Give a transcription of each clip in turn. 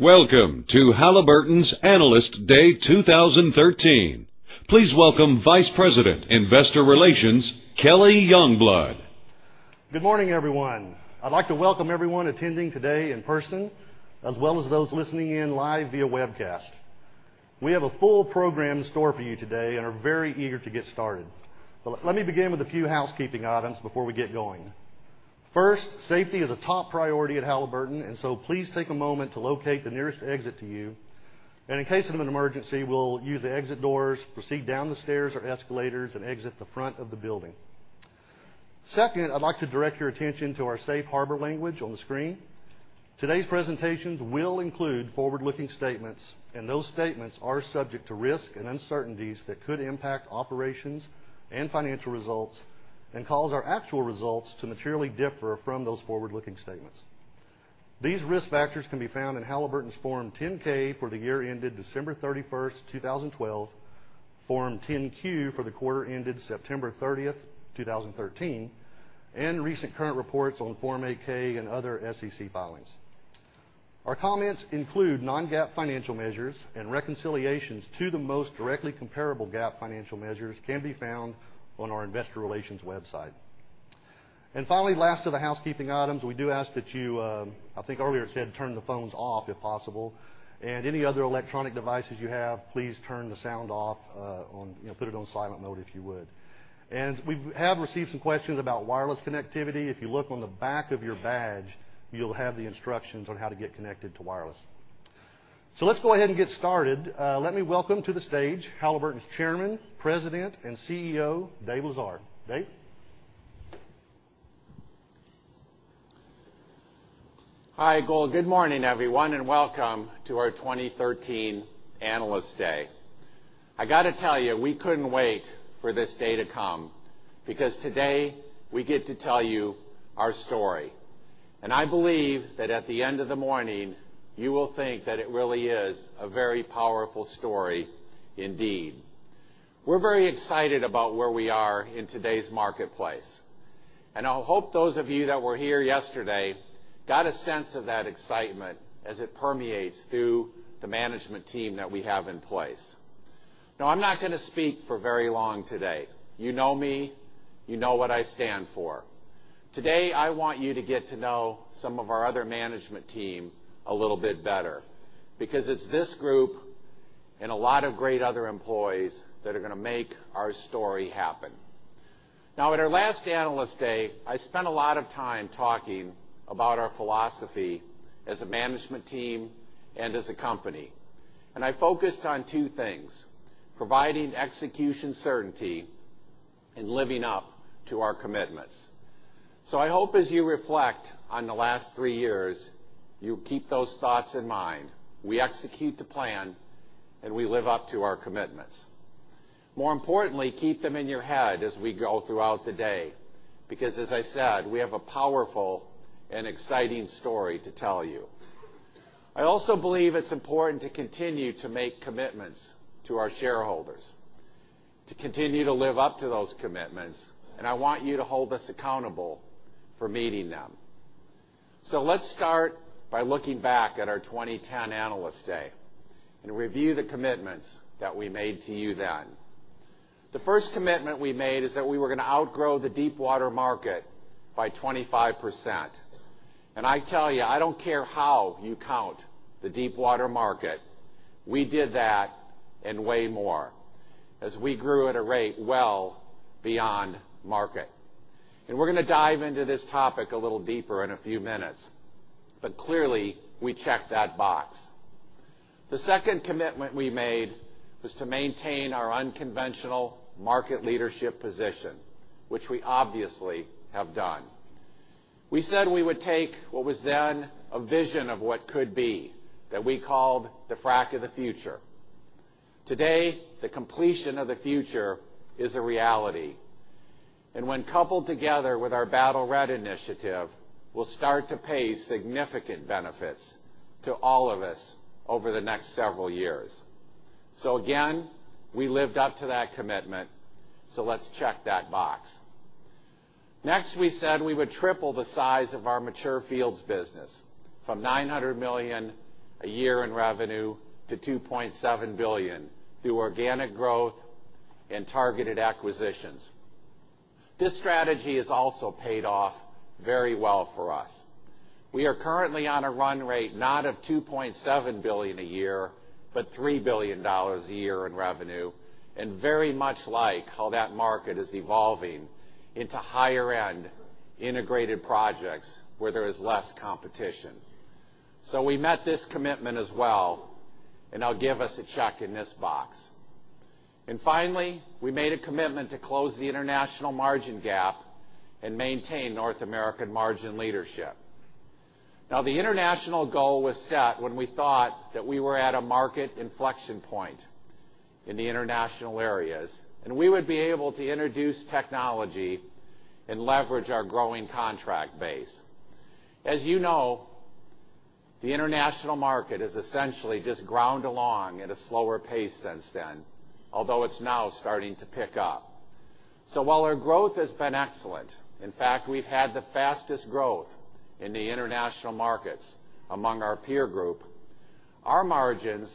Welcome to Halliburton's Analyst Day 2013. Please welcome Vice President, Investor Relations, Kelly Youngblood. Good morning, everyone. I'd like to welcome everyone attending today in person, as well as those listening in live via webcast. We have a full program in store for you today and are very eager to get started. Let me begin with a few housekeeping items before we get going. First, safety is a top priority at Halliburton, and so please take a moment to locate the nearest exit to you. In case of an emergency, we'll use the exit doors, proceed down the stairs or escalators, and exit the front of the building. Second, I'd like to direct your attention to our safe harbor language on the screen. Today's presentations will include forward-looking statements, and those statements are subject to risks and uncertainties that could impact operations and financial results and cause our actual results to materially differ from those forward-looking statements. These risk factors can be found in Halliburton's Form 10-K for the year ended December 31st, 2012, Form 10-Q for the quarter ended September 30th, 2013, and recent current reports on Form 8-K and other SEC filings. Our comments include non-GAAP financial measures and reconciliations to the most directly comparable GAAP financial measures can be found on our investor relations website. Finally, last of the housekeeping items, we do ask that you, I think earlier it said turn the phones off if possible, and any other electronic devices you have, please turn the sound off. Put it on silent mode, if you would. We have received some questions about wireless connectivity. If you look on the back of your badge, you'll have the instructions on how to get connected to wireless. Let's go ahead and get started. Let me welcome to the stage Halliburton's Chairman, President, and CEO, Dave Lesar. Dave? Hi. Good morning, everyone. Welcome to our 2013 Analyst Day. I got to tell you, we couldn't wait for this day to come, because today we get to tell you our story. I believe that at the end of the morning, you will think that it really is a very powerful story indeed. We're very excited about where we are in today's marketplace, and I hope those of you that were here yesterday got a sense of that excitement as it permeates through the management team that we have in place. I'm not going to speak for very long today. You know me. You know what I stand for. Today, I want you to get to know some of our other management team a little bit better, because it's this group and a lot of great other employees that are going to make our story happen. At our last Analyst Day, I spent a lot of time talking about our philosophy as a management team and as a company, and I focused on two things: providing execution certainty and living up to our commitments. I hope as you reflect on the last three years, you'll keep those thoughts in mind. We execute the plan, and we live up to our commitments. More importantly, keep them in your head as we go throughout the day because, as I said, we have a powerful and exciting story to tell you. I also believe it's important to continue to make commitments to our shareholders, to continue to live up to those commitments, and I want you to hold us accountable for meeting them. Let's start by looking back at our 2010 Analyst Day and review the commitments that we made to you then. The first commitment we made is that we were going to outgrow the deepwater market by 25%. I tell you, I don't care how you count the deepwater market, we did that and way more as we grew at a rate well beyond market. We're going to dive into this topic a little deeper in a few minutes. Clearly, we checked that box. The second commitment we made was to maintain our unconventional market leadership position, which we obviously have done. We said we would take what was then a vision of what could be that we called the Frac of the Future. Today, the completion of the future is a reality, and when coupled together with our Battle Red initiative, will start to pay significant benefits to all of us over the next several years. Again, we lived up to that commitment, so let's check that box. Next, we said we would triple the size of our mature fields business from $900 million a year in revenue to $2.7 billion through organic growth and targeted acquisitions. This strategy has also paid off very well for us. We are currently on a run rate not of $2.7 billion a year, but $3 billion a year in revenue, and very much like how that market is evolving into higher-end integrated projects where there is less competition. We met this commitment as well, and I'll give us a check in this box. Finally, we made a commitment to close the international margin gap and maintain North American margin leadership. The international goal was set when we thought that we were at a market inflection point in the international areas, and we would be able to introduce technology and leverage our growing contract base. As you know, the international market has essentially just ground along at a slower pace since then, although it's now starting to pick up. While our growth has been excellent, in fact, we've had the fastest growth in the international markets among our peer group, our margins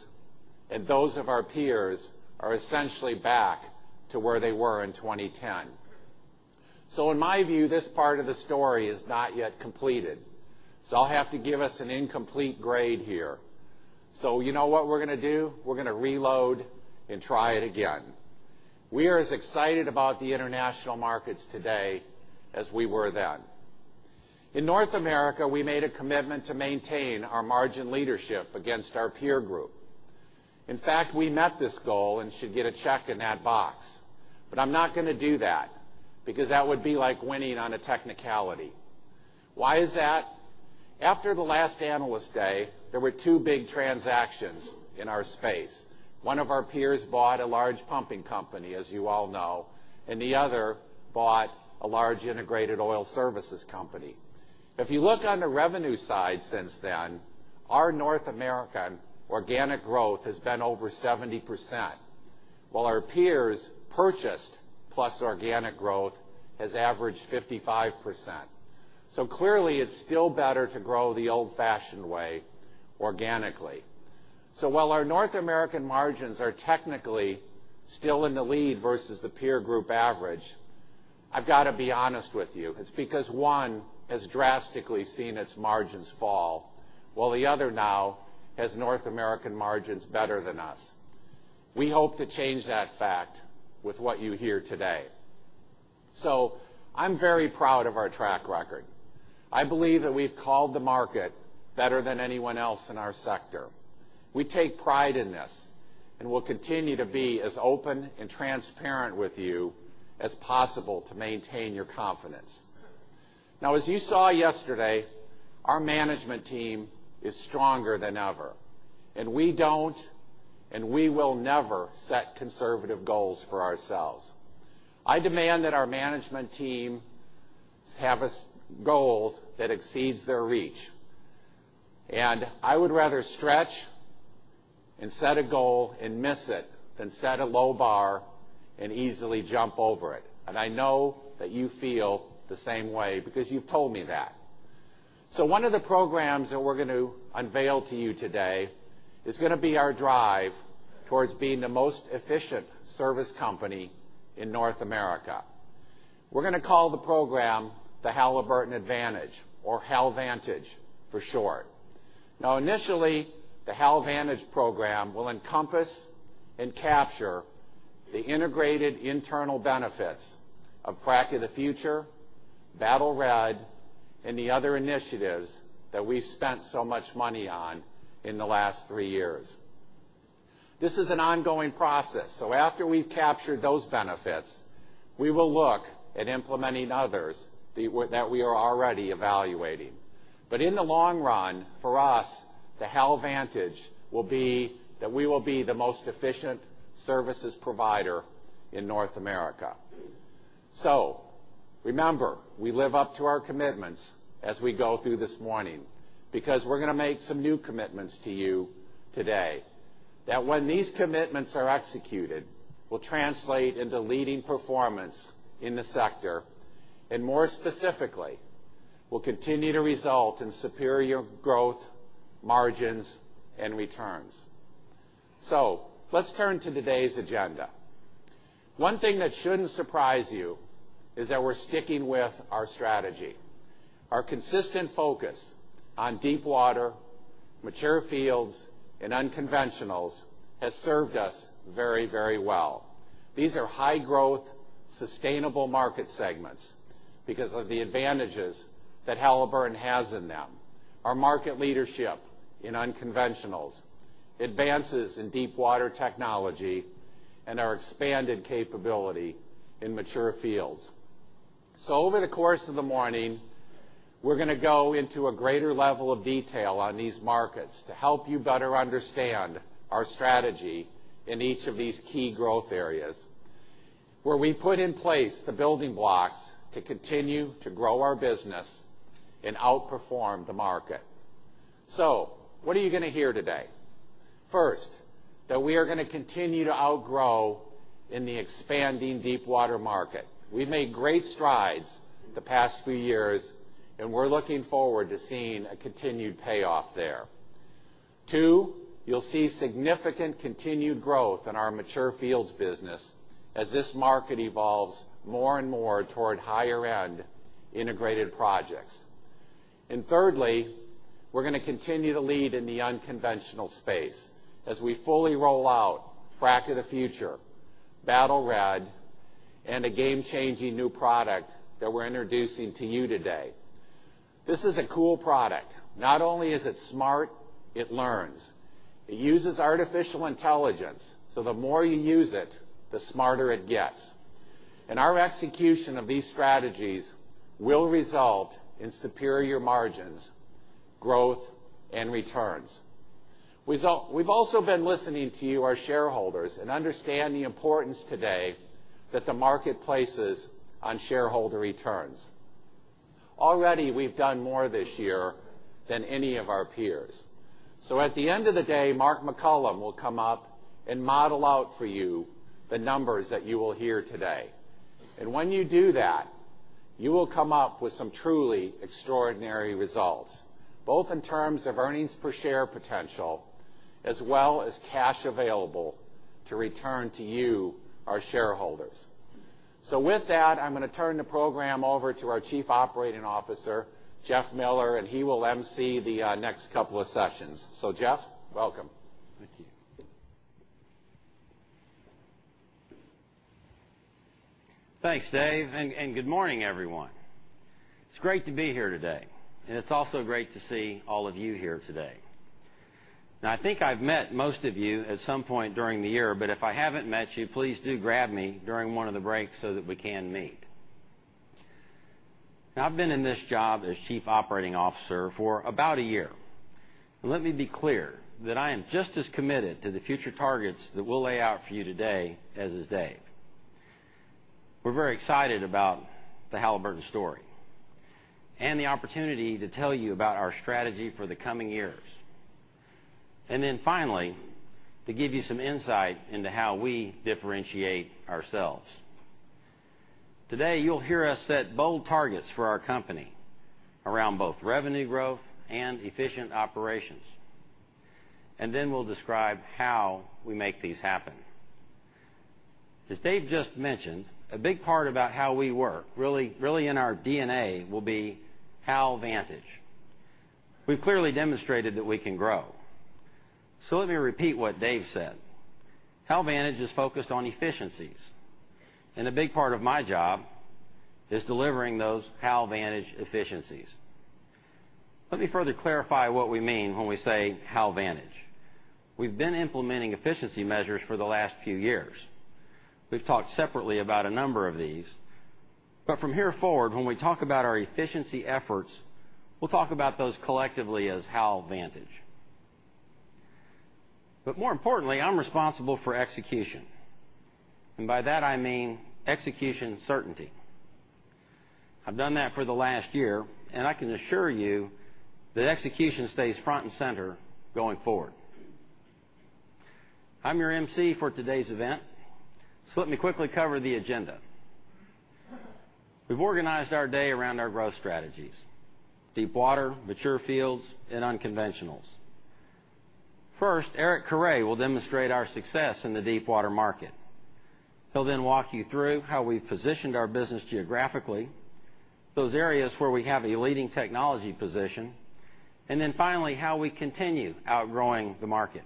and those of our peers are essentially back to where they were in 2010. In my view, this part of the story is not yet completed. I'll have to give us an incomplete grade here. You know what we're going to do? We're going to reload and try it again. We are as excited about the international markets today as we were then. In North America, we made a commitment to maintain our margin leadership against our peer group. In fact, we met this goal and should get a check in that box. I'm not going to do that, because that would be like winning on a technicality. Why is that? After the last Analyst Day, there were two big transactions in our space. One of our peers bought a large pumping company, as you all know, and the other bought a large integrated oil services company. If you look on the revenue side since then, our North American organic growth has been over 70%, while our peers' purchased, plus organic growth has averaged 55%. Clearly, it's still better to grow the old-fashioned way, organically. While our North American margins are technically still in the lead versus the peer group average, I've got to be honest with you. It's because one has drastically seen its margins fall, while the other now has North American margins better than us. We hope to change that fact with what you hear today. I'm very proud of our track record. I believe that we've called the market better than anyone else in our sector. We take pride in this and will continue to be as open and transparent with you as possible to maintain your confidence. As you saw yesterday, our management team is stronger than ever, and we will never set conservative goals for ourselves. I demand that our management team have goals that exceeds their reach. I would rather stretch and set a goal and miss it than set a low bar and easily jump over it. I know that you feel the same way because you've told me that. One of the programs that we're going to unveil to you today is going to be our drive towards being the most efficient service company in North America. We're going to call the program the Halliburton Advantage or HalVantage for short. Initially, the HalVantage program will encompass and capture the integrated internal benefits of Frac of the Future, Battle Red, and the other initiatives that we spent so much money on in the last three years. This is an ongoing process, after we've captured those benefits, we will look at implementing others that we are already evaluating. In the long run, for us, the HalVantage will be that we will be the most efficient services provider in North America. Remember, we live up to our commitments as we go through this morning because we're going to make some new commitments to you today that when these commitments are executed, will translate into leading performance in the sector, and more specifically, will continue to result in superior growth, margins, and returns. Let's turn to today's agenda. One thing that shouldn't surprise you is that we're sticking with our strategy. Our consistent focus on deep water, mature fields, and unconventionals has served us very well. These are high-growth, sustainable market segments because of the advantages that Halliburton has in them. Our market leadership in unconventionals, advances in deep water technology, and our expanded capability in mature fields. Over the course of the morning, we're going to go into a greater level of detail on these markets to help you better understand our strategy in each of these key growth areas, where we put in place the building blocks to continue to grow our business and outperform the market. What are you going to hear today? First, that we are going to continue to outgrow in the expanding deep water market. We've made great strides the past few years, and we're looking forward to seeing a continued payoff there. Two, you'll see significant continued growth in our mature fields business as this market evolves more and more toward higher-end integrated projects. Thirdly, we're going to continue to lead in the unconventional space as we fully roll out Frac of the Future, Battle Red, and a game-changing new product that we're introducing to you today. This is a cool product. Not only is it smart, it learns. It uses artificial intelligence, the more you use it, the smarter it gets. Our execution of these strategies will result in superior margins, growth, and returns. We've also been listening to you, our shareholders, and understand the importance today that the market places on shareholder returns. Already, we've done more this year than any of our peers. At the end of the day, Mark McCollum will come up and model out for you the numbers that you will hear today. When you do that, you will come up with some truly extraordinary results, both in terms of earnings-per-share potential, as well as cash available to return to you, our shareholders. With that, I'm going to turn the program over to our Chief Operating Officer, Jeff Miller, and he will emcee the next couple of sessions. Jeff, welcome. Thank you. Thanks, Dave, good morning, everyone. It's great to be here today, and it's also great to see all of you here today. I think I've met most of you at some point during the year, but if I haven't met you, please do grab me during one of the breaks so that we can meet. I've been in this job as Chief Operating Officer for about a year. Let me be clear that I am just as committed to the future targets that we'll lay out for you today as is Dave. We're very excited about the Halliburton story and the opportunity to tell you about our strategy for the coming years. Finally, to give you some insight into how we differentiate ourselves. Today, you'll hear us set bold targets for our company around both revenue growth and efficient operations. We'll describe how we make these happen. As Dave just mentioned, a big part about how we work, really in our DNA, will be HalVantage. We've clearly demonstrated that we can grow. Let me repeat what Dave said. HalVantage is focused on efficiencies, and a big part of my job is delivering those HalVantage efficiencies. Let me further clarify what we mean when we say HalVantage. We've been implementing efficiency measures for the last few years. We've talked separately about a number of these, but from here forward, when we talk about our efficiency efforts, we'll talk about those collectively as HalVantage. More importantly, I'm responsible for execution, and by that I mean execution certainty. I've done that for the last year, and I can assure you that execution stays front and center going forward. I'm your emcee for today's event, let me quickly cover the agenda. We've organized our day around our growth strategies: deepwater, mature fields, and unconventionals. First, Eric Carre will demonstrate our success in the deepwater market. He'll walk you through how we've positioned our business geographically, those areas where we have a leading technology position, finally, how we continue outgrowing the market.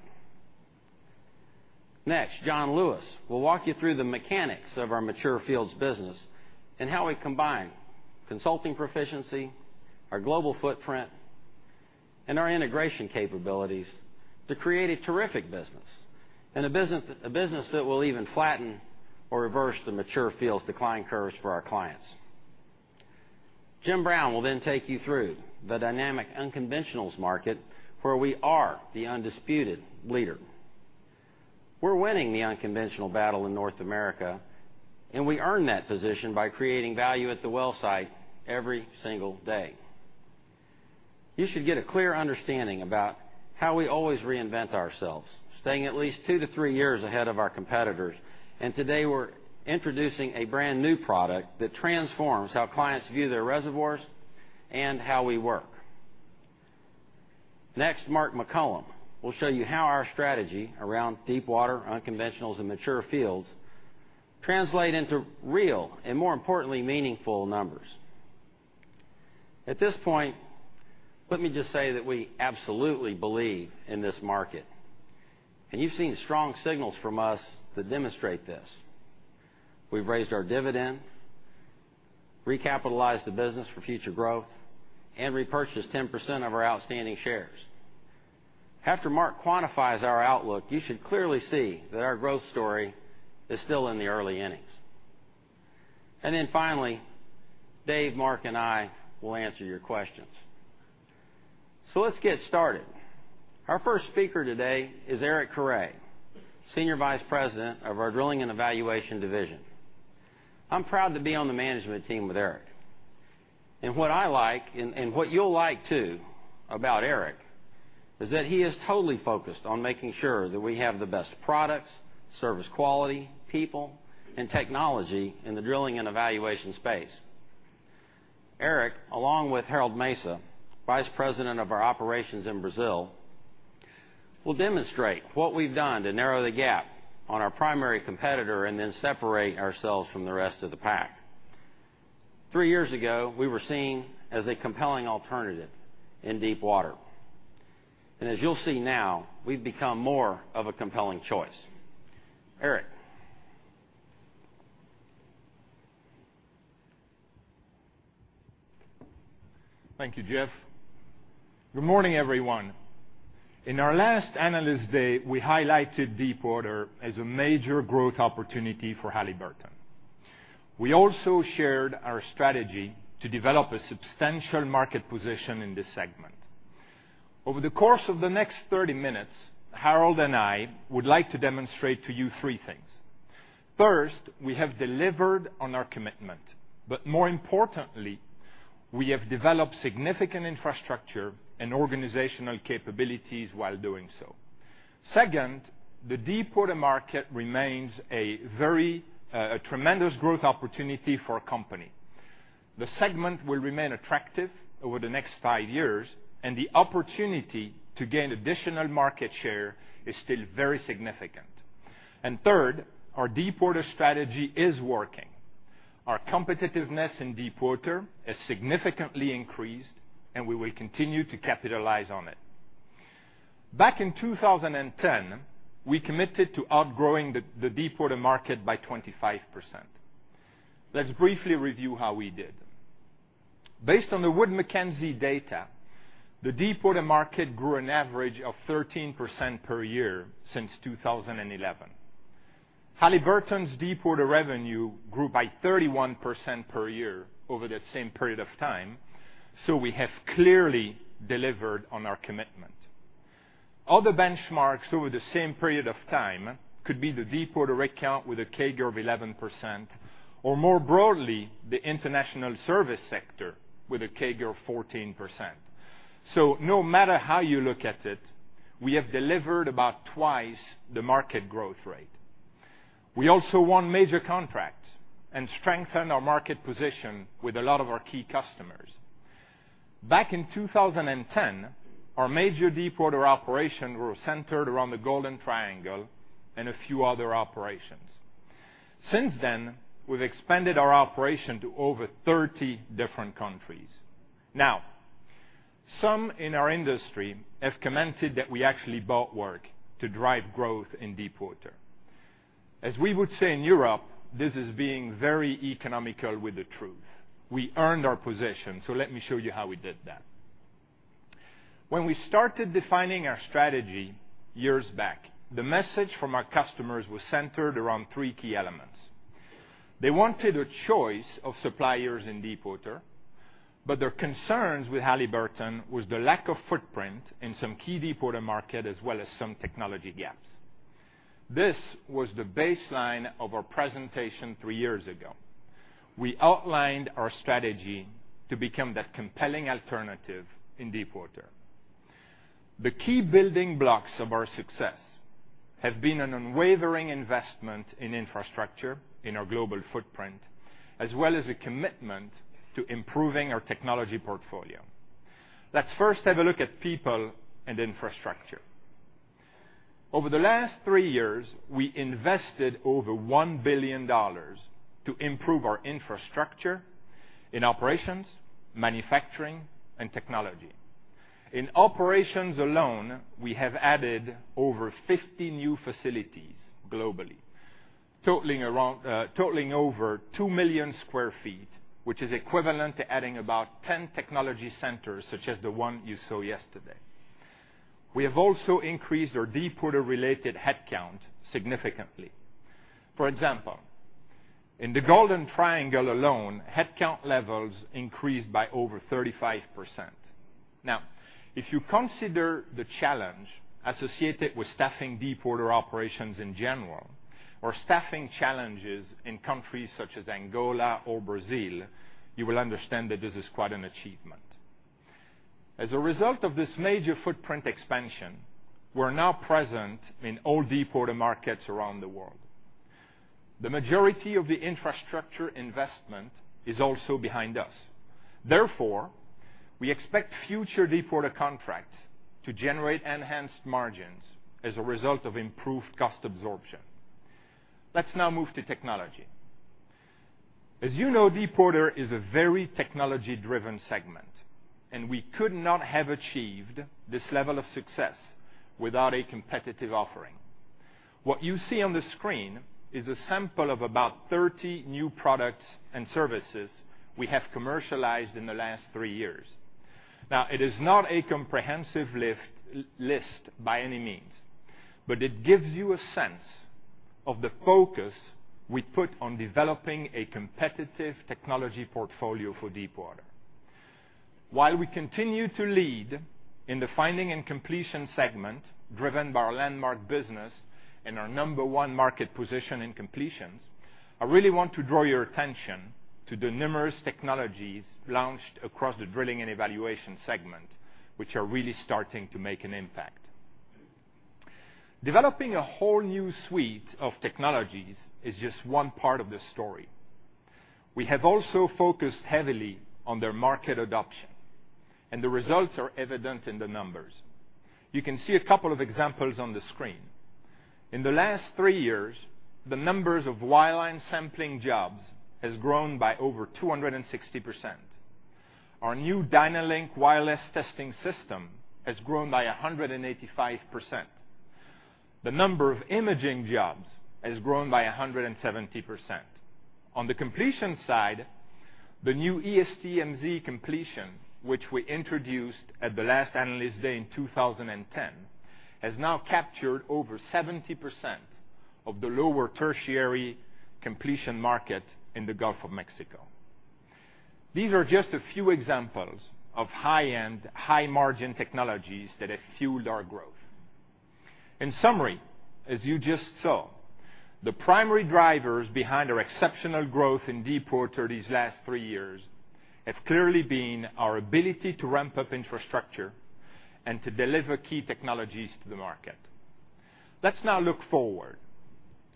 Next, John Lewis will walk you through the mechanics of our mature fields business and how we combine consulting proficiency, our global footprint, and our integration capabilities to create a terrific business, and a business that will even flatten or reverse the mature fields decline curves for our clients. Jim Brown will take you through the dynamic unconventionals market, where we are the undisputed leader. We're winning the unconventional battle in North America, we earn that position by creating value at the well site every single day. You should get a clear understanding about how we always reinvent ourselves, staying at least 2 to 3 years ahead of our competitors. Today, we're introducing a brand-new product that transforms how clients view their reservoirs and how we work. Next, Mark McCollum will show you how our strategy around deepwater, unconventionals, and mature fields translate into real, more importantly, meaningful numbers. At this point, let me just say that we absolutely believe in this market, you've seen strong signals from us that demonstrate this. We've raised our dividend, recapitalized the business for future growth, and repurchased 10% of our outstanding shares. After Mark quantifies our outlook, you should clearly see that our growth story is still in the early innings. Finally, Dave, Mark, and I will answer your questions. Let's get started. Our first speaker today is Eric Carre, Senior Vice President of our Drilling and Evaluation Division. I'm proud to be on the management team with Eric. What I like, and what you'll like too about Eric, is that he is totally focused on making sure that we have the best products, service quality, people, and technology in the drilling and evaluation space. Eric, along with Harold Mesa, Vice President of our operations in Brazil, will demonstrate what we've done to narrow the gap on our primary competitor and then separate ourselves from the rest of the pack. 3 years ago, we were seen as a compelling alternative in deepwater. As you'll see now, we've become more of a compelling choice. Eric. Thank you, Jeff. Good morning, everyone. In our last Analyst Day, we highlighted deepwater as a major growth opportunity for Halliburton. We also shared our strategy to develop a substantial market position in this segment. Over the course of the next 30 minutes, Harold and I would like to demonstrate to you 3 things. First, we have delivered on our commitment, but more importantly, we have developed significant infrastructure and organizational capabilities while doing so. Second, the deepwater market remains a tremendous growth opportunity for a company. The segment will remain attractive over the next 5 years, and the opportunity to gain additional market share is still very significant. Third, our deepwater strategy is working. Our competitiveness in deepwater has significantly increased, and we will continue to capitalize on it. Back in 2010, we committed to outgrowing the deepwater market by 25%. Let's briefly review how we did. Based on the Wood Mackenzie data, the deepwater market grew an average of 13% per year since 2011. Halliburton's deepwater revenue grew by 31% per year over that same period of time. We have clearly delivered on our commitment. Other benchmarks over the same period of time could be the deepwater rig count with a CAGR of 11%, or more broadly, the international service sector with a CAGR of 14%. No matter how you look at it, we have delivered about twice the market growth rate. We also won major contracts and strengthened our market position with a lot of our key customers. Back in 2010, our major deepwater operations were centered around the Golden Triangle and a few other operations. Since then, we've expanded our operation to over 30 different countries. Some in our industry have commented that we actually bought work to drive growth in deepwater. As we would say in Europe, this is being very economical with the truth. We earned our position. Let me show you how we did that. When we started defining our strategy years back, the message from our customers was centered around 3 key elements. They wanted a choice of suppliers in deepwater, but their concerns with Halliburton was the lack of footprint in some key deepwater market, as well as some technology gaps. This was the baseline of our presentation 3 years ago. We outlined our strategy to become that compelling alternative in deepwater. The key building blocks of our success have been an unwavering investment in infrastructure, in our global footprint, as well as a commitment to improving our technology portfolio. Let's first have a look at people and infrastructure. Over the last three years, we invested over $1 billion to improve our infrastructure in operations, manufacturing, and technology. In operations alone, we have added over 50 new facilities globally, totaling over 2 million square feet, which is equivalent to adding about 10 technology centers such as the one you saw yesterday. We have also increased our deepwater-related headcount significantly. For example, in the Golden Triangle alone, headcount levels increased by over 35%. If you consider the challenge associated with staffing deepwater operations in general or staffing challenges in countries such as Angola or Brazil, you will understand that this is quite an achievement. As a result of this major footprint expansion, we are now present in all deepwater markets around the world. The majority of the infrastructure investment is also behind us. We expect future deepwater contracts to generate enhanced margins as a result of improved cost absorption. Let's now move to technology. As you know, deepwater is a very technology-driven segment, and we could not have achieved this level of success without a competitive offering. What you see on the screen is a sample of about 30 new products and services we have commercialized in the last three years. It is not a comprehensive list by any means, but it gives you a sense of the focus we put on developing a competitive technology portfolio for deepwater. While we continue to lead in the finding and completion segment, driven by our Landmark business and our number 1 market position in completions, I really want to draw your attention to the numerous technologies launched across the drilling and evaluation segment, which are really starting to make an impact. Developing a whole new suite of technologies is just one part of the story. We have also focused heavily on their market adoption, and the results are evident in the numbers. You can see a couple of examples on the screen. In the last three years, the numbers of wireline sampling jobs has grown by over 260%. Our new DynaLink wireless testing system has grown by 185%. The number of imaging jobs has grown by 170%. On the completion side, the new ESTMZ completion, which we introduced at the last Analyst Day in 2010, has now captured over 70% of the Lower Tertiary completion market in the Gulf of Mexico. These are just a few examples of high-end, high-margin technologies that have fueled our growth. In summary, as you just saw, the primary drivers behind our exceptional growth in deepwater these last three years have clearly been our ability to ramp up infrastructure and to deliver key technologies to the market. Let's now look forward.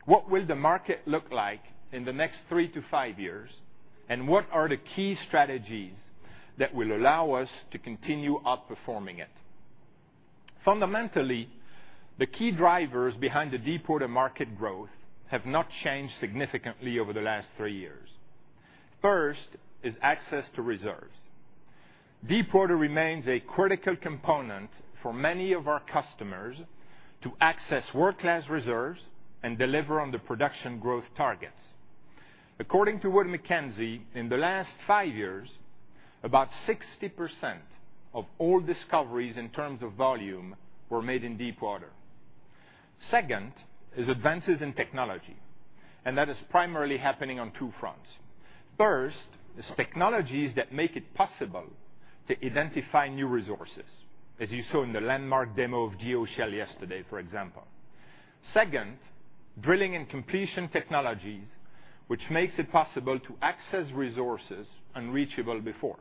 What will the market look like in the next three to five years, and what are the key strategies that will allow us to continue outperforming it? Fundamentally, the key drivers behind the deepwater market growth have not changed significantly over the last three years. First is access to reserves. Deepwater remains a critical component for many of our customers to access world-class reserves and deliver on the production growth targets. According to Wood Mackenzie, in the last five years, about 60% of all discoveries in terms of volume were made in deepwater. Second is advances in technology, and that is primarily happening on two fronts. First is technologies that make it possible to identify new resources, as you saw in the Lanmark demo of GeoShell yesterday, for example. Second, drilling and completion technologies, which makes it possible to access resources unreachable before.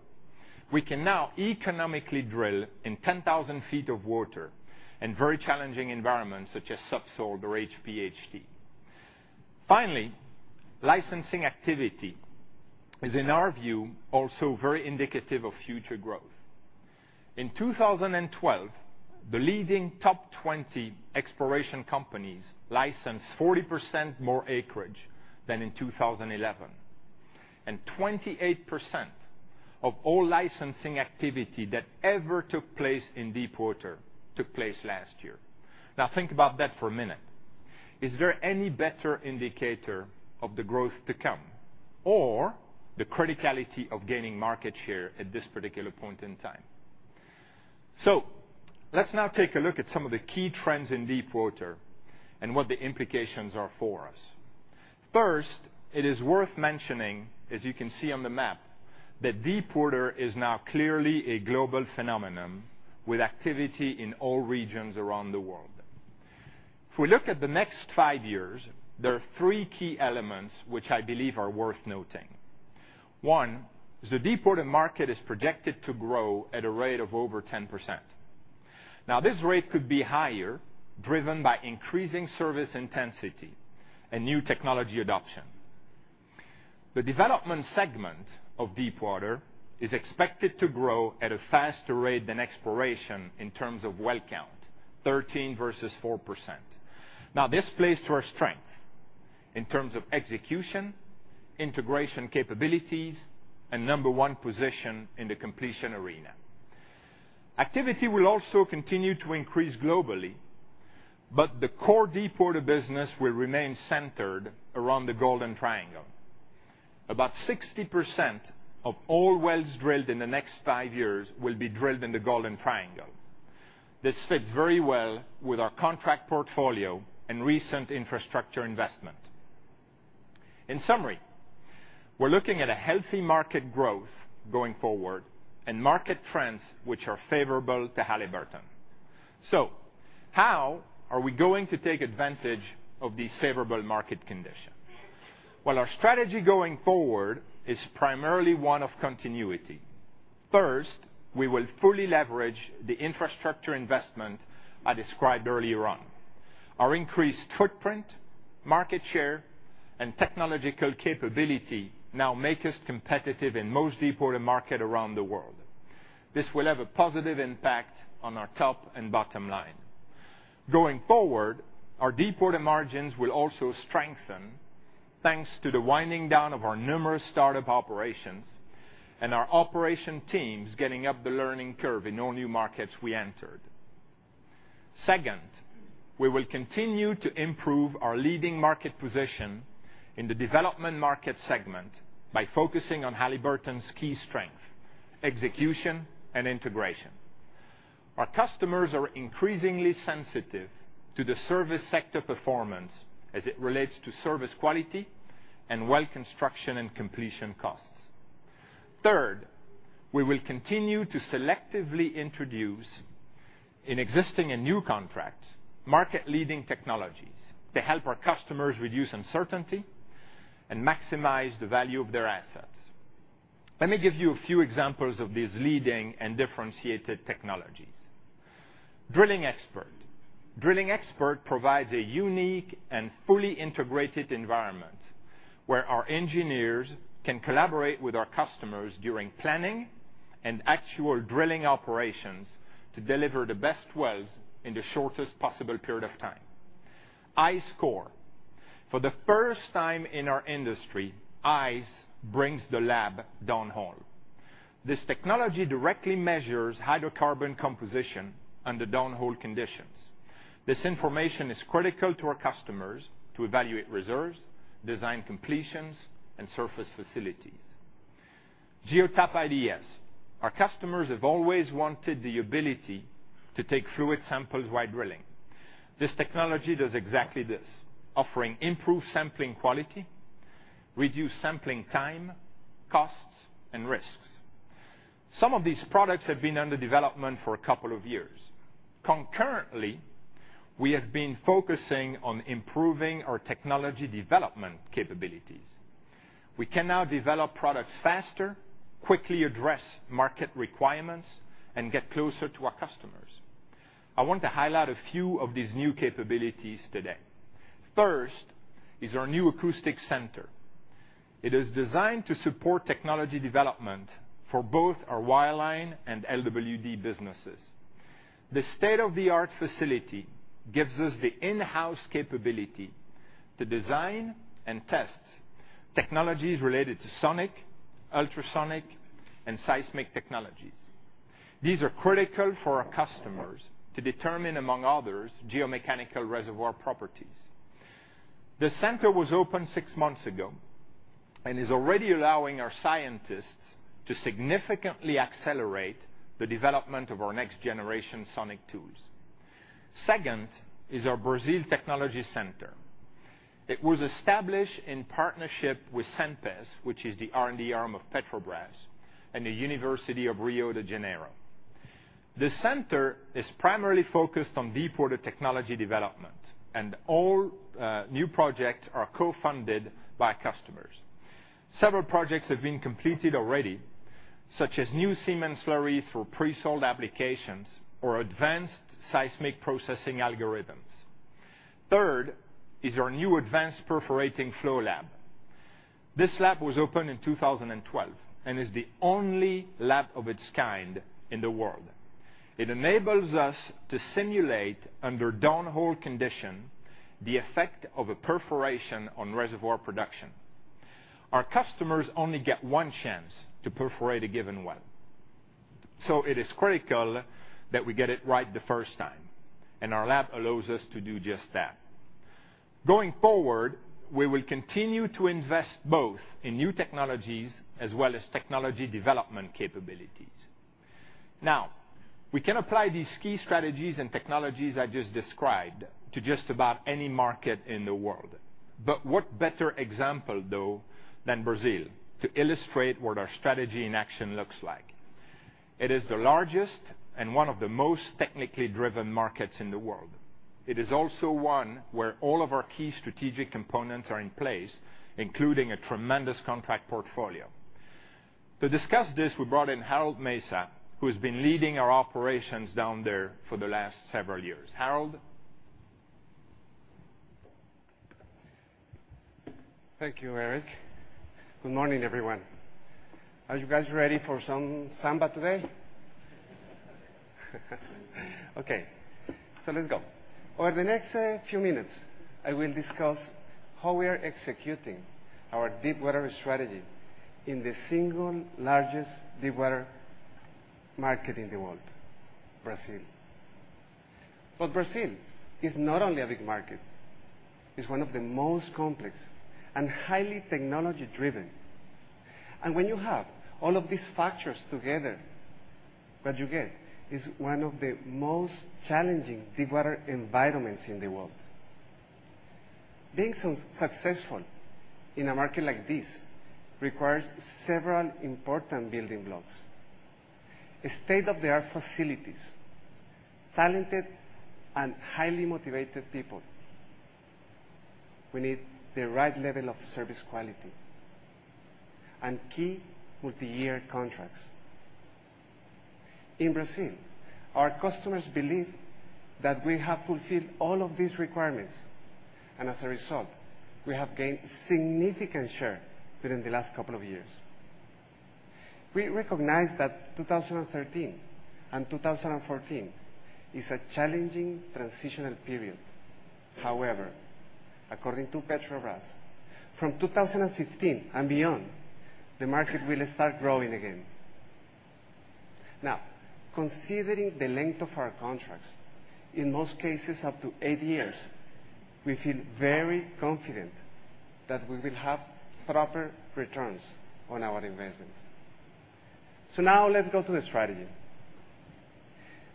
We can now economically drill in 10,000 feet of water in very challenging environments such as sub-salt or HPHT. Finally, licensing activity is, in our view, also very indicative of future growth. In 2012, the leading top 20 exploration companies licensed 40% more acreage than in 2011. 28% of all licensing activity that ever took place in deepwater took place last year. Now think about that for a minute. Is there any better indicator of the growth to come or the criticality of gaining market share at this particular point in time? Let's now take a look at some of the key trends in deepwater and what the implications are for us. First, it is worth mentioning, as you can see on the map, that deepwater is now clearly a global phenomenon with activity in all regions around the world. If we look at the next five years, there are three key elements which I believe are worth noting. The deepwater market is projected to grow at a rate of over 10%. Now, this rate could be higher, driven by increasing service intensity and new technology adoption. The development segment of deepwater is expected to grow at a faster rate than exploration in terms of well count, 13 versus 4%. Now, this plays to our strength in terms of execution, integration capabilities, and number one position in the completion arena. Activity will also continue to increase globally, but the core deepwater business will remain centered around the Golden Triangle. About 60% of all wells drilled in the next five years will be drilled in the Golden Triangle. This fits very well with our contract portfolio and recent infrastructure investment. In summary, we're looking at a healthy market growth going forward and market trends which are favorable to Halliburton. How are we going to take advantage of these favorable market conditions? Well, our strategy going forward is primarily one of continuity. First, we will fully leverage the infrastructure investment I described earlier on. Our increased footprint, market share, and technological capability now make us competitive in most deepwater market around the world. This will have a positive impact on our top and bottom line. Going forward, our deepwater margins will also strengthen thanks to the winding down of our numerous startup operations and our operation teams getting up the learning curve in all new markets we entered. Second, we will continue to improve our leading market position in the development market segment by focusing on Halliburton's key strength: execution and integration. Our customers are increasingly sensitive to the service sector performance as it relates to service quality and well construction and completion costs. Third, we will continue to selectively introduce, in existing and new contracts, market-leading technologies to help our customers reduce uncertainty and maximize the value of their assets. Let me give you a few examples of these leading and differentiated technologies. DrillingXpert. DrillingXpert provides a unique and fully integrated environment where our engineers can collaborate with our customers during planning and actual drilling operations to deliver the best wells in the shortest possible period of time. ICE Core. For the first time in our industry, ICE brings the lab downhole. This technology directly measures hydrocarbon composition under downhole conditions. This information is critical to our customers to evaluate reserves, design completions, and surface facilities. GeoTap IDS. Our customers have always wanted the ability to take fluid samples while drilling. This technology does exactly this, offering improved sampling quality, reduced sampling time, costs, and risks. Some of these products have been under development for a couple of years. Concurrently, we have been focusing on improving our technology development capabilities. We can now develop products faster, quickly address market requirements, and get closer to our customers. I want to highlight a few of these new capabilities today. First is our new acoustic center. It is designed to support technology development for both our wireline and LWD businesses. This state-of-the-art facility gives us the in-house capability to design and test technologies related to sonic, ultrasonic, and seismic technologies. These are critical for our customers to determine, among others, geomechanical reservoir properties. The center was opened six months ago. It is already allowing our scientists to significantly accelerate the development of our next-generation sonic tools. Second is our Brazil Technology Center. It was established in partnership with Cenpes, which is the R&D arm of Petrobras, and the University of Rio de Janeiro. The center is primarily focused on deepwater technology development. All new projects are co-funded by customers. Several projects have been completed already, such as new cement slurries for pre-salt applications, or advanced seismic processing algorithms. Third is our new advanced perforating flow lab. This lab was opened in 2012. It is the only lab of its kind in the world. It enables us to simulate, under downhole condition, the effect of a perforation on reservoir production. Our customers only get one chance to perforate a given well. It is critical that we get it right the first time, and our lab allows us to do just that. Going forward, we will continue to invest both in new technologies as well as technology development capabilities. We can apply these key strategies and technologies I just described to just about any market in the world. What better example, though, than Brazil to illustrate what our strategy in action looks like? It is the largest and one of the most technically driven markets in the world. It is also one where all of our key strategic components are in place, including a tremendous contract portfolio. To discuss this, we brought in Harold Mesa, who has been leading our operations down there for the last several years. Harold? Thank you, Eric. Good morning, everyone. Are you guys ready for some samba today? Let's go. Over the next few minutes, I will discuss how we are executing our deepwater strategy in the single largest deepwater market in the world, Brazil. Brazil is not only a big market, it's one of the most complex and highly technology-driven. When you have all of these factors together, what you get is one of the most challenging deepwater environments in the world. Being successful in a market like this requires several important building blocks. State-of-the-art facilities, talented and highly motivated people. We need the right level of service quality, and key multi-year contracts. In Brazil, our customers believe that we have fulfilled all of these requirements. As a result, we have gained significant share during the last couple of years. We recognize that 2013 and 2014 is a challenging transitional period. However, according to Petrobras, from 2015 and beyond, the market will start growing again. Considering the length of our contracts, in most cases up to eight years, we feel very confident that we will have proper returns on our investments. Now let's go to the strategy.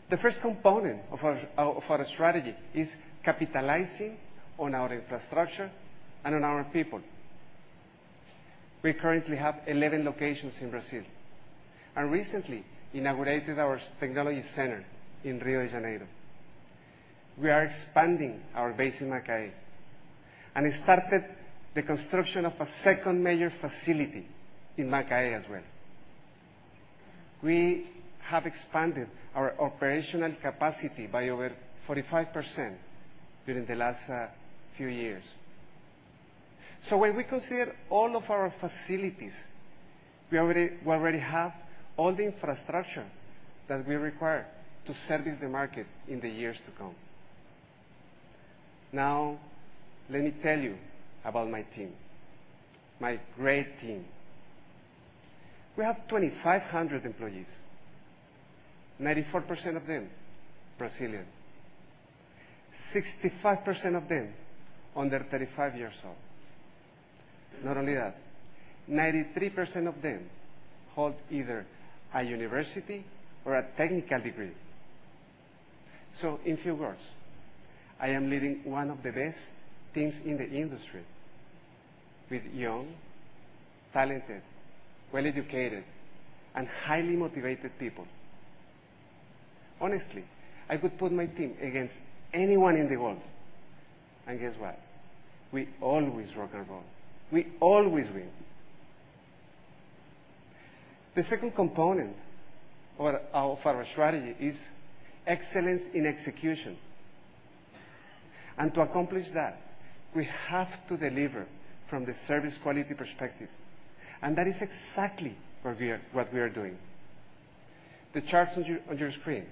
The first component of our strategy is capitalizing on our infrastructure and on our people. We currently have 11 locations in Brazil, and recently inaugurated our technology center in Rio de Janeiro. We are expanding our base in Macaé, and have started the construction of a second major facility in Macaé as well. We have expanded our operational capacity by over 45% during the last few years. When we consider all of our facilities, we already have all the infrastructure that we require to service the market in the years to come. Now, let me tell you about my team, my great team. We have 2,500 employees, 94% of them Brazilian. 65% of them under 35 years old. Not only that, 93% of them hold either a university or a technical degree. In few words, I am leading one of the best teams in the industry with young, talented, well-educated, and highly motivated people. Honestly, I would put my team against anyone in the world. Guess what? We always rock and roll. We always win. The second component of our strategy is excellence in execution. To accomplish that, we have to deliver from the service quality perspective. That is exactly what we are doing. The charts on your screen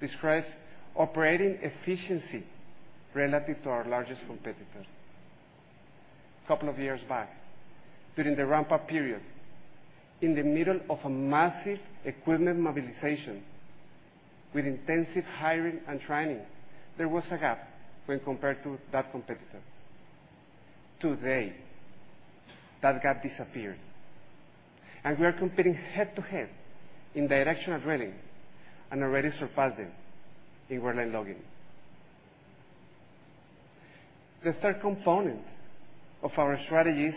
describes operating efficiency relative to our largest competitor. Couple of years back, during the ramp-up period, in the middle of a massive equipment mobilization with intensive hiring and training, there was a gap when compared to that competitor. Today, that gap disappeared. We are competing head-to-head in directional drilling and already surpassed them in well logging. The third component of our strategy is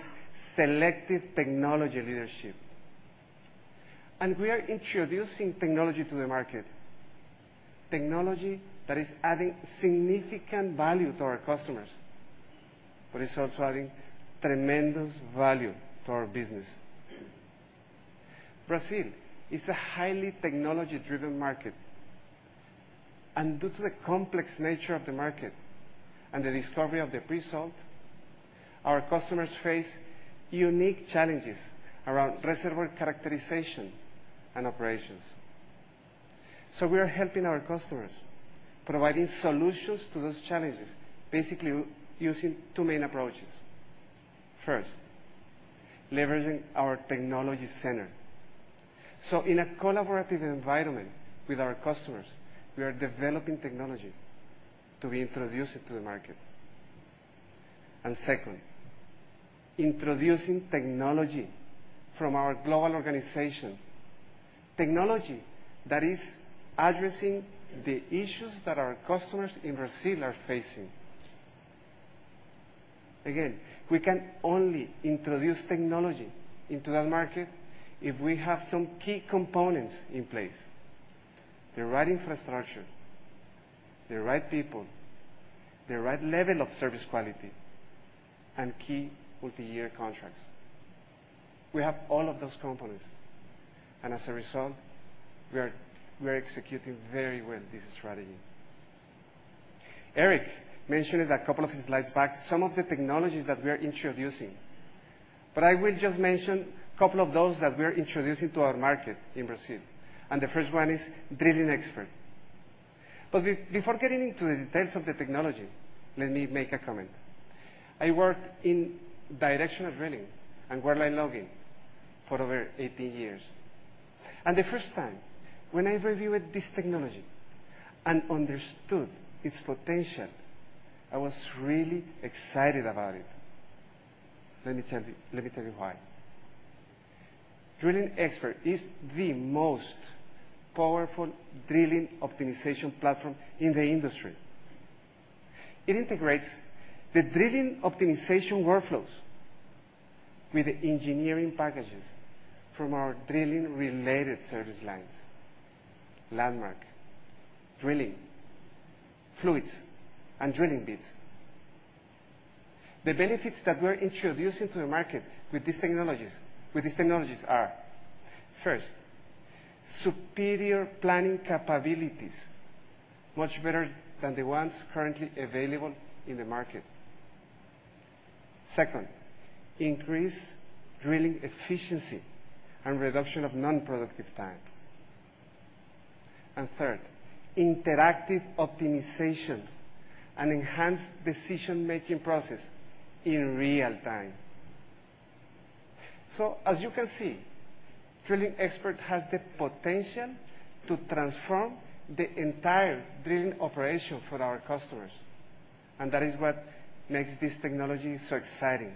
selective technology leadership. We are introducing technology to the market, technology that is adding significant value to our customers, but is also adding tremendous value to our business. Brazil is a highly technology-driven market. Due to the complex nature of the market and the discovery of the pre-salt, our customers face unique challenges around reservoir characterization and operations. We are helping our customers providing solutions to those challenges, basically using two main approaches. First, leveraging our technology center. In a collaborative environment with our customers, we are developing technology to be introduced into the market. Second, introducing technology from our global organization, technology that is addressing the issues that our customers in Brazil are facing. Again, we can only introduce technology into that market if we have some key components in place, the right infrastructure, the right people, the right level of service quality, and key multi-year contracts. We have all of those components, and as a result, we are executing very well this strategy. Eric mentioned it a couple of slides back, some of the technologies that we are introducing. I will just mention couple of those that we are introducing to our market in Brazil. The first one is DrillingXpert. Before getting into the details of the technology, let me make a comment. I worked in directional drilling and well logging for over 18 years. The first time when I reviewed this technology and understood its potential, I was really excited about it. Let me tell you why. DrillingXpert is the most powerful drilling optimization platform in the industry. It integrates the drilling optimization workflows with the engineering packages from our drilling-related service lines, Landmark, drilling, fluids, and drilling bits. The benefits that we're introducing to the market with these technologies are, first, superior planning capabilities, much better than the ones currently available in the market. Second, increased drilling efficiency and reduction of non-productive time. Third, interactive optimization and enhanced decision-making process in real-time. As you can see, DrillingXpert has the potential to transform the entire drilling operation for our customers. That is what makes this technology so exciting.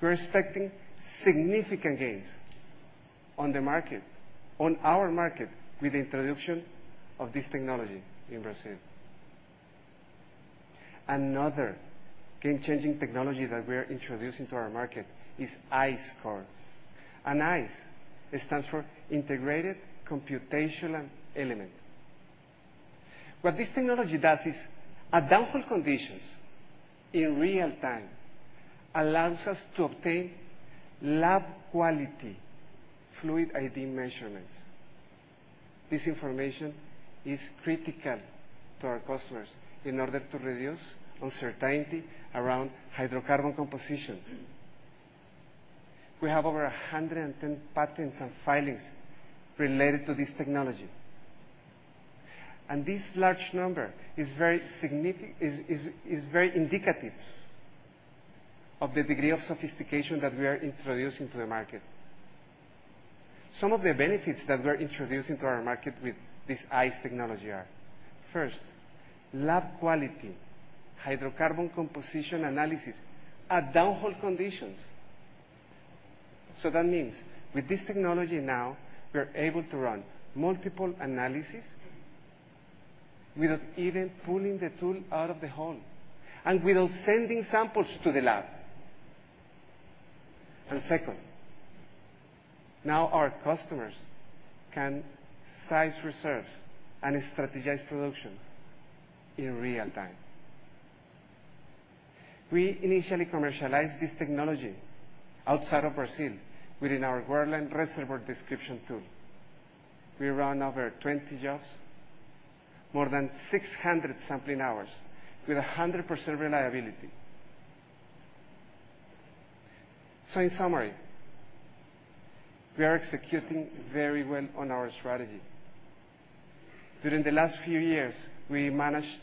We're expecting significant gains on the market, on our market with the introduction of this technology in Brazil. Another game-changing technology that we are introducing to our market is ICE Core. ICE, it stands for integrated computational element. What this technology does is, at downhole conditions in real-time, allows us to obtain lab quality fluid ID measurements. This information is critical to our customers in order to reduce uncertainty around hydrocarbon composition. We have over 110 patents and filings related to this technology. This large number is very indicative of the degree of sophistication that we are introducing to the market. Some of the benefits that we're introducing to our market with this ICE technology are, first, lab quality hydrocarbon composition analysis at downhole conditions. That means with this technology now, we are able to run multiple analysis without even pulling the tool out of the hole and without sending samples to the lab. Second, now our customers can size reserves and strategize production in real time. We initially commercialized this technology outside of Brazil within our wireline reservoir description tool. We ran over 20 jobs, more than 600 sampling hours with 100% reliability. In summary, we are executing very well on our strategy. During the last few years, we managed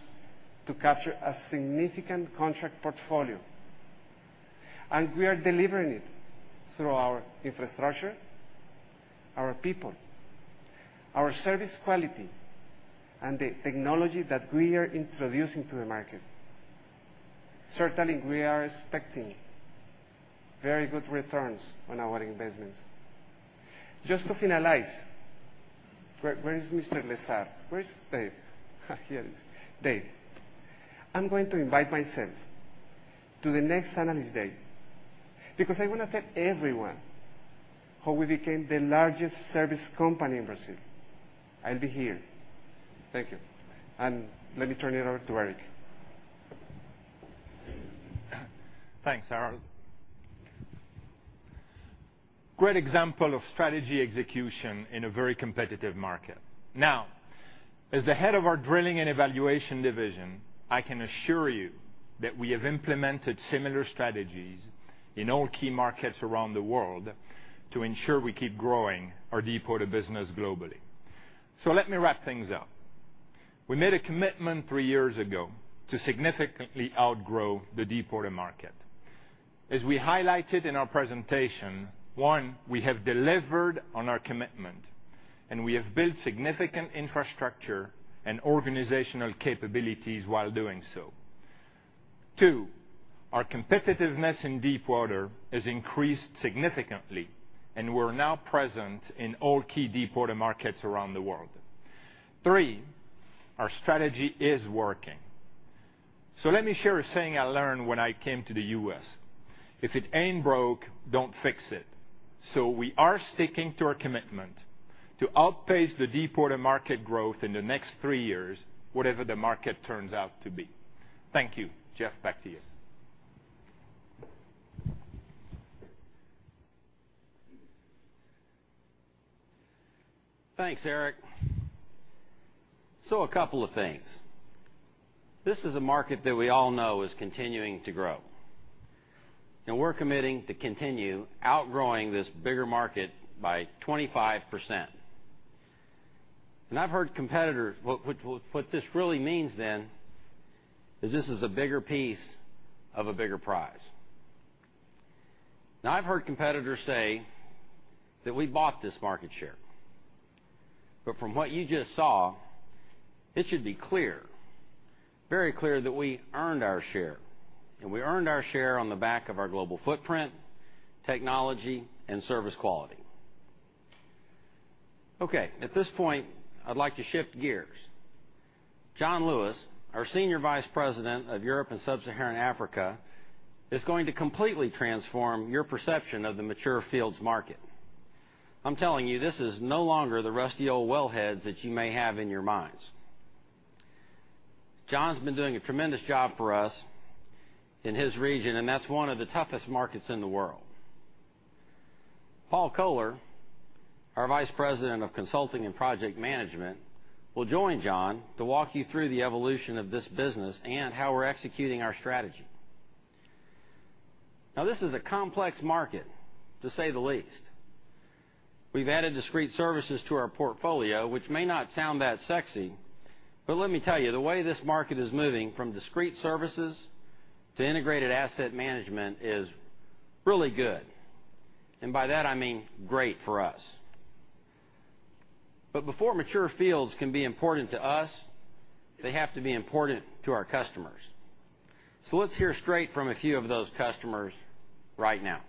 to capture a significant contract portfolio, and we are delivering it through our infrastructure, our people, our service quality, and the technology that we are introducing to the market. Certainly, we are expecting very good returns on our investments. Just to finalize, where is Mr. Lesar? Where is Dave? Here it is. Dave, I'm going to invite myself to the next Analyst Day because I want to tell everyone how we became the largest service company in Brazil. I'll be here. Thank you. Let me turn it over to Eric. Thanks, Harold. Great example of strategy execution in a very competitive market. As the head of our drilling and evaluation division, I can assure you that we have implemented similar strategies in all key markets around the world to ensure we keep growing our deepwater business globally. Let me wrap things up. We made a commitment 3 years ago to significantly outgrow the deepwater market. As we highlighted in our presentation, one, we have delivered on our commitment, and we have built significant infrastructure and organizational capabilities while doing so. Two, our competitiveness in deepwater has increased significantly, and we are now present in all key deepwater markets around the world. Three, our strategy is working. Let me share a saying I learned when I came to the U.S. If it ain't broke, don't fix it. We are sticking to our commitment to outpace the deepwater market growth in the next 3 years, whatever the market turns out to be. Thank you. Jeff, back to you. Thanks, Eric. A couple of things. This is a market that we all know is continuing to grow. We are committing to continue outgrowing this bigger market by 25%. What this really means is this is a bigger piece of a bigger prize. I have heard competitors say that we bought this market share. From what you just saw, it should be clear, very clear that we earned our share, and we earned our share on the back of our global footprint, technology, and service quality. At this point, I would like to shift gears. John Lewis, our Senior Vice President of Europe and Sub-Saharan Africa, is going to completely transform your perception of the mature fields market. I am telling you, this is no longer the rusty old wellheads that you may have in your minds. John has been doing a tremendous job for us in his region, and that is one of the toughest markets in the world. Paul Koeller, our Vice President of Consulting and Project Management, will join John to walk you through the evolution of this business and how we are executing our strategy. This is a complex market, to say the least. We have added discrete services to our portfolio, which may not sound that sexy, but let me tell you, the way this market is moving from discrete services to integrated asset management is really good. By that, I mean great for us. Before mature fields can be important to us, they have to be important to our customers. Let us hear straight from a few of those customers right now.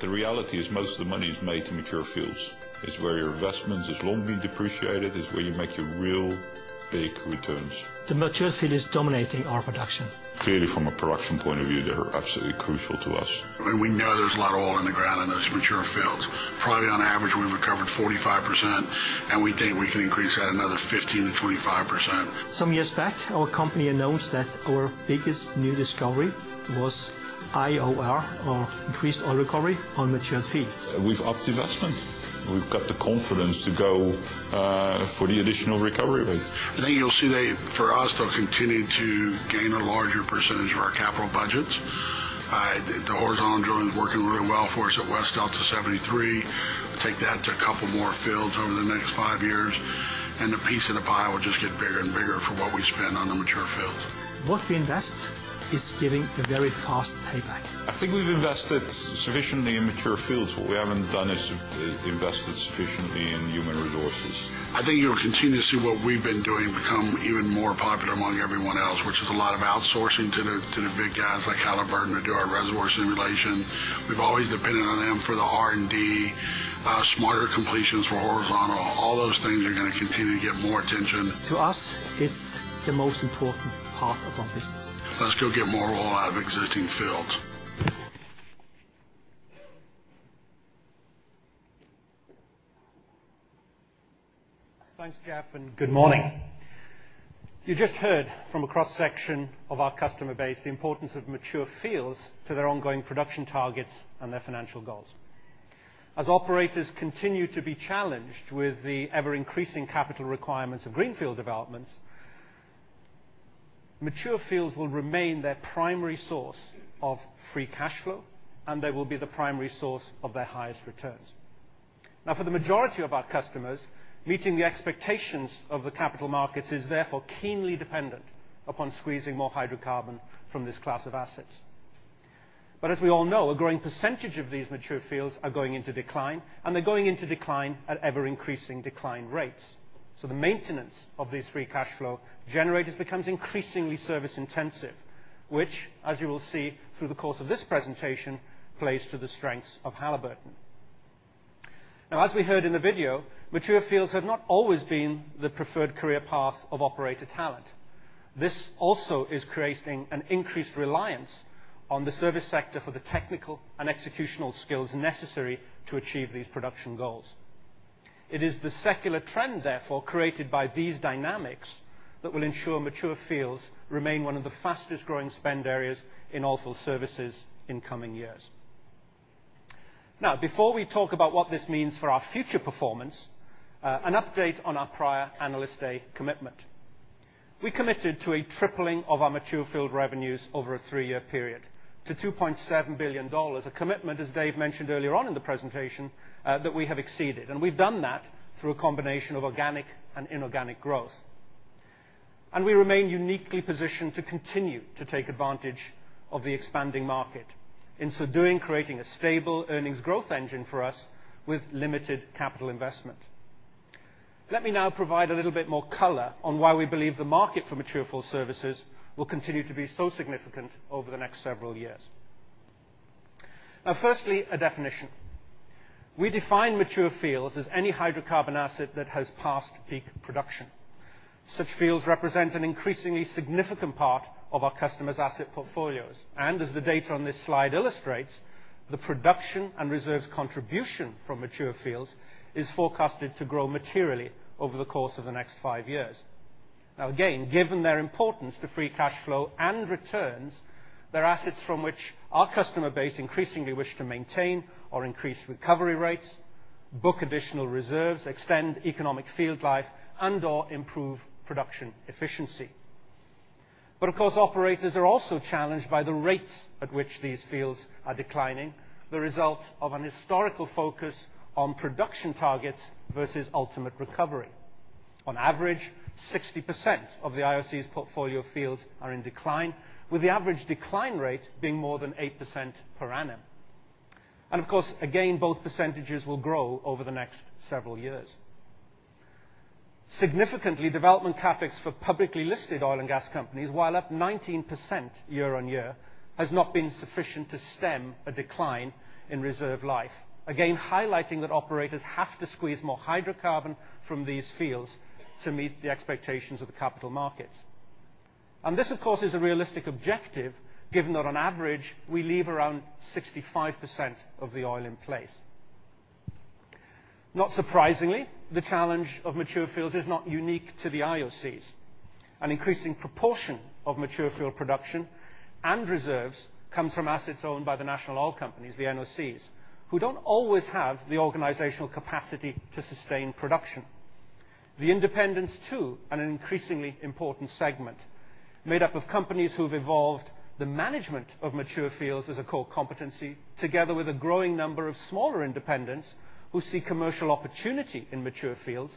The reality is most of the money is made to mature fields. It's where your investment has long been depreciated. It's where you make your real big returns. The mature field is dominating our production. Clearly, from a production point of view, they are absolutely crucial to us. We know there's a lot of oil in the ground in those mature fields. Probably on average, we've recovered 45%, and we think we can increase that another 15%-25%. Some years back, our company announced that our biggest new discovery was IOR, or increased oil recovery, on mature fields. We've upped investment. We've got the confidence to go for the additional recovery rate. I think you'll see they, for us, they'll continue to gain a larger percentage of our capital budgets. The horizontal drilling is working really well for us at West Delta 73. Take that to a couple more fields over the next five years, the piece of the pie will just get bigger and bigger for what we spend on the mature fields. What we invest is giving a very fast payback. I think we've invested sufficiently in mature fields. What we haven't done is invested sufficiently in human resources. I think you'll continuously see what we've been doing become even more popular among everyone else, which is a lot of outsourcing to the big guys like Halliburton to do our reservoir simulation. We've always depended on them for the R&D, smarter completions for horizontal. All those things are going to continue to get more attention. To us, it's the most important part of our business. Let's go get more oil out of existing fields. Thanks, Jeff, and good morning. You just heard from a cross-section of our customer base the importance of mature fields to their ongoing production targets and their financial goals. As operators continue to be challenged with the ever-increasing capital requirements of greenfield developments, mature fields will remain their primary source of free cash flow, and they will be the primary source of their highest returns. For the majority of our customers, meeting the expectations of the capital markets is therefore keenly dependent upon squeezing more hydrocarbon from this class of assets. As we all know, a growing percentage of these mature fields are going into decline, and they're going into decline at ever-increasing decline rates. The maintenance of these free cash flow generators becomes increasingly service intensive, which as you will see through the course of this presentation, plays to the strengths of Halliburton. As we heard in the video, mature fields have not always been the preferred career path of operator talent. This also is creating an increased reliance on the service sector for the technical and executional skills necessary to achieve these production goals. It is the secular trend, therefore, created by these dynamics that will ensure mature fields remain one of the fastest-growing spend areas in oilfield services in coming years. Before we talk about what this means for our future performance, an update on our prior Analyst Day commitment. We committed to a tripling of our mature field revenues over a three-year period to $2.7 billion. A commitment, as Dave mentioned earlier on in the presentation, that we have exceeded. We've done that through a combination of organic and inorganic growth. We remain uniquely positioned to continue to take advantage of the expanding market. In so doing, creating a stable earnings growth engine for us with limited capital investment. Let me now provide a little bit more color on why we believe the market for mature field services will continue to be so significant over the next several years. Firstly, a definition. We define mature fields as any hydrocarbon asset that has passed peak production. Such fields represent an increasingly significant part of our customers' asset portfolios. As the data on this slide illustrates, the production and reserves contribution from mature fields is forecasted to grow materially over the course of the next five years. Again, given their importance to free cash flow and returns, they're assets from which our customer base increasingly wish to maintain or increase recovery rates, book additional reserves, extend economic field life, and/or improve production efficiency. Of course, operators are also challenged by the rates at which these fields are declining, the result of an historical focus on production targets versus ultimate recovery. On average, 60% of the IOCs' portfolio fields are in decline, with the average decline rate being more than 8% per annum. Of course, again, both percentages will grow over the next several years. Significantly, development CapEx for publicly listed oil and gas companies, while up 19% year-over-year, has not been sufficient to stem a decline in reserve life. Again, highlighting that operators have to squeeze more hydrocarbon from these fields to meet the expectations of the capital markets. This, of course, is a realistic objective, given that on average, we leave around 65% of the oil in place. Not surprisingly, the challenge of mature fields is not unique to the IOCs. An increasing proportion of mature field production and reserves come from assets owned by the national oil companies, the NOCs, who don't always have the organizational capacity to sustain production. The independents too, an increasingly important segment made up of companies who've evolved the management of mature fields as a core competency, together with a growing number of smaller independents who see commercial opportunity in mature fields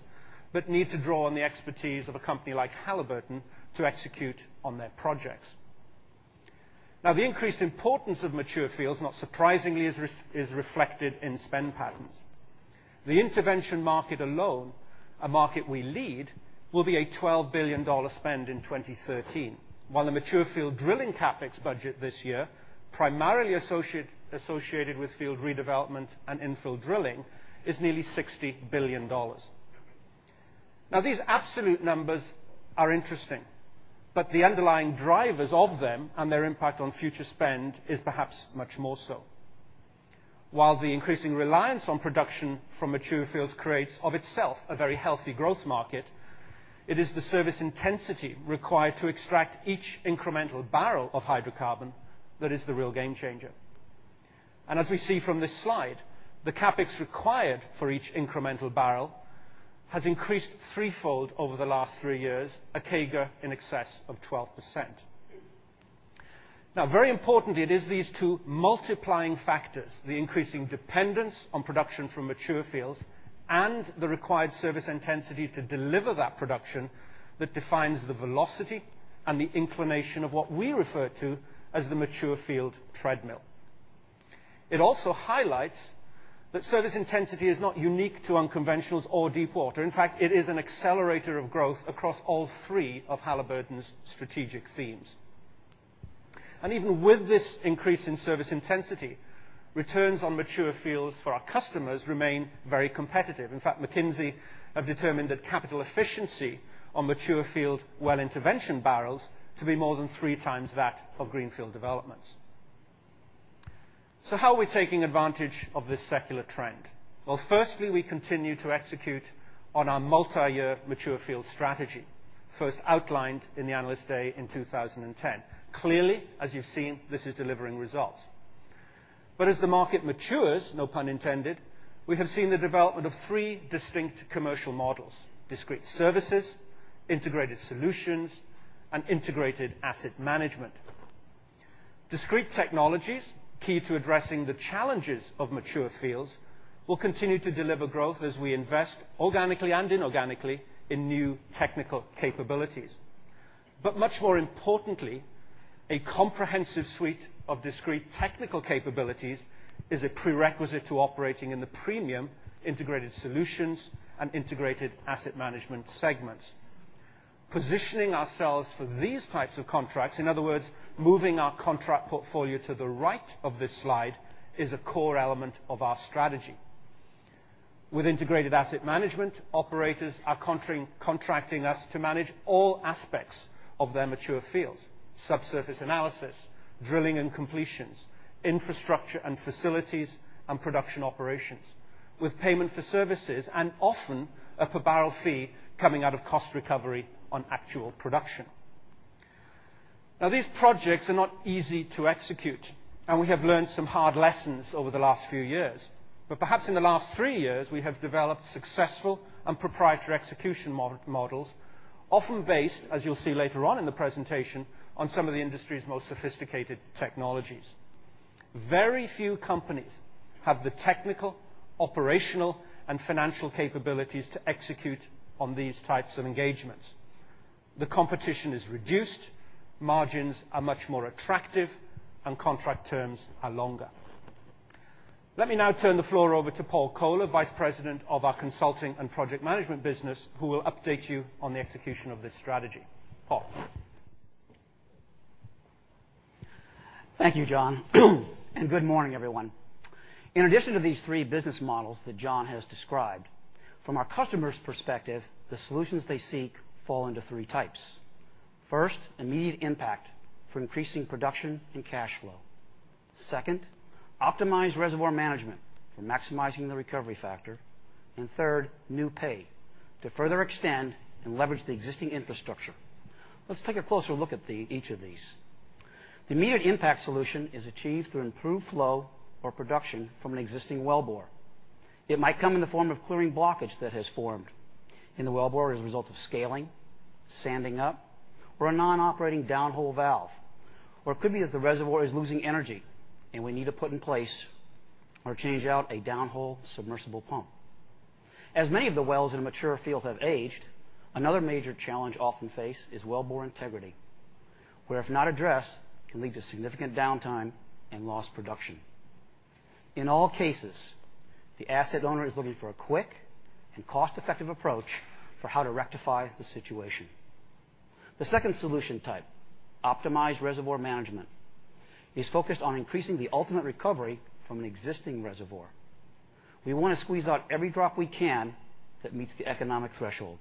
but need to draw on the expertise of a company like Halliburton to execute on their projects. The increased importance of mature fields, not surprisingly, is reflected in spend patterns. The intervention market alone, a market we lead, will be a $12 billion spend in 2013. While the mature field drilling CapEx budget this year, primarily associated with field redevelopment and infill drilling, is nearly $60 billion. These absolute numbers are interesting, but the underlying drivers of them and their impact on future spend is perhaps much more so. While the increasing reliance on production from mature fields creates of itself a very healthy growth market, it is the service intensity required to extract each incremental barrel of hydrocarbon that is the real game changer. As we see from this slide, the CapEx required for each incremental barrel has increased threefold over the last three years, a CAGR in excess of 12%. Very important, it is these two multiplying factors, the increasing dependence on production from mature fields and the required service intensity to deliver that production that defines the velocity and the inclination of what we refer to as the mature field treadmill. It also highlights that service intensity is not unique to unconventionals or deep water. In fact, it is an accelerator of growth across all three of Halliburton's strategic themes. Even with this increase in service intensity, returns on mature fields for our customers remain very competitive. In fact, McKinsey have determined that capital efficiency on mature field well intervention barrels to be more than three times that of greenfield developments. How are we taking advantage of this secular trend? Well, firstly, we continue to execute on our multi-year mature field strategy, first outlined in the Analyst Day in 2010. Clearly, as you've seen, this is delivering results. As the market matures, no pun intended, we have seen the development of three distinct commercial models: Discrete Services, Integrated Solutions, and Integrated Asset Management. Discrete Technologies, key to addressing the challenges of mature fields, will continue to deliver growth as we invest organically and inorganically in new technical capabilities. Much more importantly, a comprehensive suite of discrete technical capabilities is a prerequisite to operating in the premium Integrated Solutions and Integrated Asset Management segments. Positioning ourselves for these types of contracts, in other words, moving our contract portfolio to the right of this slide, is a core element of our strategy. With Integrated Asset Management, operators are contracting us to manage all aspects of their mature fields, subsurface analysis, drilling and completions, infrastructure and facilities, and production operations, with payment for services and often a per-barrel fee coming out of cost recovery on actual production. These projects are not easy to execute, and we have learned some hard lessons over the last few years. Perhaps in the last three years, we have developed successful and proprietary execution models, often based, as you'll see later on in the presentation, on some of the industry's most sophisticated technologies. Very few companies have the technical, operational, and financial capabilities to execute on these types of engagements. The competition is reduced, margins are much more attractive, and contract terms are longer. Let me now turn the floor over to Paul Koeller, Vice President of our consulting and project management business, who will update you on the execution of this strategy. Paul. Thank you, John. Good morning, everyone. In addition to these three business models that John has described, from our customers' perspective, the solutions they seek fall into three types. First, immediate impact for increasing production and cash flow. Second, optimized reservoir management for maximizing the recovery factor. And third, new pay to further extend and leverage the existing infrastructure. Let's take a closer look at each of these. The immediate impact solution is achieved through improved flow or production from an existing wellbore. It might come in the form of clearing blockage that has formed in the wellbore as a result of scaling, sanding up, or a non-operating downhole valve. Or it could be that the reservoir is losing energy and we need to put in place or change out a downhole submersible pump. As many of the wells in mature fields have aged, another major challenge often faced is wellbore integrity, where if not addressed, can lead to significant downtime and lost production. In all cases, the asset owner is looking for a quick and cost-effective approach for how to rectify the situation. The second solution type, optimized reservoir management, is focused on increasing the ultimate recovery from an existing reservoir. We want to squeeze out every drop we can that meets the economic threshold.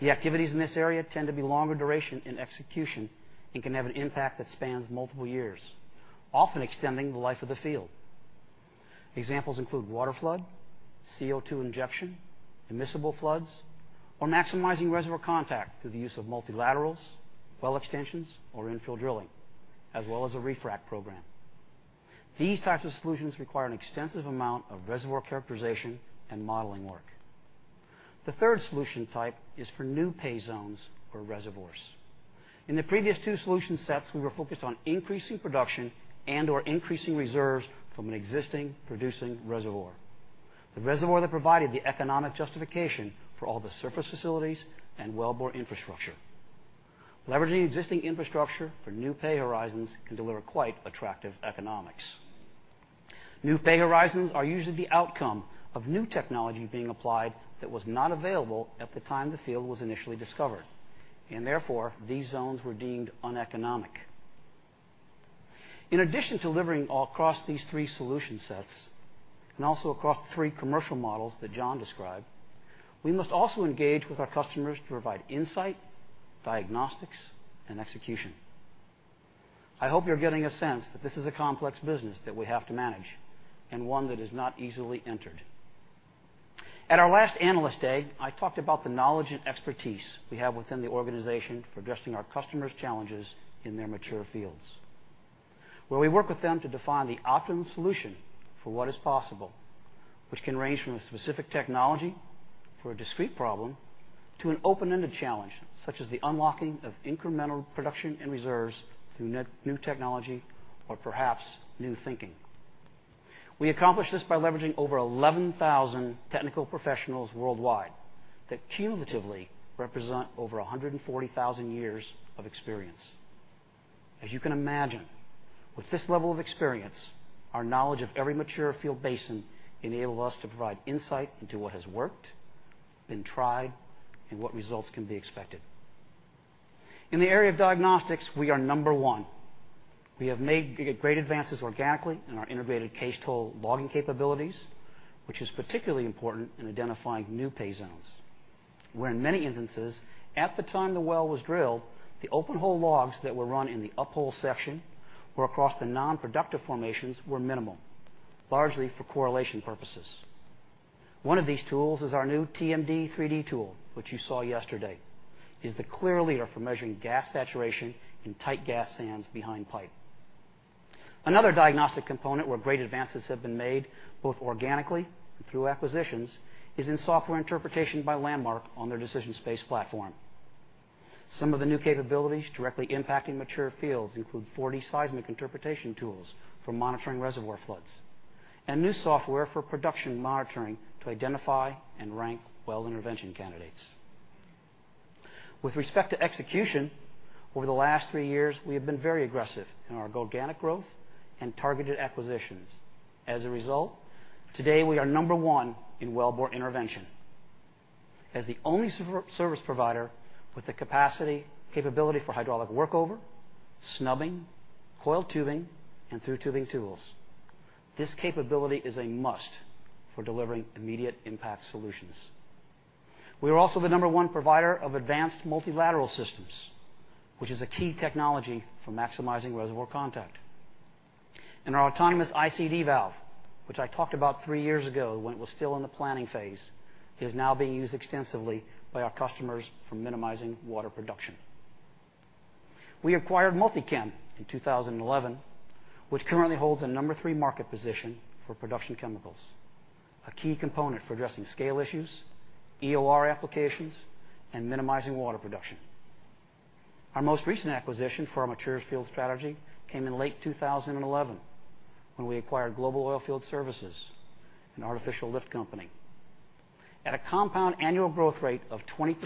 The activities in this area tend to be longer duration in execution and can have an impact that spans multiple years, often extending the life of the field. Examples include water flood, CO2 injection, immiscible floods, or maximizing reservoir contact through the use of multilaterals, well extensions, or infill drilling, as well as a refrac program. These types of solutions require an extensive amount of reservoir characterization and modeling work. The third solution type is for new pay zones or reservoirs. In the previous two solution sets, we were focused on increasing production and/or increasing reserves from an existing producing reservoir, the reservoir that provided the economic justification for all the surface facilities and wellbore infrastructure. Leveraging existing infrastructure for new pay horizons can deliver quite attractive economics. New pay horizons are usually the outcome of new technology being applied that was not available at the time the field was initially discovered, and therefore, these zones were deemed uneconomic. In addition to delivering all across these three solution sets and also across the three commercial models that John described, we must also engage with our customers to provide insight, diagnostics, and execution. I hope you're getting a sense that this is a complex business that we have to manage and one that is not easily entered. At our last Analyst Day, I talked about the knowledge and expertise we have within the organization for addressing our customers' challenges in their mature fields. Where we work with them to define the optimum solution for what is possible, which can range from a specific technology for a discrete problem to an open-ended challenge, such as the unlocking of incremental production and reserves through new technology or perhaps new thinking. We accomplish this by leveraging over 11,000 technical professionals worldwide that cumulatively represent over 140,000 years of experience. As you can imagine, with this level of experience, our knowledge of every mature field basin enables us to provide insight into what has worked, been tried, and what results can be expected. In the area of diagnostics, we are number 1. We have made great advances organically in our integrated cased hole logging capabilities, which is particularly important in identifying new pay zones, where in many instances, at the time the well was drilled, the open hole logs that were run in the uphold section or across the non-productive formations were minimal, largely for correlation purposes. One of these tools is our new TMD-3D tool, which you saw yesterday, is the clear leader for measuring gas saturation in tight gas sands behind pipe. Another diagnostic component where great advances have been made, both organically and through acquisitions, is in software interpretation by Landmark on their DecisionSpace platform. Some of the new capabilities directly impacting mature fields include 4D seismic interpretation tools for monitoring reservoir floods and new software for production monitoring to identify and rank well intervention candidates. With respect to execution, over the last three years, we have been very aggressive in our organic growth and targeted acquisitions. As a result, today we are number 1 in wellbore intervention. As the only service provider with the capacity, capability for hydraulic workover, snubbing, coiled tubing, and through tubing tools. This capability is a must for delivering immediate impact solutions. We are also the number 1 provider of advanced multilateral systems, which is a key technology for maximizing reservoir contact. Our autonomous ICD valve, which I talked about three years ago when it was still in the planning phase, is now being used extensively by our customers for minimizing water production. We acquired Multi-Chem in 2011, which currently holds a number 3 market position for production chemicals, a key component for addressing scale issues, EOR applications, and minimizing water production. Our most recent acquisition for our mature field strategy came in late 2011 when we acquired Global Oilfield Services, an artificial lift company. At a compound annual growth rate of 20%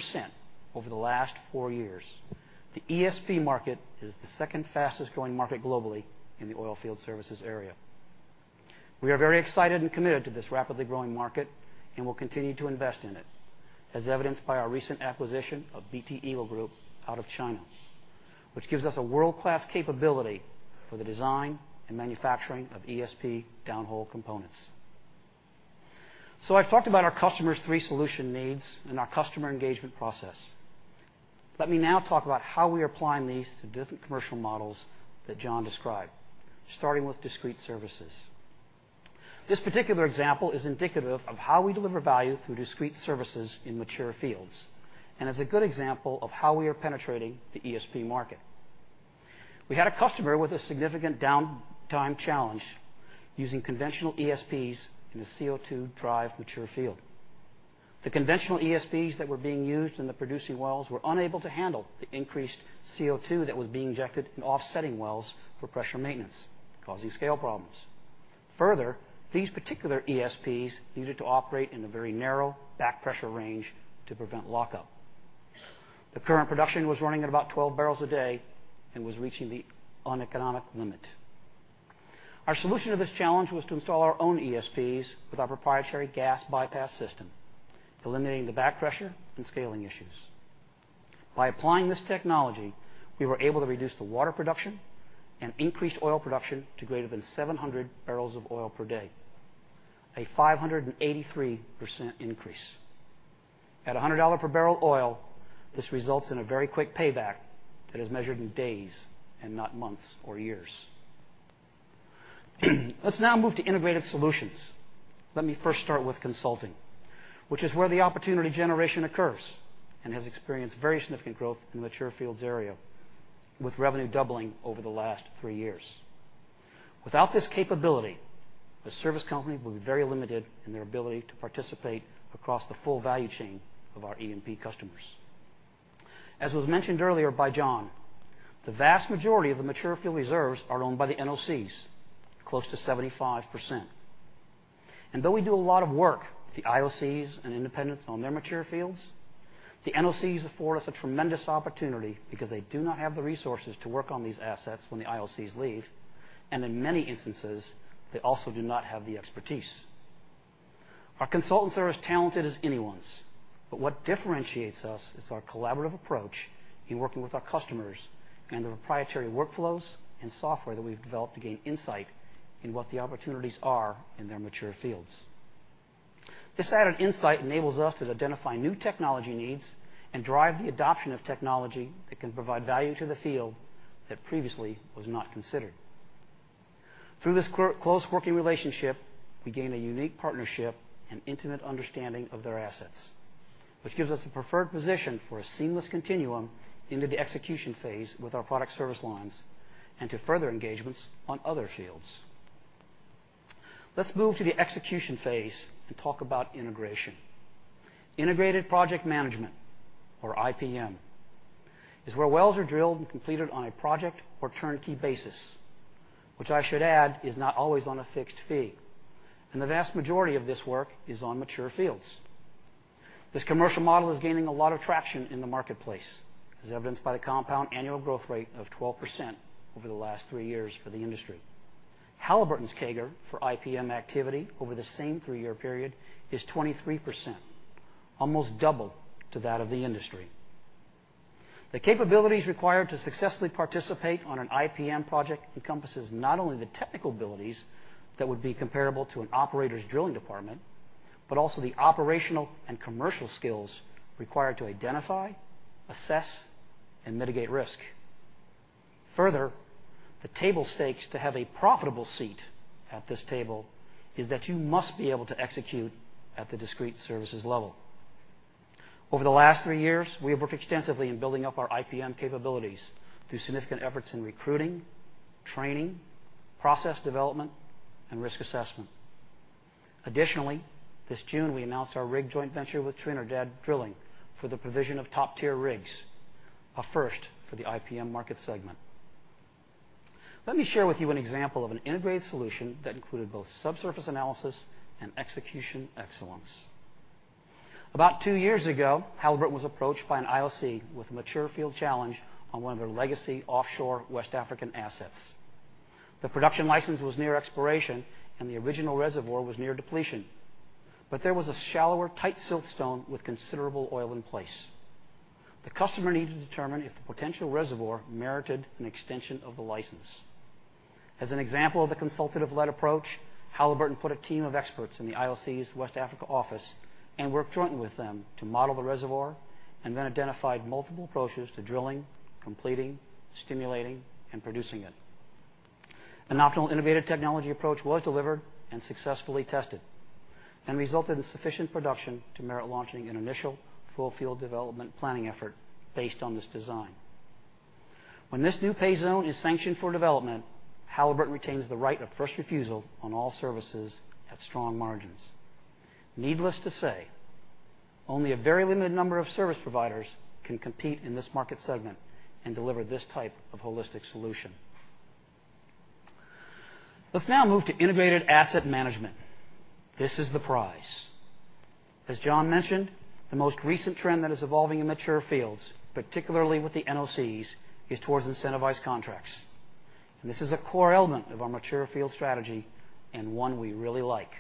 over the last four years, the ESP market is the second fastest growing market globally in the oilfield services area. We are very excited and committed to this rapidly growing market and will continue to invest in it, as evidenced by our recent acquisition of BT Eagle Group out of China, which gives us a world-class capability for the design and manufacturing of ESP downhole components. I've talked about our customers' three solution needs and our customer engagement process. Let me now talk about how we are applying these to different commercial models that John described, starting with discrete services. This particular example is indicative of how we deliver value through discrete services in mature fields and is a good example of how we are penetrating the ESP market. We had a customer with a significant downtime challenge using conventional ESPs in a CO2 drive mature field. The conventional ESPs that were being used in the producing wells were unable to handle the increased CO2 that was being injected in offsetting wells for pressure maintenance, causing scale problems. These particular ESPs needed to operate in a very narrow back pressure range to prevent lockup. The current production was running at about 12 barrels a day and was reaching the uneconomic limit. Our solution to this challenge was to install our own ESPs with our proprietary gas bypass system, eliminating the back pressure and scaling issues. By applying this technology, we were able to reduce the water production and increase oil production to greater than 700 barrels of oil per day, a 583% increase. At $100 per barrel oil, this results in a very quick payback that is measured in days and not months or years. Let's now move to integrated solutions. Let me first start with consulting, which is where the opportunity generation occurs and has experienced very significant growth in mature fields area, with revenue doubling over the last three years. Without this capability, a service company will be very limited in their ability to participate across the full value chain of our E&P customers. As was mentioned earlier by John, the vast majority of the mature field reserves are owned by the NOCs, close to 75%. Though we do a lot of work with the IOCs and independents on their mature fields, the NOCs afford us a tremendous opportunity because they do not have the resources to work on these assets when the IOCs leave, and in many instances, they also do not have the expertise. Our consultants are as talented as anyone's, but what differentiates us is our collaborative approach in working with our customers and the proprietary workflows and software that we've developed to gain insight in what the opportunities are in their mature fields. This added insight enables us to identify new technology needs and drive the adoption of technology that can provide value to the field that previously was not considered. Through this close working relationship, we gain a unique partnership and intimate understanding of their assets, which gives us a preferred position for a seamless continuum into the execution phase with our product service lines and to further engagements on other fields. Let's move to the execution phase and talk about integration. Integrated project management, or IPM, is where wells are drilled and completed on a project or turnkey basis, which I should add is not always on a fixed fee, and the vast majority of this work is on mature fields. This commercial model is gaining a lot of traction in the marketplace, as evidenced by the compound annual growth rate of 12% over the last three years for the industry. Halliburton's CAGR for IPM activity over the same three-year period is 23%, almost double to that of the industry. The capabilities required to successfully participate on an IPM project encompasses not only the technical abilities that would be comparable to an operator's drilling department, but also the operational and commercial skills required to identify, assess, and mitigate risk. Further, the table stakes to have a profitable seat at this table is that you must be able to execute at the discrete services level. Over the last three years, we have worked extensively in building up our IPM capabilities through significant efforts in recruiting, training, process development, and risk assessment. Additionally, this June, we announced our rig joint venture with Trinidad Drilling for the provision of top-tier rigs, a first for the IPM market segment. Let me share with you an example of an integrated solution that included both subsurface analysis and execution excellence. About two years ago, Halliburton was approached by an IOC with a mature field challenge on one of their legacy offshore West African assets. The production license was near expiration and the original reservoir was near depletion, but there was a shallower, tight siltstone with considerable oil in place. The customer needed to determine if the potential reservoir merited an extension of the license. As an example of the consultative-led approach, Halliburton put a team of experts in the IOC's West Africa office and worked jointly with them to model the reservoir, and then identified multiple approaches to drilling, completing, stimulating, and producing it. An optimal innovative technology approach was delivered and successfully tested and resulted in sufficient production to merit launching an initial full field development planning effort based on this design. When this new pay zone is sanctioned for development, Halliburton retains the right of first refusal on all services at strong margins. Needless to say, only a very limited number of service providers can compete in this market segment and deliver this type of holistic solution. Let's now move to integrated asset management. This is the prize. As John mentioned, the most recent trend that is evolving in mature fields, particularly with the NOCs, is towards incentivized contracts. This is a core element of our mature field strategy and one we really like.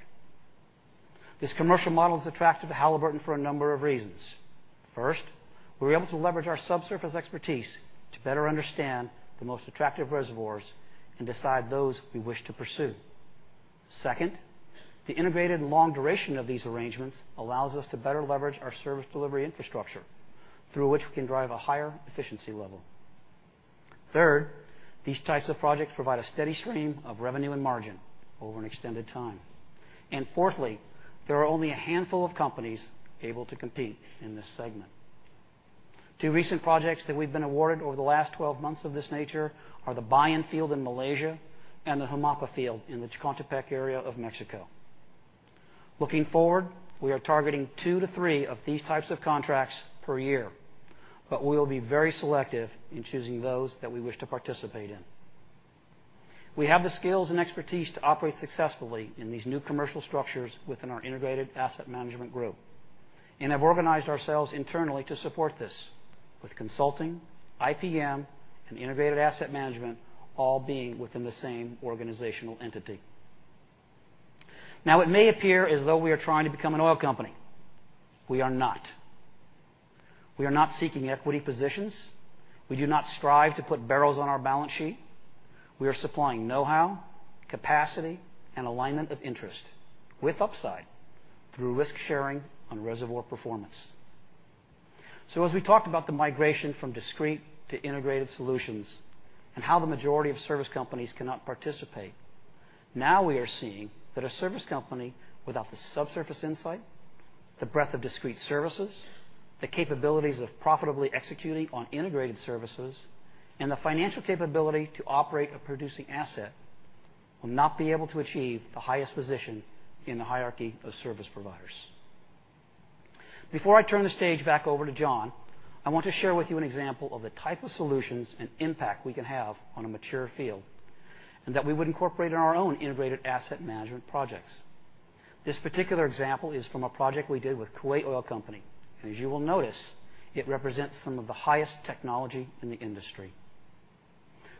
This commercial model is attractive to Halliburton for a number of reasons. First, we're able to leverage our subsurface expertise to better understand the most attractive reservoirs and decide those we wish to pursue. Second, the integrated long duration of these arrangements allows us to better leverage our service delivery infrastructure through which we can drive a higher efficiency level. Third, these types of projects provide a steady stream of revenue and margin over an extended time. Fourthly, there are only a handful of companies able to compete in this segment. Two recent projects that we've been awarded over the last 12 months of this nature are the Bayan Field in Malaysia and the Humapa Field in the Chicontepec area of Mexico. Looking forward, we are targeting two to three of these types of contracts per year, but we will be very selective in choosing those that we wish to participate in. We have the skills and expertise to operate successfully in these new commercial structures within our integrated asset management group and have organized ourselves internally to support this with consulting, IPM, and integrated asset management all being within the same organizational entity. It may appear as though we are trying to become an oil company. We are not. We are not seeking equity positions. We do not strive to put barrels on our balance sheet. We are supplying know-how, capacity, and alignment of interest with upside through risk-sharing on reservoir performance. As we talked about the migration from discrete to integrated solutions and how the majority of service companies cannot participate, now we are seeing that a service company without the subsurface insight, the breadth of discrete services, the capabilities of profitably executing on integrated services, and the financial capability to operate a producing asset will not be able to achieve the highest position in the hierarchy of service providers. Before I turn the stage back over to John, I want to share with you an example of the type of solutions and impact we can have on a mature field and that we would incorporate in our own integrated asset management projects. This particular example is from a project we did with Kuwait Oil Company, and as you will notice, it represents some of the highest technology in the industry.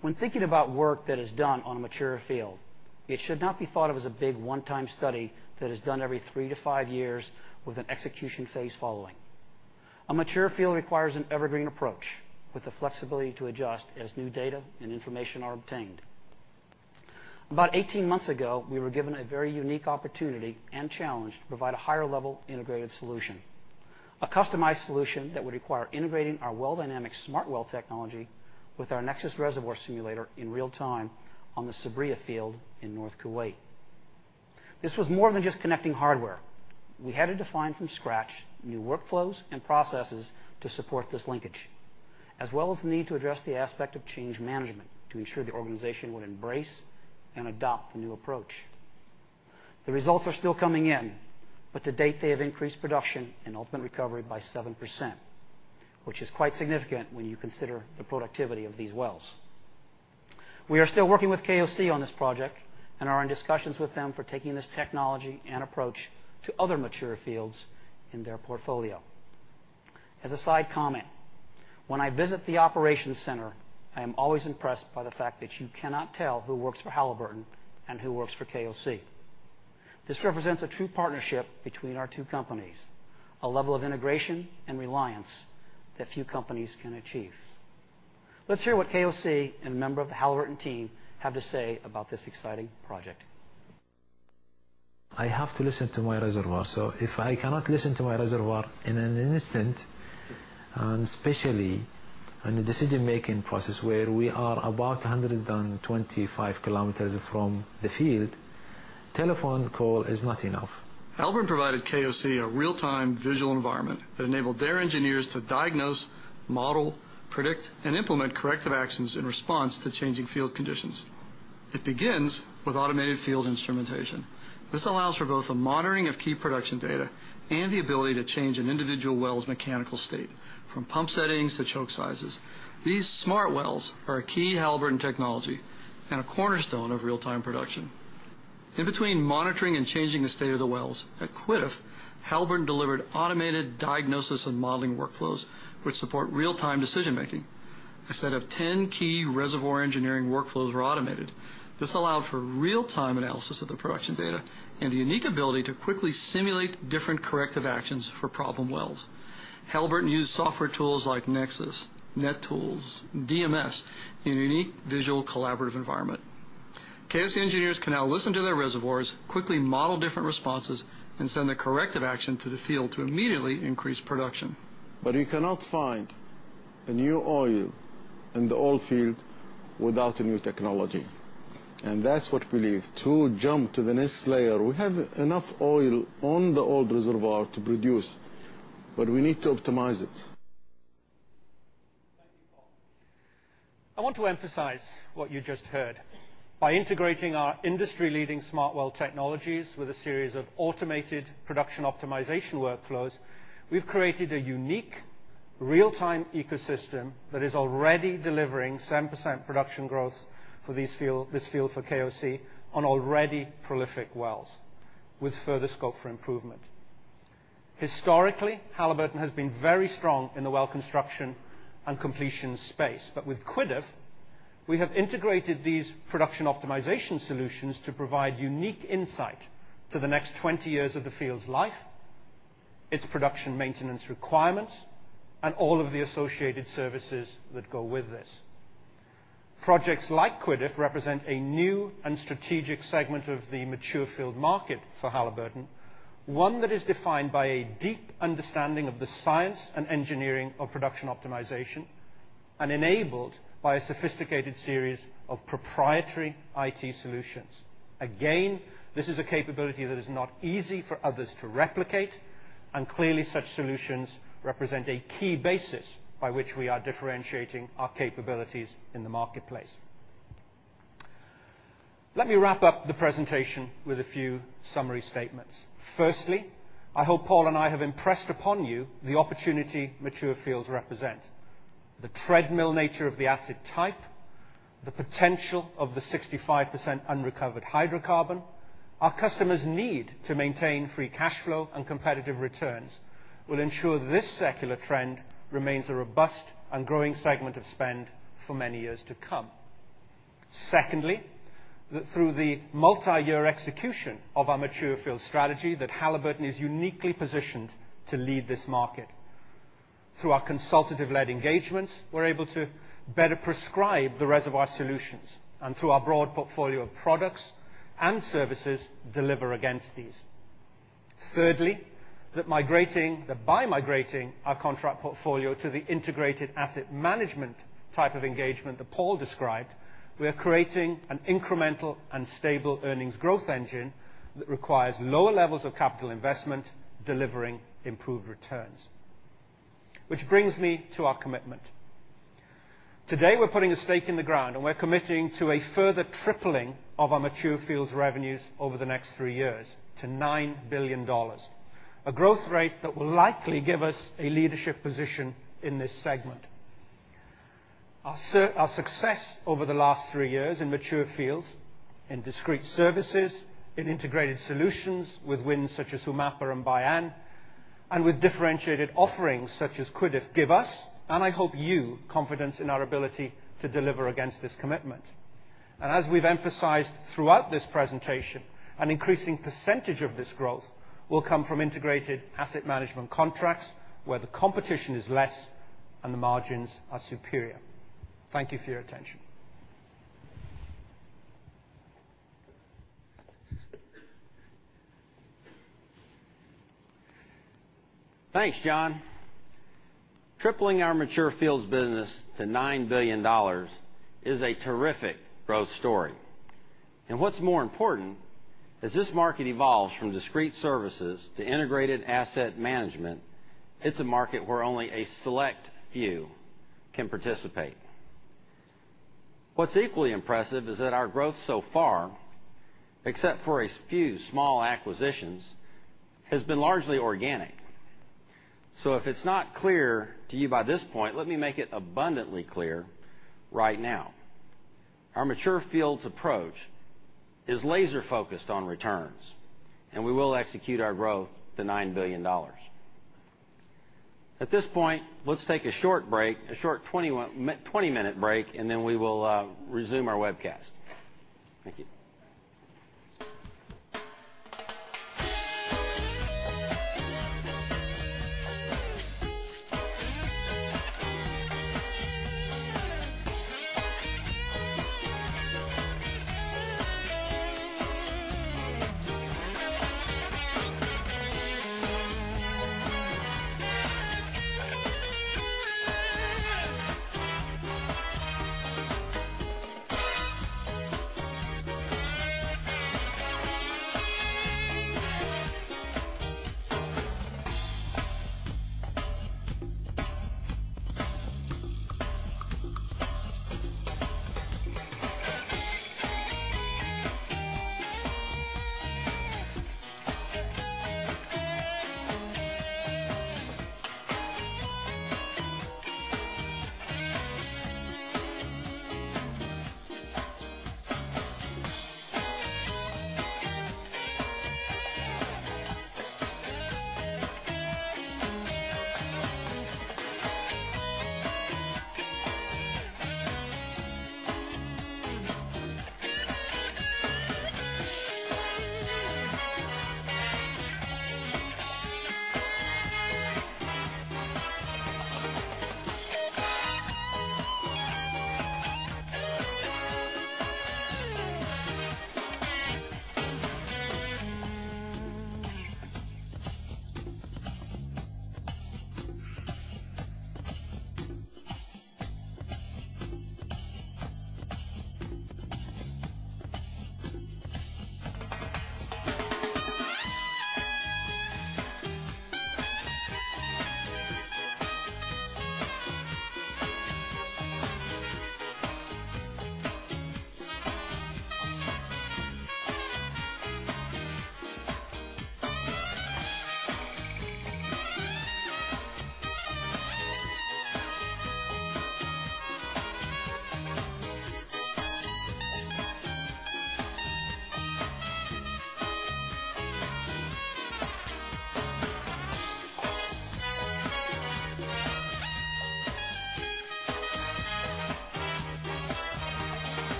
When thinking about work that is done on a mature field, it should not be thought of as a big one-time study that is done every three to five years with an execution phase following. A mature field requires an evergreen approach with the flexibility to adjust as new data and information are obtained. About 18 months ago, we were given a very unique opportunity and challenge to provide a higher-level integrated solution. A customized solution that would require integrating our WellDynamics smart well technology with our Nexus reservoir simulator in real time on the Sabriya field in North Kuwait. This was more than just connecting hardware. We had to define from scratch new workflows and processes to support this linkage, as well as the need to address the aspect of change management to ensure the organization would embrace and adopt the new approach. The results are still coming in, to date, they have increased production and ultimate recovery by 7%, which is quite significant when you consider the productivity of these wells. We are still working with KOC on this project and are in discussions with them for taking this technology and approach to other mature fields in their portfolio. As a side comment, when I visit the operations center, I am always impressed by the fact that you cannot tell who works for Halliburton and who works for KOC. This represents a true partnership between our two companies, a level of integration and reliance that few companies can achieve. Let's hear what KOC and a member of the Halliburton team have to say about this exciting project. I have to listen to my reservoir. If I cannot listen to my reservoir in an instant, and especially in the decision-making process where we are about 125 kilometers from the field, telephone call is not enough. Halliburton provided KOC a real-time visual environment that enabled their engineers to diagnose, model, predict, and implement corrective actions in response to changing field conditions. It begins with automated field instrumentation. This allows for both the monitoring of key production data and the ability to change an individual well's mechanical state, from pump settings to choke sizes. These smart wells are a key Halliburton technology and a cornerstone of real-time production. In between monitoring and changing the state of the wells, at Qatif, Halliburton delivered automated diagnosis and modeling workflows which support real-time decision-making. A set of 10 key reservoir engineering workflows were automated. This allowed for real-time analysis of the production data and the unique ability to quickly simulate different corrective actions for problem wells. Halliburton used software tools like Nexus, NETool, DMS in a unique visual collaborative environment. KOC engineers can now listen to their reservoirs, quickly model different responses, and send a corrective action to the field to immediately increase production. You cannot find a new oil in the oil field without a new technology, that's what we need to jump to the next layer. We have enough oil on the old reservoir to produce, we need to optimize it. Thank you, Paul. I want to emphasize what you just heard. By integrating our industry-leading smart well technologies with a series of automated production optimization workflows, we've created a unique real-time ecosystem that is already delivering 7% production growth for this field for KOC on already prolific wells with further scope for improvement. Historically, Halliburton has been very strong in the well construction and completion space. With Qatif, we have integrated these production optimization solutions to provide unique insight to the next 20 years of the field's life, its production maintenance requirements, and all of the associated services that go with this. Projects like Qatif represent a new and strategic segment of the mature field market for Halliburton. One that is defined by a deep understanding of the science and engineering of production optimization and enabled by a sophisticated series of proprietary IT solutions. Again, this is a capability that is not easy for others to replicate, and clearly such solutions represent a key basis by which we are differentiating our capabilities in the marketplace. Let me wrap up the presentation with a few summary statements. Firstly, I hope Paul and I have impressed upon you the opportunity mature fields represent. The treadmill nature of the asset type, the potential of the 65% unrecovered hydrocarbon. Our customers need to maintain free cash flow and competitive returns will ensure this secular trend remains a robust and growing segment of spend for many years to come. Secondly, that through the multi-year execution of our mature field strategy, Halliburton is uniquely positioned to lead this market. Through our consultative-led engagements, we're able to better prescribe the reservoir solutions. Through our broad portfolio of products and services, deliver against these. Thirdly, that by migrating our contract portfolio to the integrated asset management type of engagement that Paul described, we are creating an incremental and stable earnings growth engine that requires lower levels of capital investment, delivering improved returns. Which brings me to our commitment. Today, we're putting a stake in the ground, and we're committing to a further tripling of our mature fields revenues over the next three years to $9 billion. A growth rate that will likely give us a leadership position in this segment. Our success over the last three years in mature fields, in discrete services, in integrated solutions with wins such as Umm Qasr and Bayan, and with differentiated offerings such as Qatif give us, and I hope you, confidence in our ability to deliver against this commitment. As we've emphasized throughout this presentation, an increasing percentage of this growth will come from integrated asset management contracts where the competition is less and the margins are superior. Thank you for your attention Thanks, John. Tripling our mature fields business to $9 billion is a terrific growth story. What's more important, as this market evolves from discrete services to integrated asset management, it's a market where only a select few can participate. What's equally impressive is that our growth so far, except for a few small acquisitions, has been largely organic. If it's not clear to you by this point, let me make it abundantly clear right now. Our mature fields approach is laser-focused on returns, and we will execute our growth to $9 billion. At this point, let's take a short 20-minute break, and then we will resume our webcast. Thank you.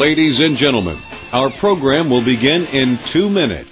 Ladies and gentlemen, our program will begin in two minutes.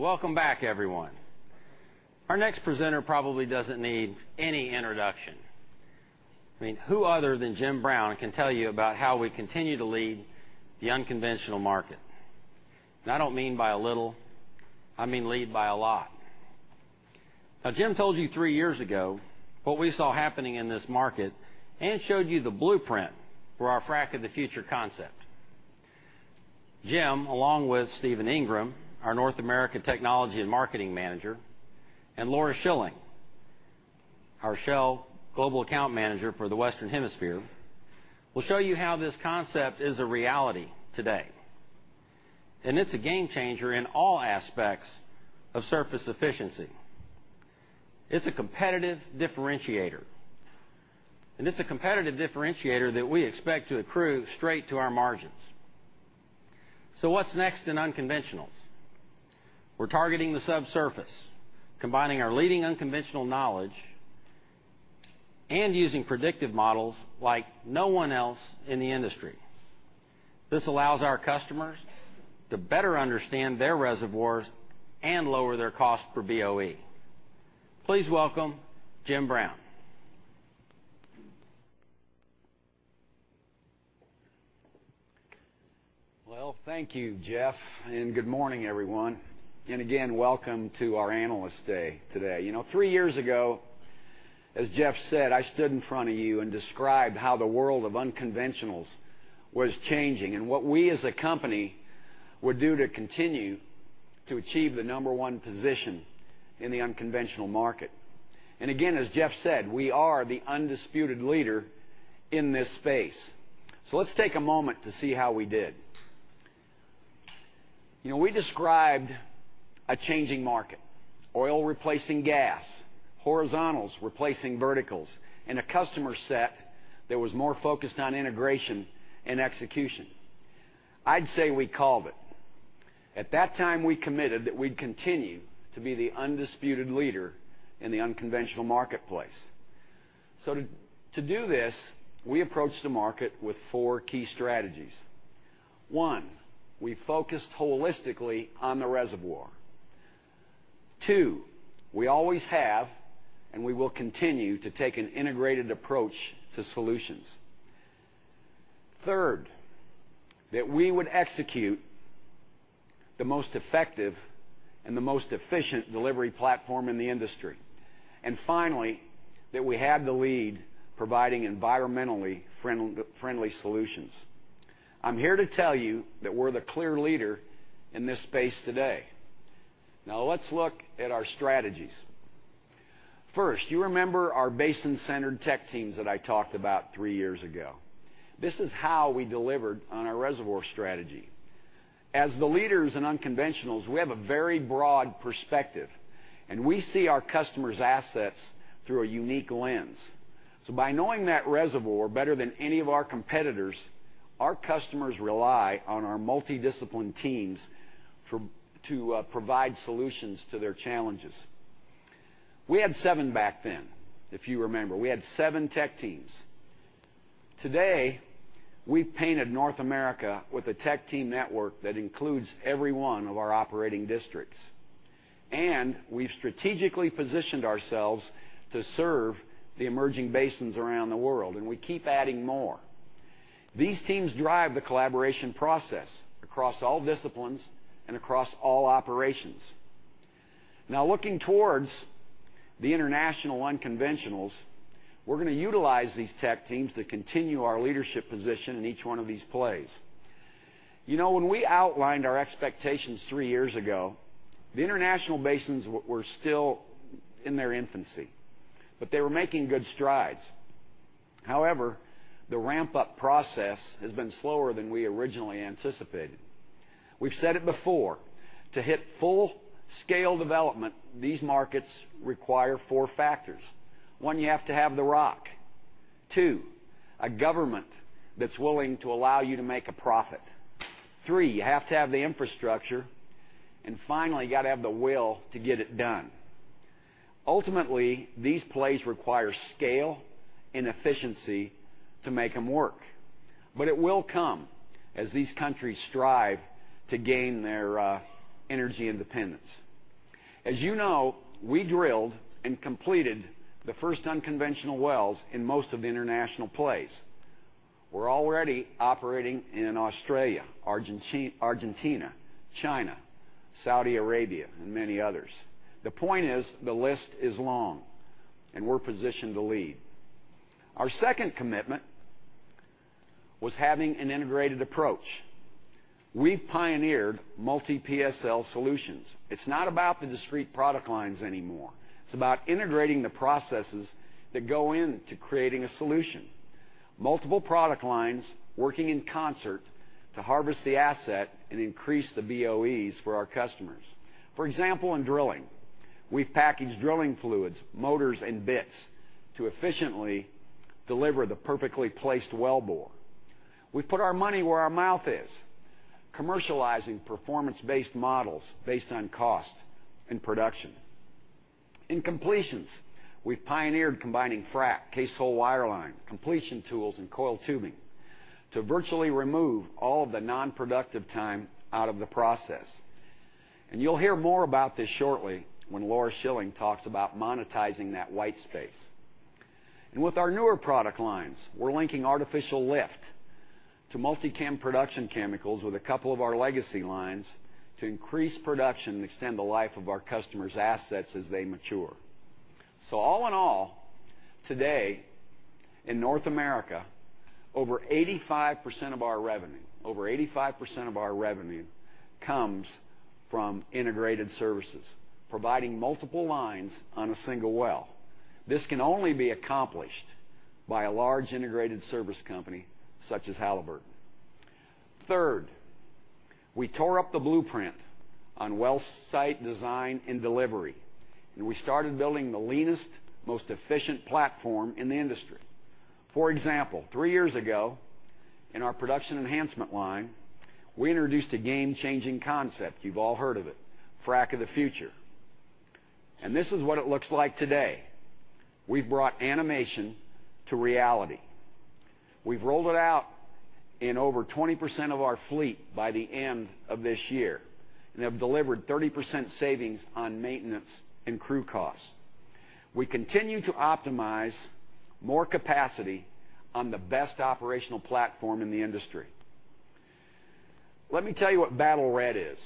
Are we ready? Welcome back, everyone. Our next presenter probably doesn't need any introduction. Who other than Jim Brown can tell you about how we continue to lead the unconventional market? I don't mean by a little. I mean lead by a lot. Jim told you three years ago what we saw happening in this market and showed you the blueprint for our Frac of the Future concept. Jim, along with Steven Ingram, our North America technology and marketing manager, and Laura Shilling, our Shell global account manager for the Western Hemisphere, will show you how this concept is a reality today. It's a game changer in all aspects of surface efficiency. It's a competitive differentiator, and it's a competitive differentiator that we expect to accrue straight to our margins. What's next in unconventionals? We're targeting the subsurface, combining our leading unconventional knowledge and using predictive models like no one else in the industry. This allows our customers to better understand their reservoirs and lower their cost per BOE. Please welcome Jim Brown. Thank you, Jeff, and good morning, everyone. Again, welcome to our Analyst Day today. Three years ago, as Jeff said, I stood in front of you and described how the world of unconventionals was changing and what we as a company would do to continue to achieve the number 1 position in the unconventional market. Again, as Jeff said, we are the undisputed leader in this space. Let's take a moment to see how we did. We described a changing market, oil replacing gas, horizontals replacing verticals, and a customer set that was more focused on integration and execution. I'd say we called it. At that time, we committed that we'd continue to be the undisputed leader in the unconventional marketplace. To do this, we approached the market with 4 key strategies. One, we focused holistically on the reservoir. Two, we always have, and we will continue to take an integrated approach to solutions. Third, that we would execute the most effective and the most efficient delivery platform in the industry. Finally, that we have the lead providing environmentally friendly solutions. I'm here to tell you that we're the clear leader in this space today. Let's look at our strategies. First, you remember our basin-centered tech teams that I talked about 3 years ago. This is how we delivered on our reservoir strategy. As the leaders in unconventionals, we have a very broad perspective, and we see our customers' assets through a unique lens. By knowing that reservoir better than any of our competitors, our customers rely on our multi-disciplined teams to provide solutions to their challenges. We had 7 back then, if you remember. We had 7 tech teams. Today, we've painted North America with a tech team network that includes every 1 of our operating districts, and we've strategically positioned ourselves to serve the emerging basins around the world, and we keep adding more. These teams drive the collaboration process across all disciplines and across all operations. Looking towards the international unconventionals, we're going to utilize these tech teams to continue our leadership position in each 1 of these plays. When we outlined our expectations 3 years ago, the international basins were still in their infancy, but they were making good strides. However, the ramp-up process has been slower than we originally anticipated. We've said it before: to hit full-scale development, these markets require 4 factors. One, you have to have the rock. Two, a government that's willing to allow you to make a profit. Three, you have to have the infrastructure. Finally, you got to have the will to get it done. Ultimately, these plays require scale and efficiency to make them work. It will come as these countries strive to gain their energy independence. As you know, we drilled and completed the first unconventional wells in most of the international plays. We're already operating in Australia, Argentina, China, Saudi Arabia, and many others. The point is, the list is long, and we're positioned to lead. Our second commitment was having an integrated approach. We've pioneered multi PSL solutions. It's not about the discrete product lines anymore. It's about integrating the processes that go into creating a solution. Multiple product lines working in concert to harvest the asset and increase the BOEs for our customers. For example, in drilling, we've packaged drilling fluids, motors, and bits to efficiently deliver the perfectly placed wellbore. We've put our money where our mouth is, commercializing performance-based models based on cost and production. In completions, we've pioneered combining frack, cased hole wireline, completion tools, and coiled tubing to virtually remove all the non-productive time out of the process. You'll hear more about this shortly when Laura Shilling talks about monetizing that white space. With our newer product lines, we're linking artificial lift to Multi-Chem production chemicals with a couple of our legacy lines to increase production and extend the life of our customers' assets as they mature. All in all, today in North America, over 85% of our revenue comes from integrated services, providing multiple lines on a single well. This can only be accomplished by a large integrated service company such as Halliburton. Third, we tore up the blueprint on well site design and delivery, and we started building the leanest, most efficient platform in the industry. For example, three years ago in our production enhancement line, we introduced a game-changing concept. You've all heard of it, Frac of the Future. This is what it looks like today. We've brought animation to reality. We've rolled it out in over 20% of our fleet by the end of this year, and have delivered 30% savings on maintenance and crew costs. We continue to optimize more capacity on the best operational platform in the industry. Let me tell you what Battle Red is.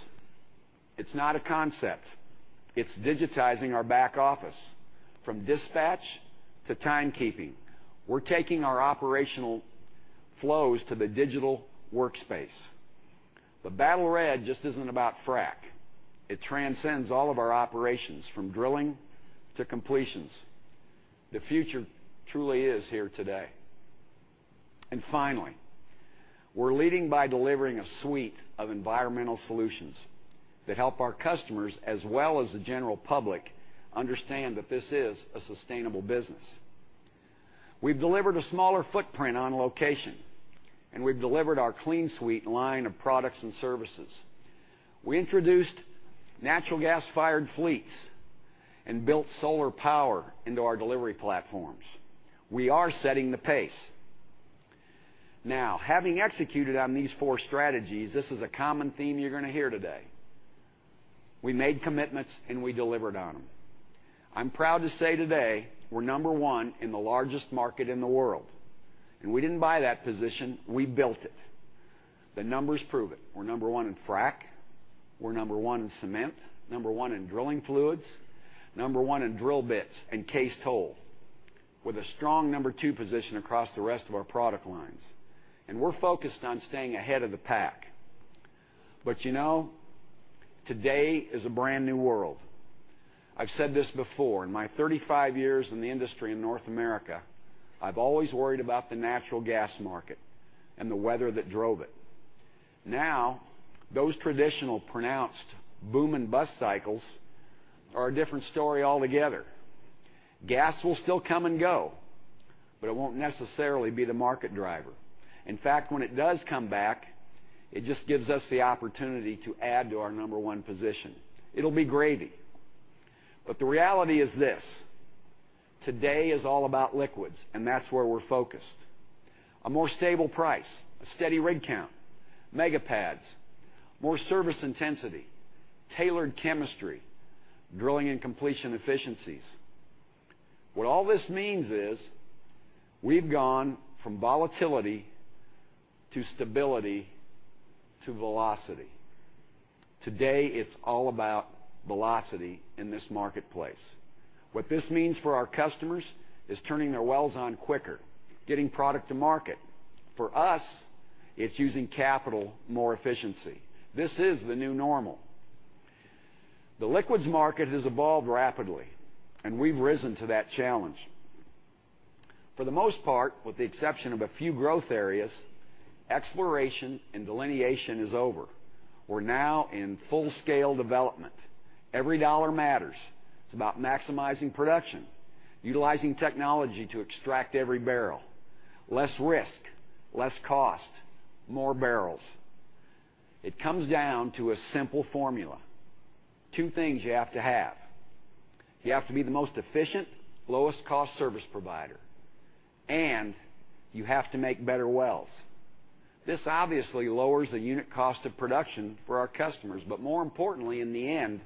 It's not a concept. It's digitizing our back office from dispatch to timekeeping. We're taking our operational flows to the digital workspace. Battle Red just isn't about frack. It transcends all of our operations from drilling to completions. The future truly is here today. Finally, we're leading by delivering a suite of environmental solutions that help our customers, as well as the general public, understand that this is a sustainable business. We've delivered a smaller footprint on location, and we've delivered our CleanSuite line of products and services. We introduced natural gas-fired fleets and built solar power into our delivery platforms. We are setting the pace. Having executed on these four strategies, this is a common theme you're going to hear today. We made commitments and we delivered on them. I'm proud to say today we're number one in the largest market in the world, and we didn't buy that position, we built it. The numbers prove it. We're number one in frack. We're number one in cement, number one in drilling fluids, number one in drill bits and cased hole, with a strong number two position across the rest of our product lines. We're focused on staying ahead of the pack. Today is a brand new world. I've said this before, in my 35 years in the industry in North America, I've always worried about the natural gas market and the weather that drove it. Those traditional pronounced boom and bust cycles are a different story altogether. Gas will still come and go, but it won't necessarily be the market driver. In fact, when it does come back, it just gives us the opportunity to add to our number one position. It'll be gravy. The reality is this: today is all about liquids, and that's where we're focused. A more stable price, a steady rig count, mega pads, more service intensity, tailored chemistry, drilling and completion efficiencies. What all this means is we've gone from volatility to stability to velocity. Today, it's all about velocity in this marketplace. What this means for our customers is turning their wells on quicker, getting product to market. For us, it's using capital more efficiently. This is the new normal. The liquids market has evolved rapidly, and we've risen to that challenge. For the most part, with the exception of a few growth areas, exploration and delineation is over. We're now in full scale development. Every dollar matters. It's about maximizing production, utilizing technology to extract every barrel. Less risk, less cost, more barrels. It comes down to a simple formula. Two things you have to have. You have to be the most efficient, lowest cost service provider, and you have to make better wells. This obviously lowers the unit cost of production for our customers. More importantly, in the end,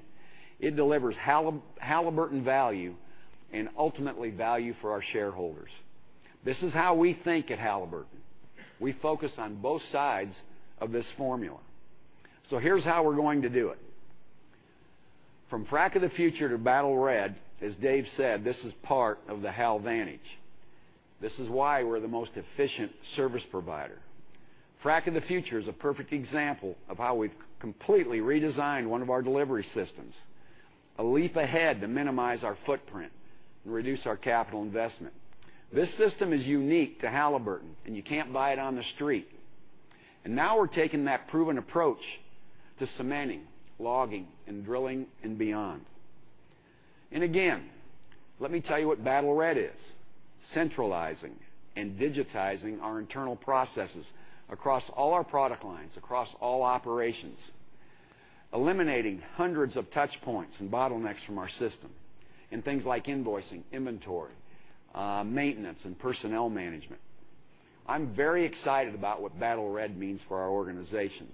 it delivers Halliburton value and ultimately value for our shareholders. This is how we think at Halliburton. We focus on both sides of this formula. Here's how we're going to do it. From Frac of the Future to Battle Red, as Dave said, this is part of the HalVantage. This is why we're the most efficient service provider. Frac of the Future is a perfect example of how we've completely redesigned one of our delivery systems, a leap ahead to minimize our footprint and reduce our CapEx. This system is unique to Halliburton, and you can't buy it on the street. Now we're taking that proven approach to cementing, logging, and drilling and beyond. Again, let me tell you what Battle Red is. Centralizing and digitizing our internal processes across all our product lines, across all operations, eliminating hundreds of touch points and bottlenecks from our system in things like invoicing, inventory, maintenance, and personnel management. I'm very excited about what Battle Red means for our organization,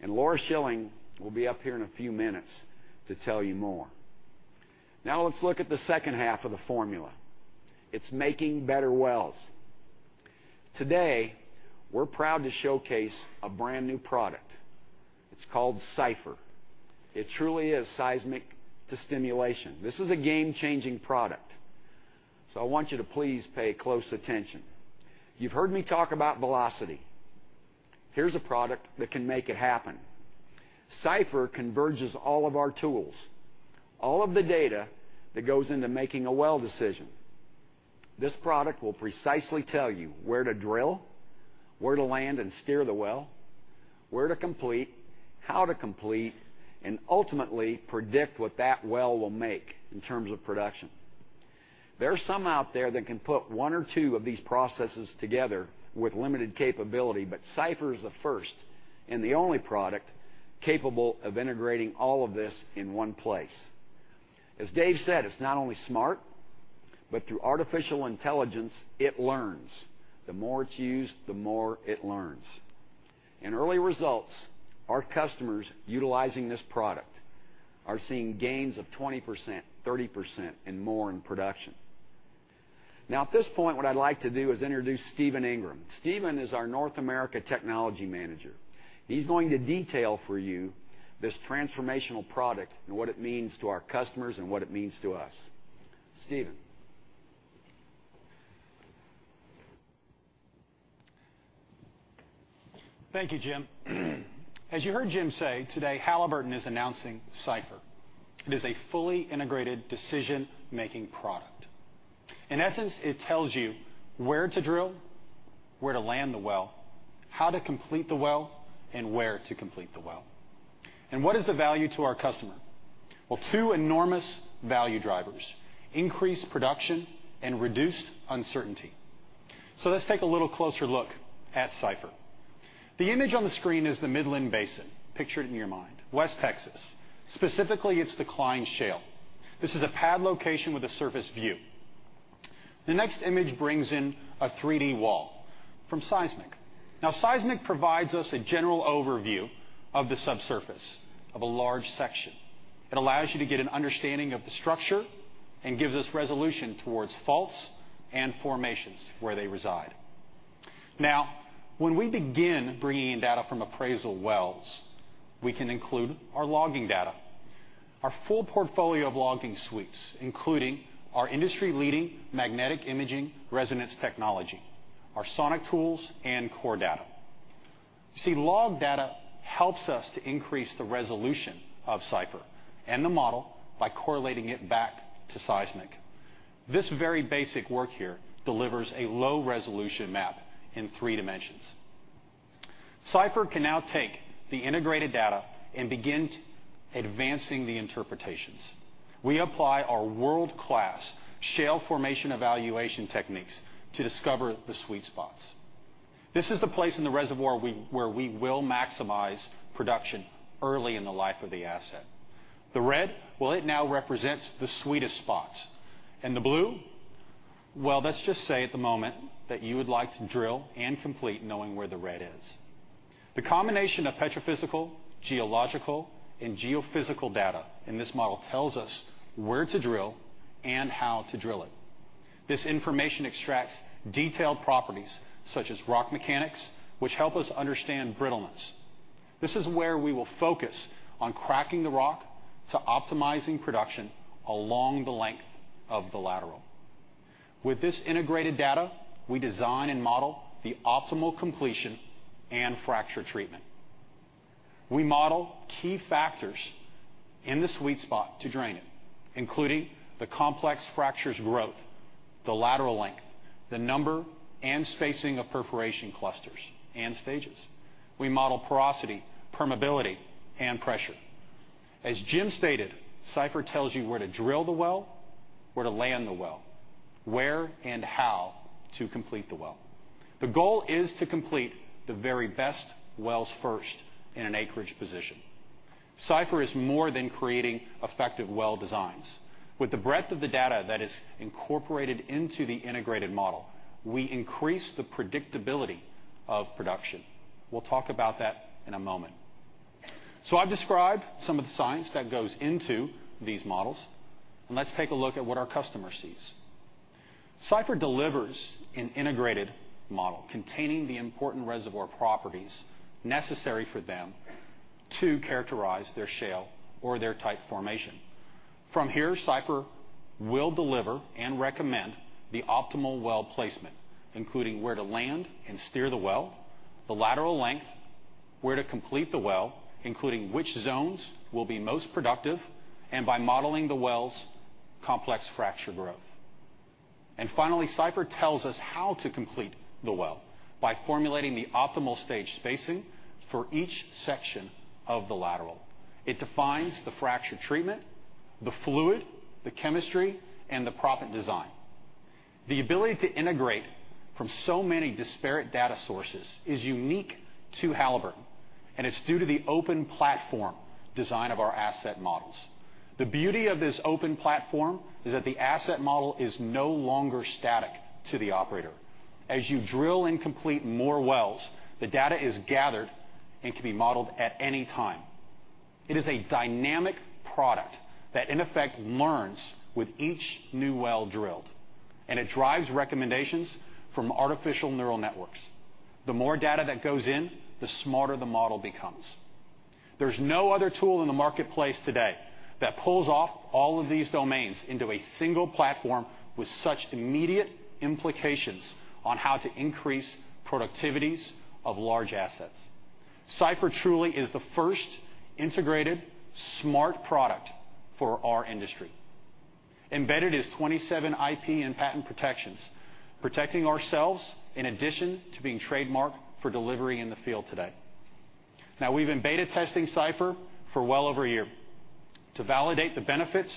and Laura Shilling will be up here in a few minutes to tell you more. Let's look at the second half of the formula. It's making better wells. Today, we're proud to showcase a brand-new product. It's called CYPHER. It truly is seismic to stimulation. This is a game-changing product, I want you to please pay close attention. You've heard me talk about velocity. Here's a product that can make it happen. CYPHER converges all of our tools, all of the data that goes into making a well decision. This product will precisely tell you where to drill, where to land and steer the well, where to complete, how to complete, and ultimately predict what that well will make in terms of production. There are some out there that can put one or two of these processes together with limited capability, CYPHER is the first and the only product capable of integrating all of this in one place. As Dave said, it's not only smart, through artificial intelligence, it learns. The more it's used, the more it learns. In early results, our customers utilizing this product are seeing gains of 20%, 30%, and more in production. At this point, what I'd like to do is introduce Steven Ingram. Steven is our North America Technology Manager. He's going to detail for you this transformational product and what it means to our customers and what it means to us. Steven. Thank you, Jim. As you heard Jim say today, Halliburton is announcing CYPHER. It is a fully integrated decision-making product. In essence, it tells you where to drill, where to land the well, how to complete the well, and where to complete the well. What is the value to our customer? Well, two enormous value drivers, increased production and reduced uncertainty. Let's take a little closer look at CYPHER. The image on the screen is the Midland Basin. Picture it in your mind, West Texas. Specifically, it's the Cline Shale. This is a pad location with a surface view. The next image brings in a 3D wall from seismic. Seismic provides us a general overview of the subsurface of a large section. It allows you to get an understanding of the structure and gives us resolution towards faults and formations where they reside. When we begin bringing in data from appraisal wells, we can include our logging data. Our full portfolio of logging suites, including our industry-leading magnetic resonance imaging technology, our sonic tools, and core data. You see, log data helps us to increase the resolution of CYPHER and the model by correlating it back to seismic. This very basic work here delivers a low-resolution map in three dimensions. CYPHER can now take the integrated data and begin advancing the interpretations. We apply our world-class shale formation evaluation techniques to discover the sweet spots. This is the place in the reservoir where we will maximize production early in the life of the asset. The red, well, it now represents the sweetest spots, and the blue, well, let's just say at the moment that you would like to drill and complete knowing where the red is. The combination of petrophysical, geological, and geophysical data in this model tells us where to drill and how to drill it. This information extracts detailed properties such as rock mechanics, which help us understand brittleness. This is where we will focus on cracking the rock to optimizing production along the length of the lateral. With this integrated data, we design and model the optimal completion and fracture treatment. We model key factors in the sweet spot to drain it, including the complex fracture's growth, the lateral length, the number and spacing of perforation clusters and stages. We model porosity, permeability, and pressure. As Jim stated, CYPHER tells you where to drill the well, where to land the well, where and how to complete the well. The goal is to complete the very best wells first in an acreage position. CYPHER is more than creating effective well designs. With the breadth of the data that is incorporated into the integrated model, we increase the predictability of production. We'll talk about that in a moment. I've described some of the science that goes into these models, let's take a look at what our customer sees. CYPHER delivers an integrated model containing the important reservoir properties necessary for them to characterize their shale or their tight formation. From here, CYPHER will deliver and recommend the optimal well placement, including where to land and steer the well, the lateral length, where to complete the well, including which zones will be most productive, and by modeling the well's complex fracture growth. Finally, CYPHER tells us how to complete the well by formulating the optimal stage spacing for each section of the lateral. It defines the fracture treatment, the fluid, the chemistry, and the proppant design. The ability to integrate from so many disparate data sources is unique to Halliburton, it's due to the open platform design of our asset models. The beauty of this open platform is that the asset model is no longer static to the operator. As you drill and complete more wells, the data is gathered and can be modeled at any time. It is a dynamic product that in effect learns with each new well drilled, it drives recommendations from artificial neural networks. The more data that goes in, the smarter the model becomes. There's no other tool in the marketplace today that pulls off all of these domains into a single platform with such immediate implications on how to increase productivities of large assets. CYPHER truly is the first integrated smart product for our industry. Embedded is 27 IP and patent protections, protecting ourselves in addition to being trademarked for delivery in the field today. Now, we've been beta testing CYPHER for well over a year to validate the benefits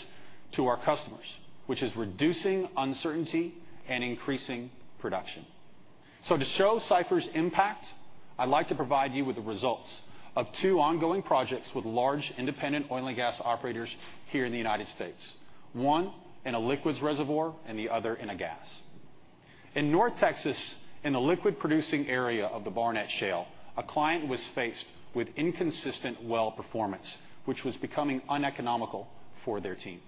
to our customers, which is reducing uncertainty and increasing production. To show CYPHER's impact, I'd like to provide you with the results of two ongoing projects with large independent oil and gas operators here in the U.S., one in a liquids reservoir and the other in a gas. In North Texas, in a liquid-producing area of the Barnett Shale, a client was faced with inconsistent well performance, which was becoming uneconomical for their team.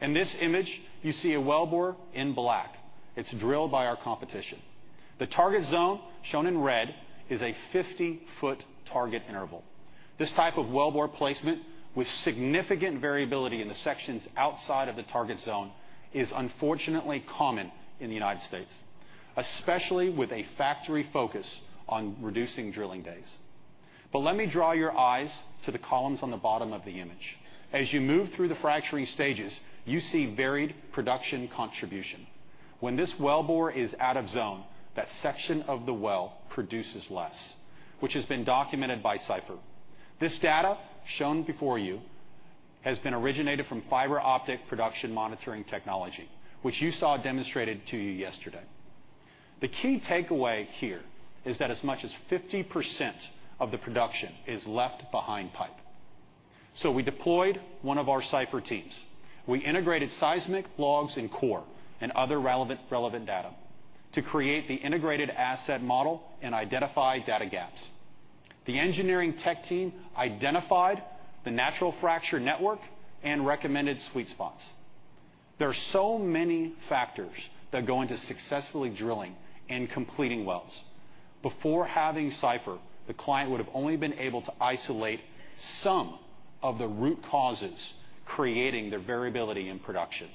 In this image, you see a wellbore in black. It's drilled by our competition. The target zone, shown in red, is a 50-foot target interval. This type of wellbore placement with significant variability in the sections outside of the target zone is unfortunately common in the U.S., especially with a factory focus on reducing drilling days. Let me draw your eyes to the columns on the bottom of the image. As you move through the fracturing stages, you see varied production contribution. When this wellbore is out of zone, that section of the well produces less, which has been documented by CYPHER. This data shown before you has been originated from fiber optic production monitoring technology, which you saw demonstrated to you yesterday. The key takeaway here is that as much as 50% of the production is left behind pipe. We deployed one of our CYPHER teams. We integrated seismic logs in core and other relevant data to create the integrated asset model and identify data gaps. The engineering tech team identified the natural fracture network and recommended sweet spots. There are so many factors that go into successfully drilling and completing wells. Before having CYPHER, the client would have only been able to isolate some of the root causes, creating their variability in production.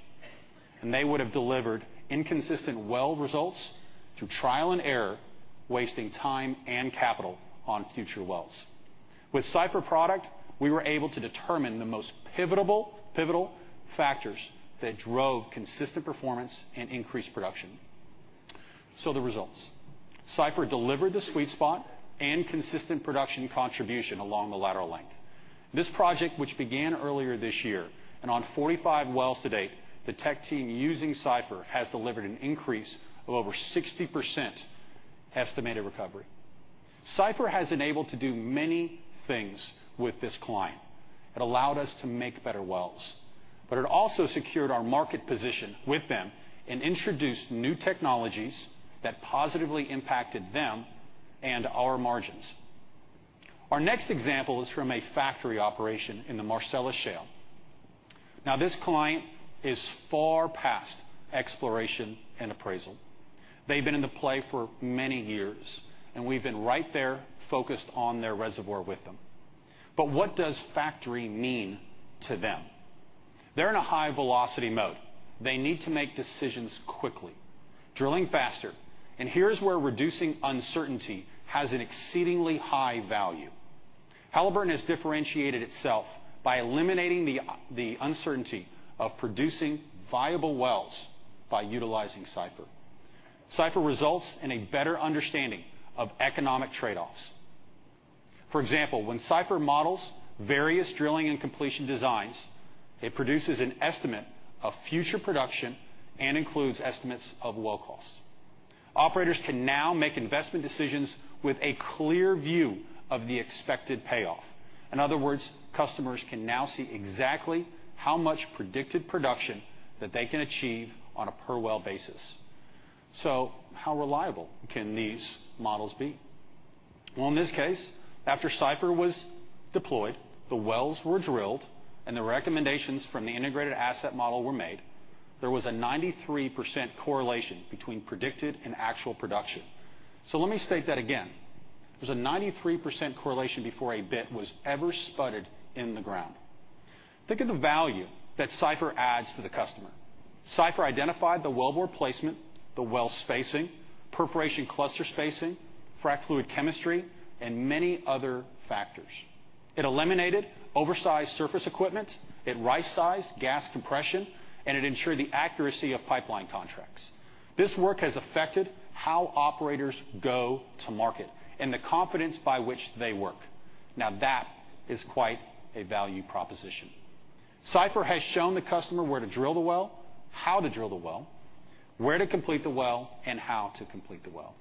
They would have delivered inconsistent well results through trial and error, wasting time and capital on future wells. With CYPHER product, we were able to determine the most pivotal factors that drove consistent performance and increased production. The results. CYPHER delivered the sweet spot and consistent production contribution along the lateral length. This project, which began earlier this year, on 45 wells to date, the tech team using CYPHER has delivered an increase of over 60% estimated recovery. CYPHER has enabled to do many things with this client. It allowed us to make better wells, it also secured our market position with them and introduced new technologies that positively impacted them and our margins. Our next example is from a factory operation in the Marcellus Shale. This client is far past exploration and appraisal. They've been in the play for many years, we've been right there focused on their reservoir with them. What does factory mean to them? They're in a high-velocity mode. They need to make decisions quickly, drilling faster. Here's where reducing uncertainty has an exceedingly high value. Halliburton has differentiated itself by eliminating the uncertainty of producing viable wells by utilizing CYPHER. CYPHER results in a better understanding of economic trade-offs. For example, when CYPHER models various drilling and completion designs, it produces an estimate of future production and includes estimates of well costs. Operators can now make investment decisions with a clear view of the expected payoff. In other words, customers can now see exactly how much predicted production that they can achieve on a per-well basis. How reliable can these models be? Well, in this case, after CYPHER was deployed, the wells were drilled, and the recommendations from the integrated asset model were made. There was a 93% correlation between predicted and actual production. Let me state that again. There's a 93% correlation before a bit was ever spudded in the ground. Think of the value that CYPHER adds to the customer. CYPHER identified the well bore placement, the well spacing, perforation cluster spacing, frack fluid chemistry, and many other factors. It eliminated oversized surface equipment, it right-sized gas compression, and it ensured the accuracy of pipeline contracts. This work has affected how operators go to market and the confidence by which they work. That is quite a value proposition. CYPHER has shown the customer where to drill the well, how to drill the well, where to complete the well, and how to complete the well.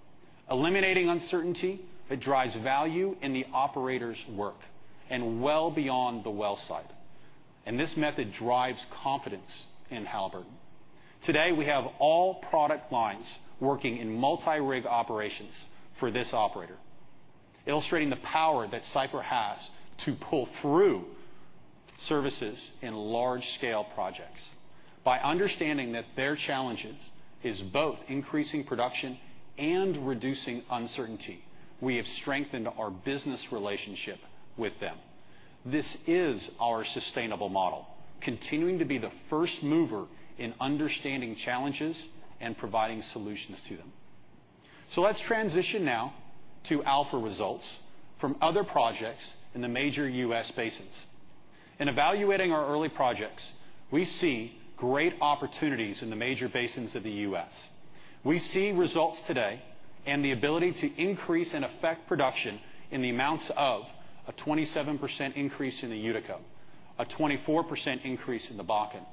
Eliminating uncertainty, it drives value in the operator's work and well beyond the well site. This method drives confidence in Halliburton. Today, we have all product lines working in multi-rig operations for this operator, illustrating the power that CYPHER has to pull through services in large-scale projects. By understanding that their challenges is both increasing production and reducing uncertainty, we have strengthened our business relationship with them. This is our sustainable model, continuing to be the first mover in understanding challenges and providing solutions to them. Let's transition now to alpha results from other projects in the major U.S. basins. In evaluating our early projects, we see great opportunities in the major basins of the U.S. We see results today and the ability to increase and affect production in the amounts of a 27% increase in the Utica, a 24% increase in the Bakken,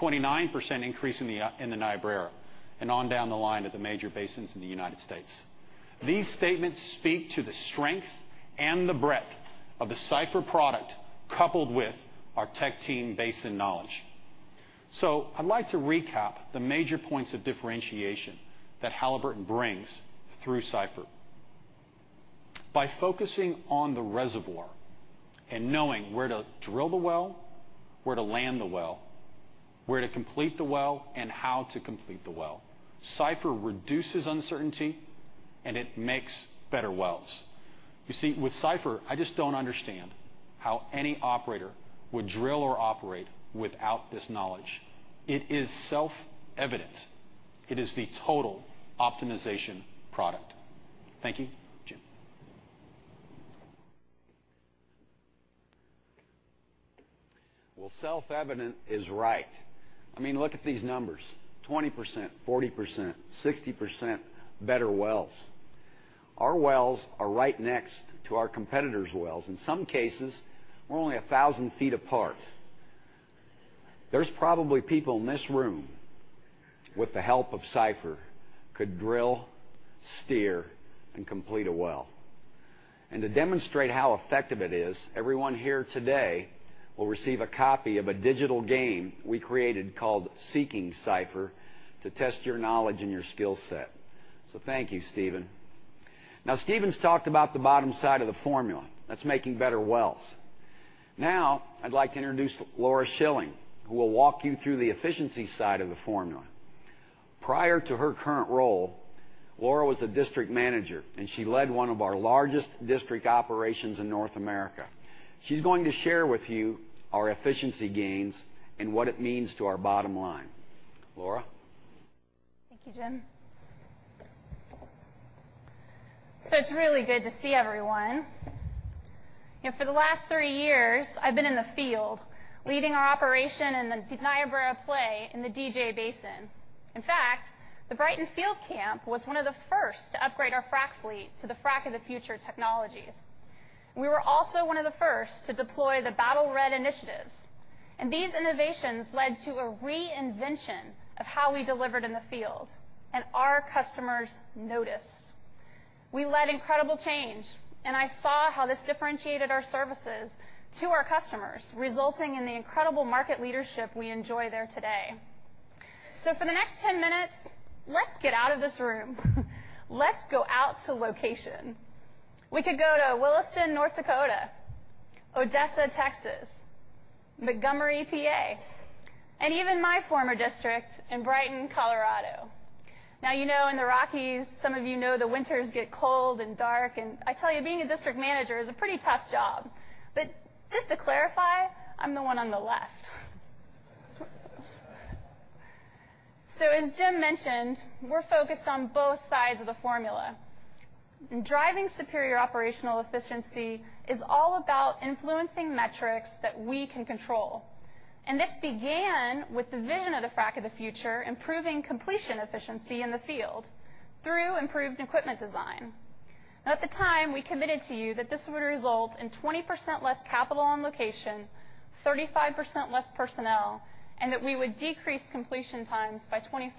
29% increase in the Niobrara, and on down the line at the major basins in the United States. These statements speak to the strength and the breadth of the CYPHER product, coupled with our tech team basin knowledge. I'd like to recap the major points of differentiation that Halliburton brings through CYPHER. By focusing on the reservoir and knowing where to drill the well, where to land the well, where to complete the well, and how to complete the well, CYPHER reduces uncertainty, and it makes better wells. You see, with CYPHER, I just don't understand how any operator would drill or operate without this knowledge. It is self-evident. It is the total optimization product. Thank you, Jim. Well, self-evident is right. I mean, look at these numbers, 20%, 40%, 60% better wells. Our wells are right next to our competitors' wells. In some cases, we're only 1,000 feet apart. There's probably people in this room, with the help of CYPHER, could drill, steer, and complete a well. To demonstrate how effective it is, everyone here today will receive a copy of a digital game we created called Seeking CYPHER to test your knowledge and your skill set. Thank you, Steven. Steven's talked about the bottom side of the formula. That's making better wells. I'd like to introduce Laura Shilling, who will walk you through the efficiency side of the formula. Prior to her current role, Laura was a district manager, and she led one of our largest district operations in North America. She's going to share with you our efficiency gains and what it means to our bottom line. Laura? Thank you, Jim. It's really good to see everyone. For the last three years, I've been in the field leading our operation in the Niobrara Play in the DJ Basin. In fact, the Brighton Field Camp was one of the first to upgrade our frac fleet to the Frac of the Future technologies. We were also one of the first to deploy the Battle Red initiatives. These innovations led to a reinvention of how we delivered in the field and our customers noticed. We led incredible change. I saw how this differentiated our services to our customers, resulting in the incredible market leadership we enjoy there today. For the next 10 minutes, let's get out of this room. Let's go out to location. We could go to Williston, North Dakota, Odessa, Texas, Montgomery, PA, and even my former district in Brighton, Colorado. Now, you know in the Rockies, some of you know the winters get cold and dark. I tell you, being a district manager is a pretty tough job. Just to clarify, I'm the one on the left. As Jim mentioned, we're focused on both sides of the formula. Driving superior operational efficiency is all about influencing metrics that we can control. This began with the vision of the Frac of the Future, improving completion efficiency in the field through improved equipment design. Now at the time, we committed to you that this would result in 20% less capital on location, 35% less personnel. That we would decrease completion times by 25%.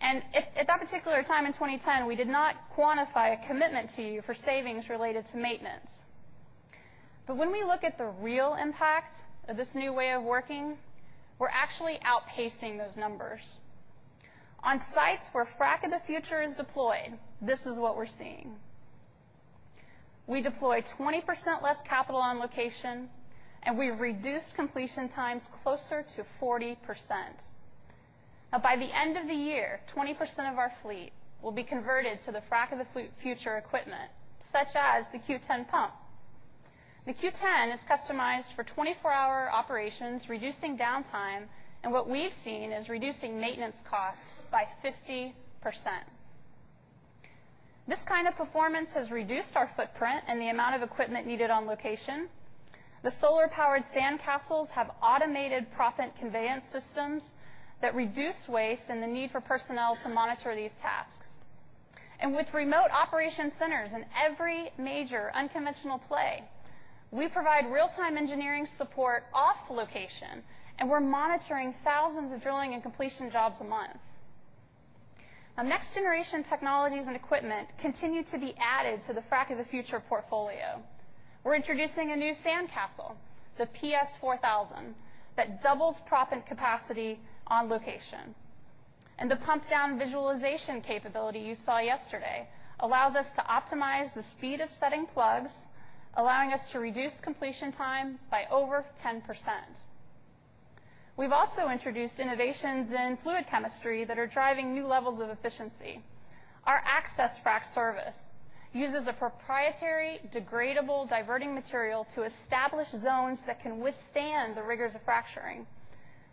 At that particular time in 2010, we did not quantify a commitment to you for savings related to maintenance. When we look at the real impact of this new way of working, we're actually outpacing those numbers. On sites where Frac of the Future is deployed, this is what we're seeing. We deploy 20% less capital on location. We reduce completion times closer to 40%. Now by the end of the year, 20% of our fleet will be converted to the Frac of the Future equipment, such as the Q10 pump. The Q10 is customized for 24-hour operations, reducing downtime. What we've seen is reducing maintenance costs by 50%. This kind of performance has reduced our footprint and the amount of equipment needed on location. The solar-powered SandCastle have automated proppant conveyance systems that reduce waste and the need for personnel to monitor these tasks. With remote operation centers in every major unconventional play, we provide real-time engineering support off location. We're monitoring thousands of drilling and completion jobs a month. Now next generation technologies and equipment continue to be added to the Frac of the Future portfolio. We're introducing a new SandCastle, the PS-4000, that doubles proppant capacity on location. The pump down visualization capability you saw yesterday allows us to optimize the speed of setting plugs, allowing us to reduce completion time by over 10%. We've also introduced innovations in fluid chemistry that are driving new levels of efficiency. Our AccessFrac service uses a proprietary degradable diverting material to establish zones that can withstand the rigors of fracturing.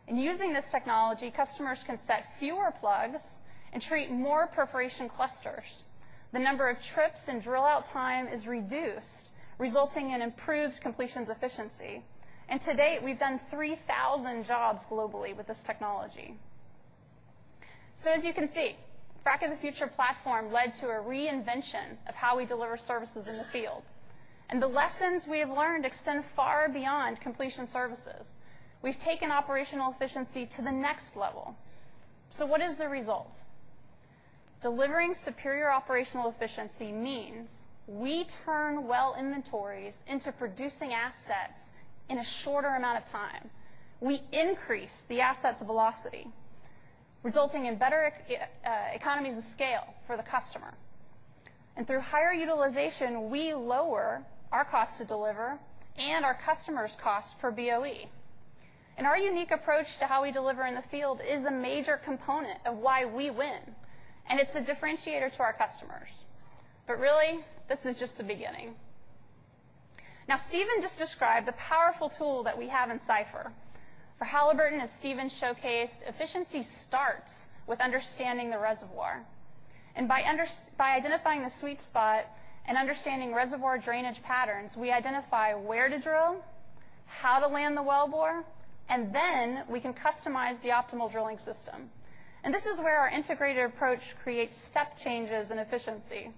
In using this technology, customers can set fewer plugs and treat more perforation clusters. The number of trips and drill out time is reduced, resulting in improved completions efficiency. To date, we've done 3,000 jobs globally with this technology. As you can see, Frac of the Future platform led to a reinvention of how we deliver services in the field. The lessons we have learned extend far beyond completion services. We've taken operational efficiency to the next level. What is the result? Delivering superior operational efficiency means we turn well inventories into producing assets in a shorter amount of time. We increase the assets velocity, resulting in better economies of scale for the customer. Through higher utilization, we lower our cost to deliver and our customers' costs per BOE. Our unique approach to how we deliver in the field is a major component of why we win, and it's a differentiator to our customers. Really, this is just the beginning. Steven just described the powerful tool that we have in CYPHER. For Halliburton, as Steven showcased, efficiency starts with understanding the reservoir. By identifying the sweet spot and understanding reservoir drainage patterns, we identify where to drill, how to land the wellbore, and then we can customize the optimal drilling system. This is where our integrated approach creates step changes in efficiency.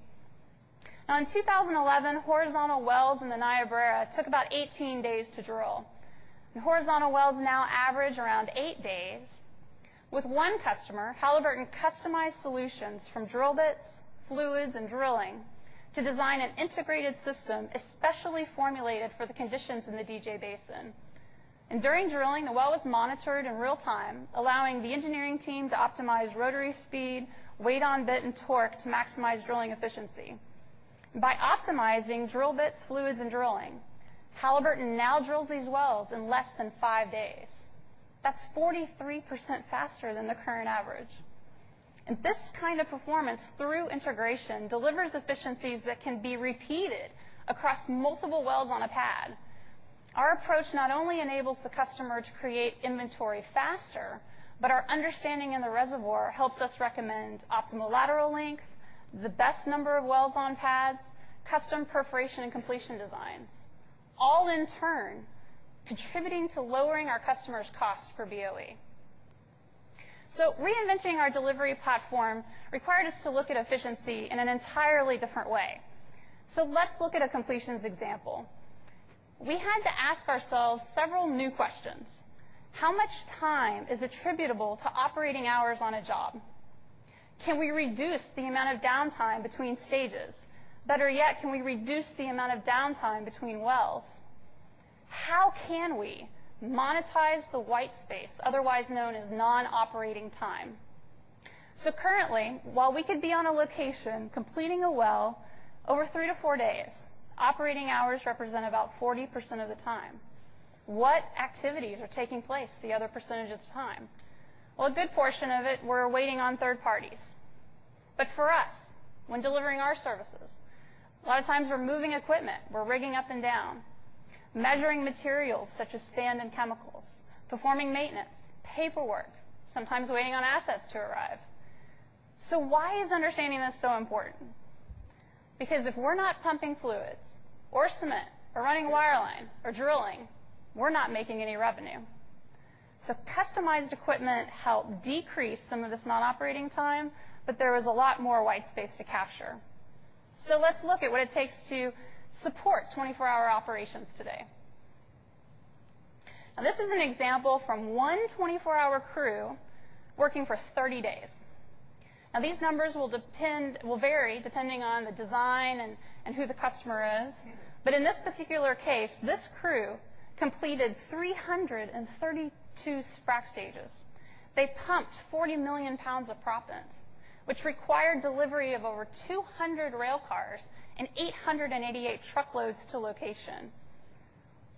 In 2011, horizontal wells in the Niobrara took about 18 days to drill. Horizontal wells now average around eight days. With one customer, Halliburton customized solutions from drill bits, fluids, and drilling to design an integrated system especially formulated for the conditions in the DJ Basin. During drilling, the well was monitored in real time, allowing the engineering team to optimize rotary speed, weight on bit, and torque to maximize drilling efficiency. By optimizing drill bits, fluids, and drilling, Halliburton now drills these wells in less than five days. That's 43% faster than the current average. This kind of performance through integration delivers efficiencies that can be repeated across multiple wells on a pad. Our approach not only enables the customer to create inventory faster, but our understanding in the reservoir helps us recommend optimal lateral length, the best number of wells on pads, custom perforation, and completion designs, all in turn contributing to lowering our customers' costs for BOE. Reinventing our delivery platform required us to look at efficiency in an entirely different way. Let's look at a completions example. We had to ask ourselves several new questions. How much time is attributable to operating hours on a job? Can we reduce the amount of downtime between stages? Better yet, can we reduce the amount of downtime between wells? How can we monetize the white space, otherwise known as non-operating time? Currently, while we could be on a location completing a well over three to four days, operating hours represent about 40% of the time. What activities are taking place the other percentage of the time? Well, a good portion of it, we're waiting on third parties. For us, when delivering our services, a lot of times we're moving equipment. We're rigging up and down, measuring materials such as sand and chemicals, performing maintenance, paperwork, sometimes waiting on assets to arrive. Why is understanding this so important? Because if we're not pumping fluids or cement or running wireline or drilling, we're not making any revenue. Customized equipment help decrease some of this non-operating time, but there is a lot more white space to capture. Let's look at what it takes to support 24-hour operations today. This is an example from one 24-hour crew working for 30 days. These numbers will vary depending on the design and who the customer is. In this particular case, this crew completed 332 frac stages. They pumped 40 million pounds of proppants, which required delivery of over 200 rail cars and 888 truckloads to location.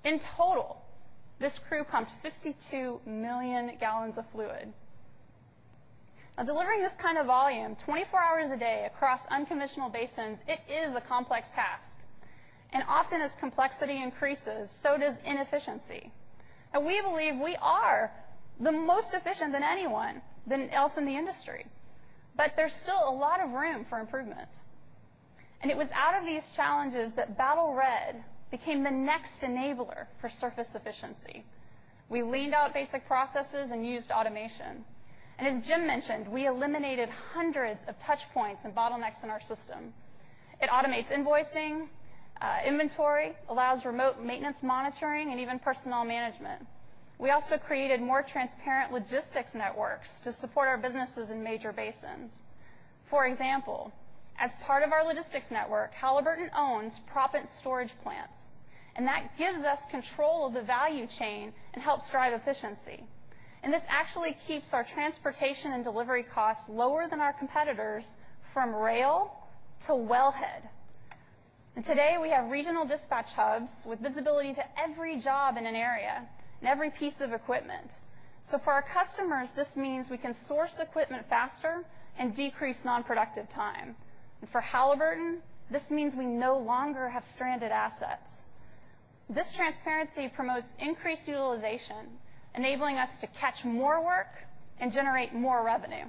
In total, this crew pumped 52 million gallons of fluid. Delivering this kind of volume 24 hours a day across unconventional basins, it is a complex task. Often as complexity increases, so does inefficiency. We believe we are the most efficient than anyone else in the industry, but there's still a lot of room for improvement. It was out of these challenges that Battle Red became the next enabler for surface efficiency. We leaned out basic processes and used automation. As Jim mentioned, we eliminated hundreds of touch points and bottlenecks in our system. It automates invoicing, inventory, allows remote maintenance monitoring, and even personnel management. We also created more transparent logistics networks to support our businesses in major basins. For example, as part of our logistics network, Halliburton owns proppant storage plants, and that gives us control of the value chain and helps drive efficiency. This actually keeps our transportation and delivery costs lower than our competitors from rail to wellhead. Today, we have regional dispatch hubs with visibility to every job in an area and every piece of equipment. For our customers, this means we can source equipment faster and decrease non-productive time. For Halliburton, this means we no longer have stranded assets. This transparency promotes increased utilization, enabling us to catch more work and generate more revenue.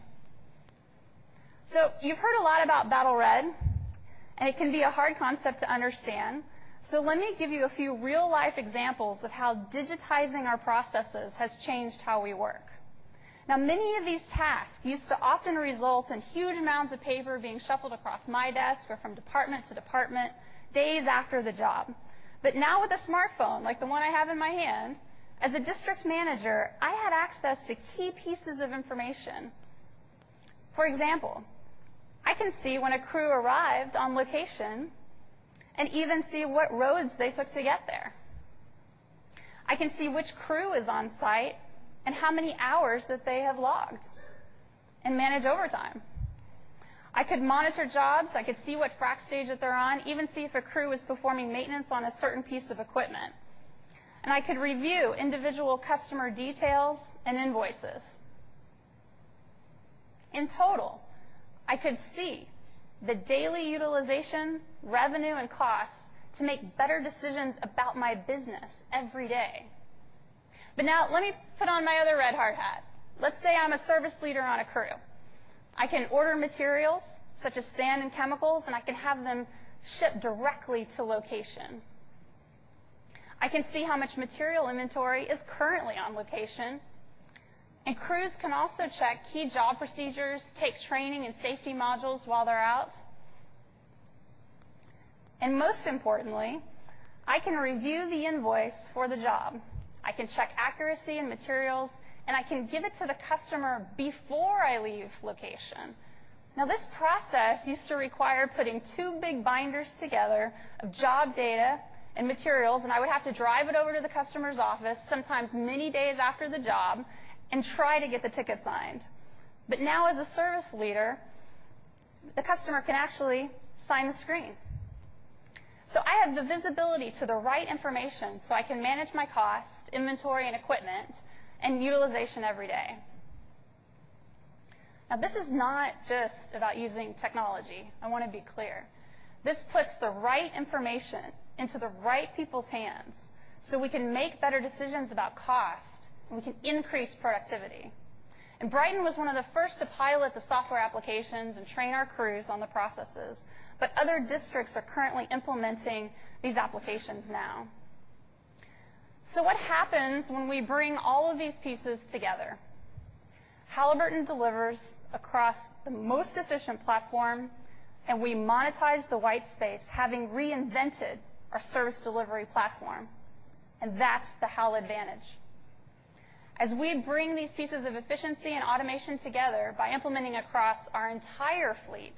You've heard a lot about Battle Red, and it can be a hard concept to understand. Let me give you a few real-life examples of how digitizing our processes has changed how we work. Many of these tasks used to often result in huge amounts of paper being shuffled across my desk or from department to department days after the job. Now with a smartphone, like the one I have in my hand, as a district manager, I had access to key pieces of information. For example, I can see when a crew arrived on location and even see what roads they took to get there. I can see which crew is on-site and how many hours that they have logged and manage overtime. I could monitor jobs. I could see what frac stage that they're on, even see if a crew is performing maintenance on a certain piece of equipment. I could review individual customer details and invoices. In total, I could see the daily utilization, revenue, and costs to make better decisions about my business every day. Now let me put on my other red hard hat. Let's say I'm a service leader on a crew. I can order materials such as sand and chemicals, and I can have them shipped directly to location. I can see how much material inventory is currently on location, and crews can also check key job procedures, take training and safety modules while they're out. Most importantly, I can review the invoice for the job. I can check accuracy and materials, and I can give it to the customer before I leave location. This process used to require putting two big binders together of job data and materials, and I would have to drive it over to the customer's office, sometimes many days after the job, and try to get the ticket signed. As a service leader, the customer can actually sign the screen. I have the visibility to the right information so I can manage my cost, inventory and equipment, and utilization every day. This is not just about using technology. I want to be clear. This puts the right information into the right people's hands so we can make better decisions about cost, and we can increase productivity. Brighton was one of the first to pilot the software applications and train our crews on the processes, but other districts are currently implementing these applications now. What happens when we bring all of these pieces together? Halliburton delivers across the most efficient platform, and we monetize the white space, having reinvented our service delivery platform, and that's the HalVantage. As we bring these pieces of efficiency and automation together by implementing across our entire fleet,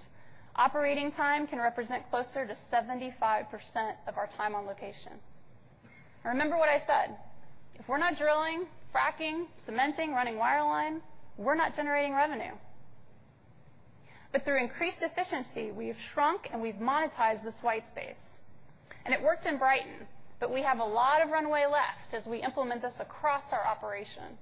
operating time can represent closer to 75% of our time on location. Remember what I said. If we're not drilling, fracking, cementing, running wireline, we're not generating revenue. Through increased efficiency, we have shrunk and we've monetized this white space, and it worked in Brighton, but we have a lot of runway left as we implement this across our operation.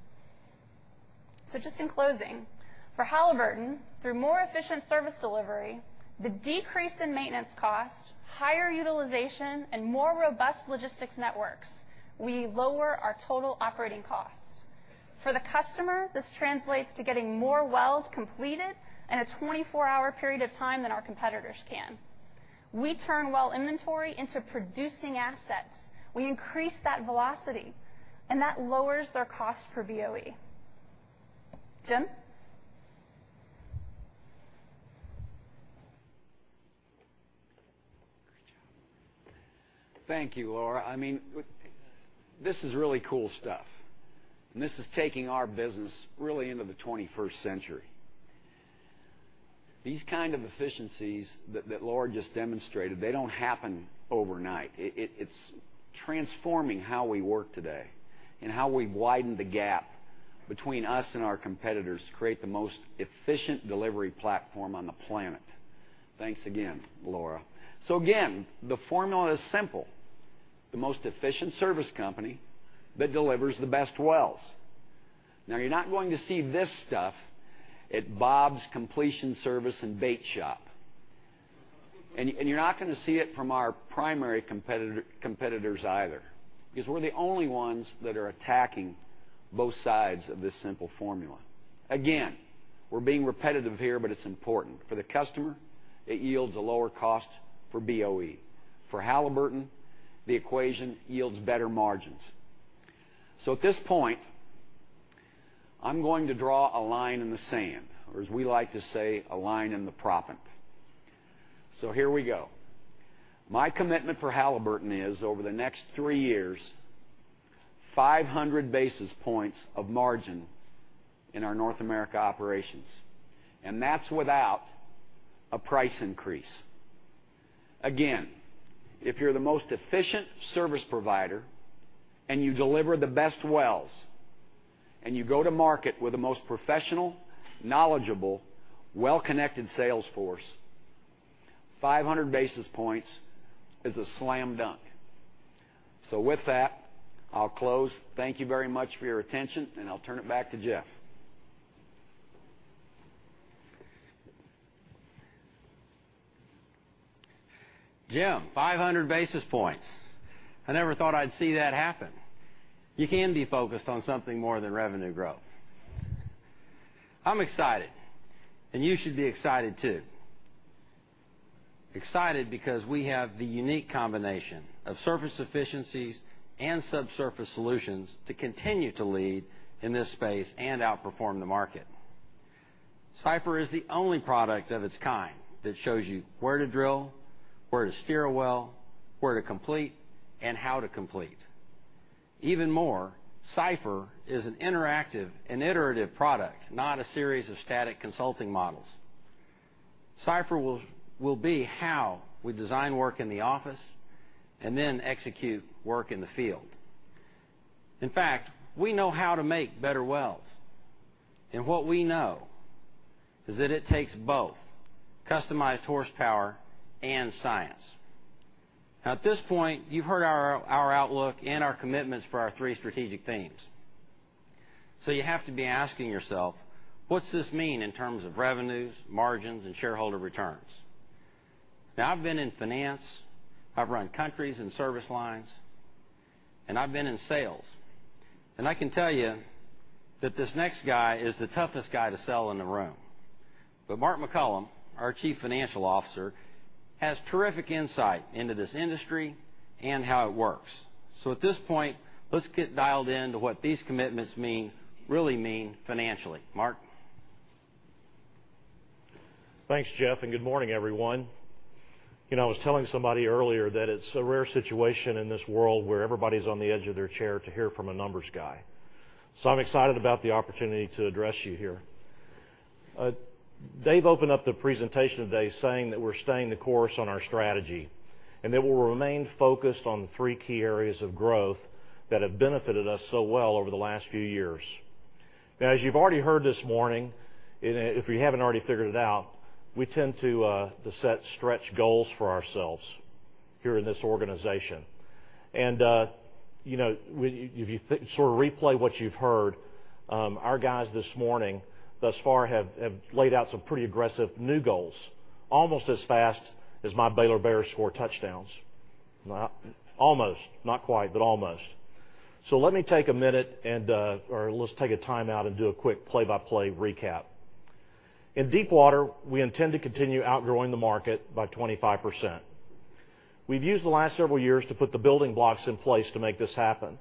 Just in closing, for Halliburton, through more efficient service delivery, the decrease in maintenance cost, higher utilization, and more robust logistics networks, we lower our total operating costs. For the customer, this translates to getting more wells completed in a 24-hour period of time than our competitors can. We turn well inventory into producing assets. We increase that velocity, and that lowers their cost per BOE. Jim? Great job. Thank you, Laura. This is really cool stuff, and this is taking our business really into the 21st century. These kind of efficiencies that Laura just demonstrated, they don't happen overnight. It's transforming how we work today and how we widen the gap between us and our competitors to create the most efficient delivery platform on the planet. Thanks again, Laura. Again, the formula is simple. The most efficient service company that delivers the best wells. You're not going to see this stuff at Bob's Completion Service and Bait Shop, and you're not going to see it from our primary competitors either because we're the only ones that are attacking both sides of this simple formula. Again, we're being repetitive here, but it's important. For the customer, it yields a lower cost for BOE. For Halliburton, the equation yields better margins. At this point, I'm going to draw a line in the sand, or as we like to say, a line in the proppant. Here we go. My commitment for Halliburton is over the next three years, 500 basis points of margin in our North America operations, and that's without a price increase. If you're the most efficient service provider and you deliver the best wells, and you go to market with the most professional, knowledgeable, well-connected sales force, 500 basis points is a slam dunk. With that, I'll close. Thank you very much for your attention, and I'll turn it back to Jeff. Jim, 500 basis points. I never thought I'd see that happen. You can be focused on something more than revenue growth. I'm excited, and you should be excited, too. Excited because we have the unique combination of surface efficiencies and subsurface solutions to continue to lead in this space and outperform the market. CYPHER is the only product of its kind that shows you where to drill, where to steer a well, where to complete, and how to complete. Even more, CYPHER is an interactive and iterative product, not a series of static consulting models. CYPHER will be how we design work in the office and then execute work in the field. In fact, we know how to make better wells, and what we know is that it takes both customized horsepower and science. At this point, you've heard our outlook and our commitments for our three strategic themes. You have to be asking yourself, what's this mean in terms of revenues, margins, and shareholder returns? I've been in finance, I've run countries and service lines, and I've been in sales. I can tell you that this next guy is the toughest guy to sell in the room. Mark McCollum, our Chief Financial Officer, has terrific insight into this industry and how it works. At this point, let's get dialed in to what these commitments really mean financially. Mark? Thanks, Jeff. Good morning, everyone. I was telling somebody earlier that it's a rare situation in this world where everybody's on the edge of their chair to hear from a numbers guy. I'm excited about the opportunity to address you here. Dave opened up the presentation today saying that we're staying the course on our strategy and that we'll remain focused on three key areas of growth that have benefited us so well over the last few years. As you've already heard this morning, and if you haven't already figured it out, we tend to set stretch goals for ourselves here in this organization. If you sort of replay what you've heard, our guys this morning thus far have laid out some pretty aggressive new goals, almost as fast as my Baylor Bears score touchdowns. Almost. Not quite, but almost. Let me take a minute, or let's take a timeout and do a quick play-by-play recap. In deepwater, we intend to continue outgrowing the market by 25%. We've used the last several years to put the building blocks in place to make this happen.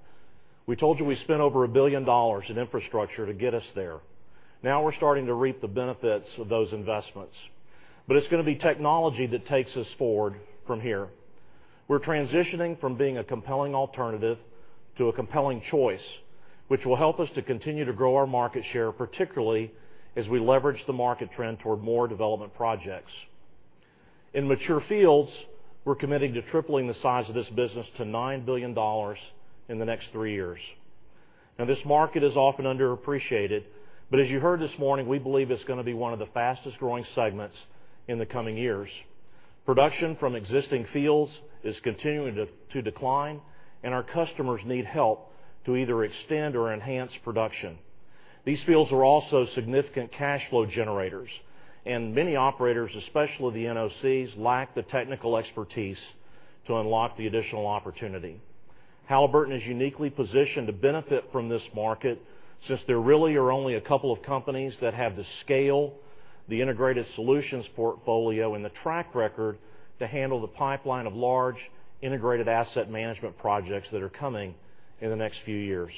We told you we spent over $1 billion in infrastructure to get us there. Now we're starting to reap the benefits of those investments. It's going to be technology that takes us forward from here. We're transitioning from being a compelling alternative to a compelling choice, which will help us to continue to grow our market share, particularly as we leverage the market trend toward more development projects. In mature fields, we're committing to tripling the size of this business to $9 billion in the next three years. This market is often underappreciated, as you heard this morning, we believe it's going to be one of the fastest growing segments in the coming years. Production from existing fields is continuing to decline, and our customers need help to either extend or enhance production. These fields are also significant cash flow generators, and many operators, especially the NOCs, lack the technical expertise to unlock the additional opportunity. Halliburton is uniquely positioned to benefit from this market, since there really are only a couple of companies that have the scale, the integrated solutions portfolio, and the track record to handle the pipeline of large integrated asset management projects that are coming in the next few years.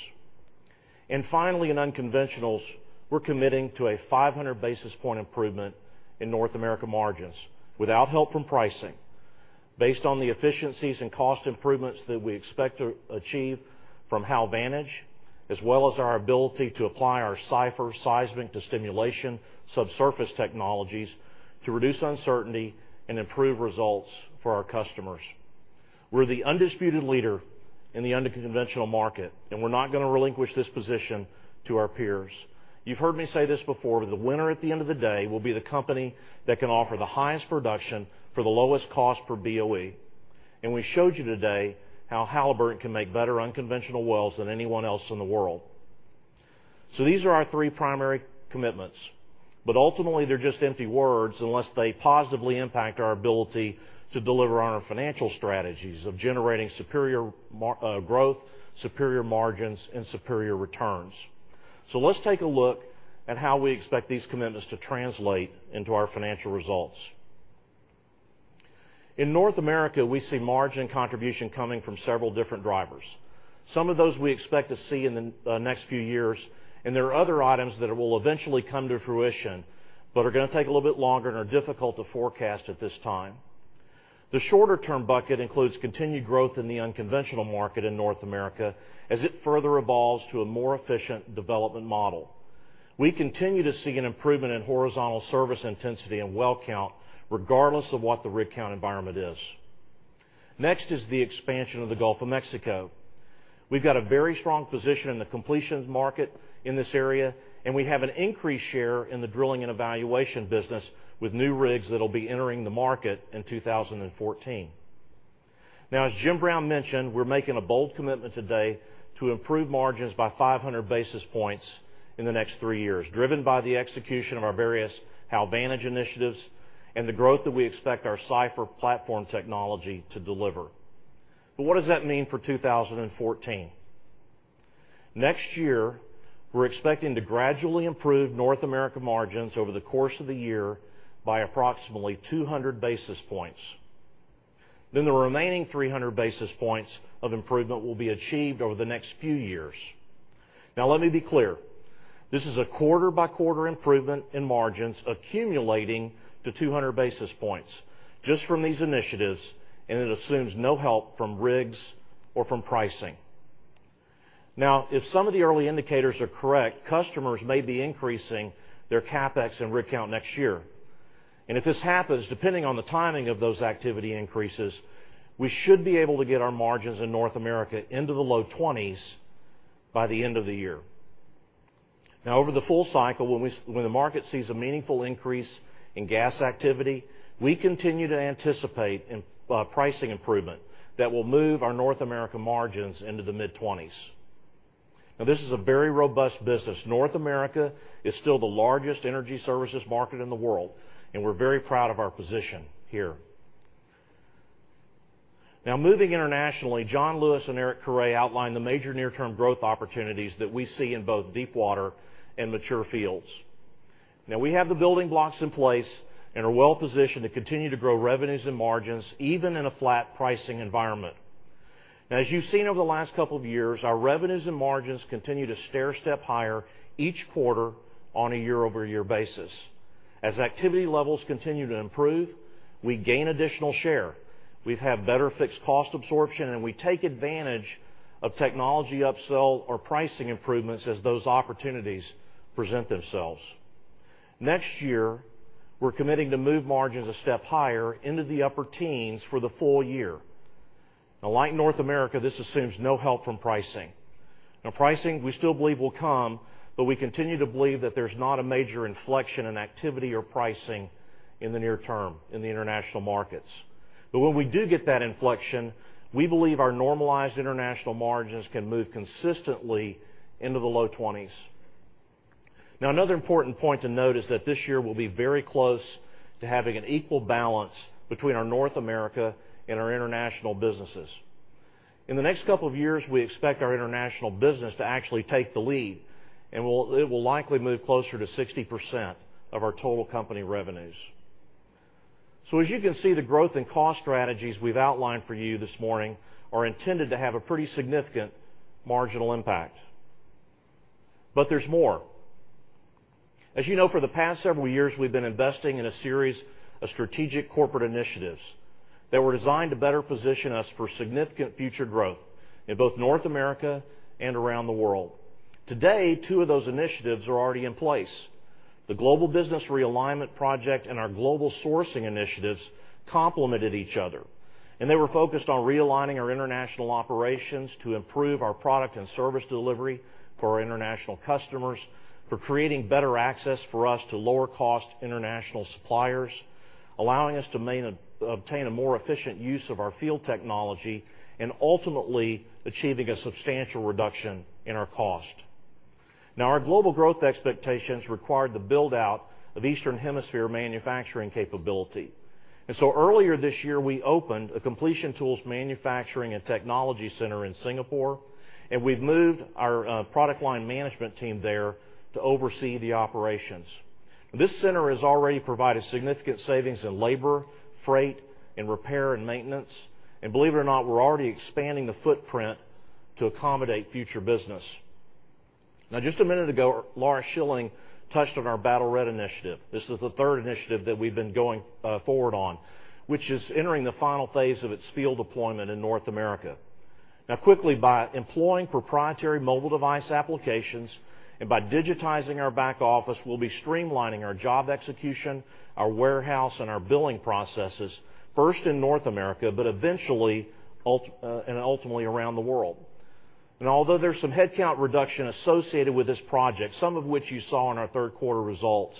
Finally, in unconventionals, we're committing to a 500 basis point improvement in North America margins without help from pricing based on the efficiencies and cost improvements that we expect to achieve from HalVantage, as well as our ability to apply our CYPHER seismic to stimulation subsurface technologies to reduce uncertainty and improve results for our customers. We're the undisputed leader in the unconventional market, we're not going to relinquish this position to our peers. You've heard me say this before, the winner at the end of the day will be the company that can offer the highest production for the lowest cost per BOE. We showed you today how Halliburton can make better unconventional wells than anyone else in the world. These are our three primary commitments. Ultimately, they're just empty words unless they positively impact our ability to deliver on our financial strategies of generating superior growth, superior margins, and superior returns. Let's take a look at how we expect these commitments to translate into our financial results. In North America, we see margin contribution coming from several different drivers. Some of those we expect to see in the next few years, there are other items that will eventually come to fruition, are going to take a little bit longer and are difficult to forecast at this time. The shorter-term bucket includes continued growth in the unconventional market in North America as it further evolves to a more efficient development model. We continue to see an improvement in horizontal service intensity and well count, regardless of what the rig count environment is. Next is the expansion of the Gulf of Mexico. We've got a very strong position in the completions market in this area, we have an increased share in the drilling and evaluation business with new rigs that'll be entering the market in 2014. Now, as Jim Brown mentioned, we're making a bold commitment today to improve margins by 500 basis points in the next three years, driven by the execution of our various HalVantage initiatives and the growth that we expect our CYPHER platform technology to deliver. What does that mean for 2014? Next year, we're expecting to gradually improve North America margins over the course of the year by approximately 200 basis points. The remaining 300 basis points of improvement will be achieved over the next few years. Now let me be clear. This is a quarter-by-quarter improvement in margins accumulating to 200 basis points just from these initiatives, it assumes no help from rigs or from pricing. Now, if some of the early indicators are correct, customers may be increasing their CapEx and rig count next year. If this happens, depending on the timing of those activity increases, we should be able to get our margins in North America into the low 20s by the end of the year. Now over the full cycle, when the market sees a meaningful increase in gas activity, we continue to anticipate pricing improvement that will move our North America margins into the mid-20s. Now this is a very robust business. North America is still the largest energy services market in the world, we're very proud of our position here. Now moving internationally, John Lewis and Eric Carre outlined the major near-term growth opportunities that we see in both deepwater and mature fields. Now we have the building blocks in place and are well-positioned to continue to grow revenues and margins even in a flat pricing environment. Now, as you've seen over the last couple of years, our revenues and margins continue to stairstep higher each quarter on a year-over-year basis. As activity levels continue to improve, we gain additional share. We've had better fixed cost absorption, we take advantage of technology upsell or pricing improvements as those opportunities present themselves. Next year, we're committing to move margins a step higher into the upper teens for the full year. Now, like North America, this assumes no help from pricing. Now pricing we still believe will come, we continue to believe that there's not a major inflection in activity or pricing in the near term in the international markets. When we do get that inflection, we believe our normalized international margins can move consistently into the low 20s. Now, another important point to note is that this year we'll be very close to having an equal balance between our North America and our international businesses. In the next couple of years, we expect our international business to actually take the lead, it will likely move closer to 60% of our total company revenues. As you can see, the growth and cost strategies we've outlined for you this morning are intended to have a pretty significant marginal impact. There's more. As you know, for the past several years, we've been investing in a series of strategic corporate initiatives that were designed to better position us for significant future growth in both North America and around the world. Today, two of those initiatives are already in place. The Global Business Realignment project and our global sourcing initiatives complemented each other, and they were focused on realigning our international operations to improve our product and service delivery for our international customers, for creating better access for us to lower-cost international suppliers, allowing us to obtain a more efficient use of our field technology, and ultimately achieving a substantial reduction in our cost. Our global growth expectations required the build-out of Eastern Hemisphere manufacturing capability. Earlier this year, we opened a completion tools manufacturing and technology center in Singapore, and we've moved our product line management team there to oversee the operations. This center has already provided significant savings in labor, freight, and repair and maintenance. Believe it or not, we're already expanding the footprint to accommodate future business. Just a minute ago, Laura Shilling touched on our Battle Red initiative. This is the third initiative that we've been going forward on, which is entering the final phase of its field deployment in North America. Quickly, by employing proprietary mobile device applications and by digitizing our back office, we'll be streamlining our job execution, our warehouse, and our billing processes, first in North America, but eventually and ultimately around the world. Although there's some headcount reduction associated with this project, some of which you saw in our third quarter results,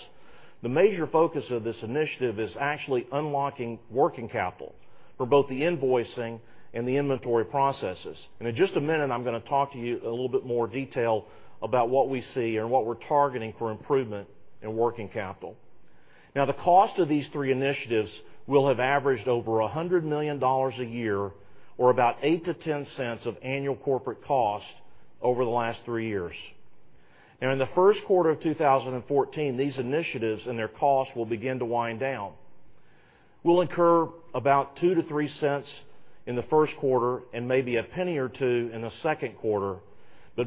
the major focus of this initiative is actually unlocking working capital for both the invoicing and the inventory processes. In just a minute, I'm going to talk to you a little bit more detail about what we see and what we're targeting for improvement in working capital. The cost of these three initiatives will have averaged over $100 million a year or about $0.08-$0.10 of annual corporate cost over the last three years. In the first quarter of 2014, these initiatives and their costs will begin to wind down. We'll incur about $0.02-$0.03 in the first quarter and maybe $0.01-$0.02 in the second quarter.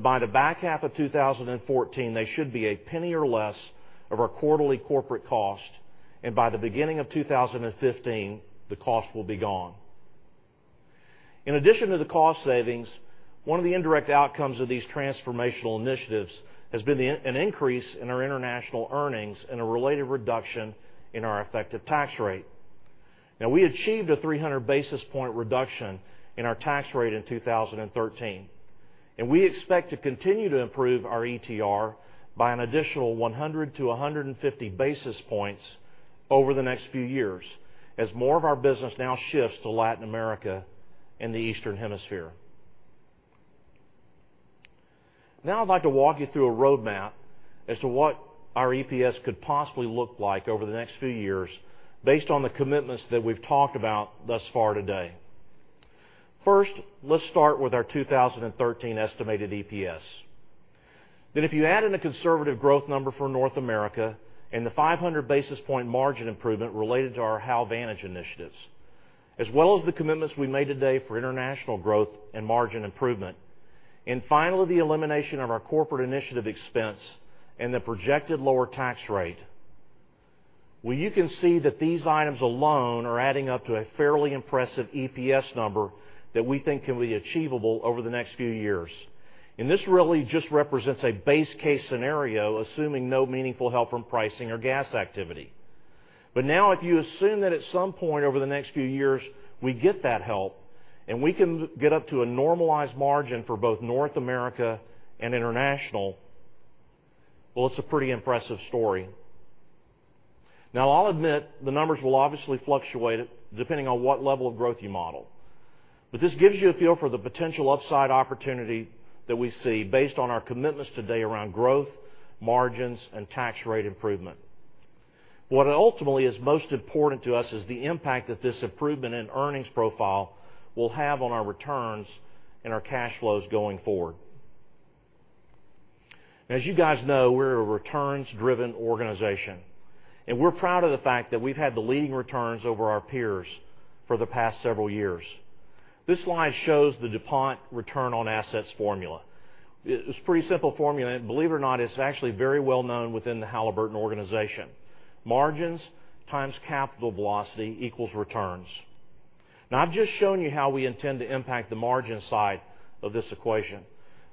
By the back half of 2014, they should be $0.01 or less of our quarterly corporate cost. By the beginning of 2015, the cost will be gone. In addition to the cost savings, one of the indirect outcomes of these transformational initiatives has been an increase in our international earnings and a related reduction in our effective tax rate. We achieved a 300-basis-point reduction in our tax rate in 2013, and we expect to continue to improve our ETR by an additional 100 to 150 basis points over the next few years as more of our business now shifts to Latin America and the Eastern Hemisphere. I'd like to walk you through a roadmap as to what our EPS could possibly look like over the next few years based on the commitments that we've talked about thus far today. Let's start with our 2013 estimated EPS. If you add in a conservative growth number for North America and the 500-basis-point margin improvement related to our HalVantage initiatives, as well as the commitments we made today for international growth and margin improvement, finally, the elimination of our corporate initiative expense and the projected lower tax rate. You can see that these items alone are adding up to a fairly impressive EPS number that we think can be achievable over the next few years. This really just represents a base case scenario, assuming no meaningful help from pricing or gas activity. Now if you assume that at some point over the next few years we get that help and we can get up to a normalized margin for both North America and international, it's a pretty impressive story. I'll admit the numbers will obviously fluctuate depending on what level of growth you model. This gives you a feel for the potential upside opportunity that we see based on our commitments today around growth, margins, and tax rate improvement. What ultimately is most important to us is the impact that this improvement in earnings profile will have on our returns and our cash flows going forward. As you guys know, we're a returns-driven organization, and we're proud of the fact that we've had the leading returns over our peers for the past several years. This slide shows the DuPont return on assets formula. It's a pretty simple formula, and believe it or not, it's actually very well-known within the Halliburton organization. Margins times capital velocity equals returns. I've just shown you how we intend to impact the margin side of this equation,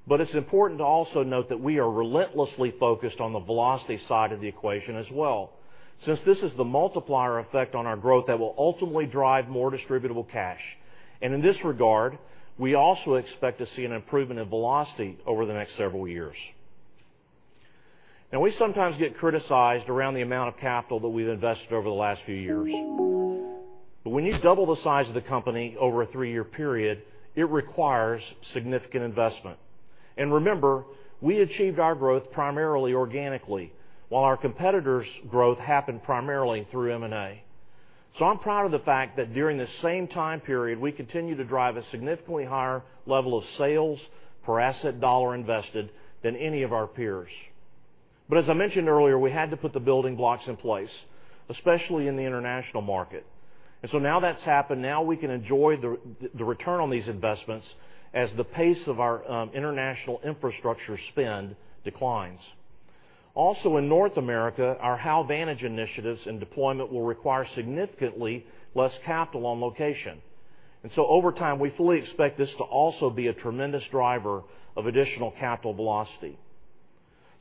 but it's important to also note that we are relentlessly focused on the velocity side of the equation as well since this is the multiplier effect on our growth that will ultimately drive more distributable cash. In this regard, we also expect to see an improvement in velocity over the next several years. We sometimes get criticized around the amount of capital that we've invested over the last few years. When you double the size of the company over a three-year period, it requires significant investment. Remember, we achieved our growth primarily organically while our competitors' growth happened primarily through M&A. I'm proud of the fact that during the same time period, we continue to drive a significantly higher level of sales per asset dollar invested than any of our peers. As I mentioned earlier, we had to put the building blocks in place, especially in the international market. Now that's happened. We can enjoy the return on these investments as the pace of our international infrastructure spend declines. Also in North America, our HalVantage initiatives and deployment will require significantly less capital on location. Over time, we fully expect this to also be a tremendous driver of additional capital velocity.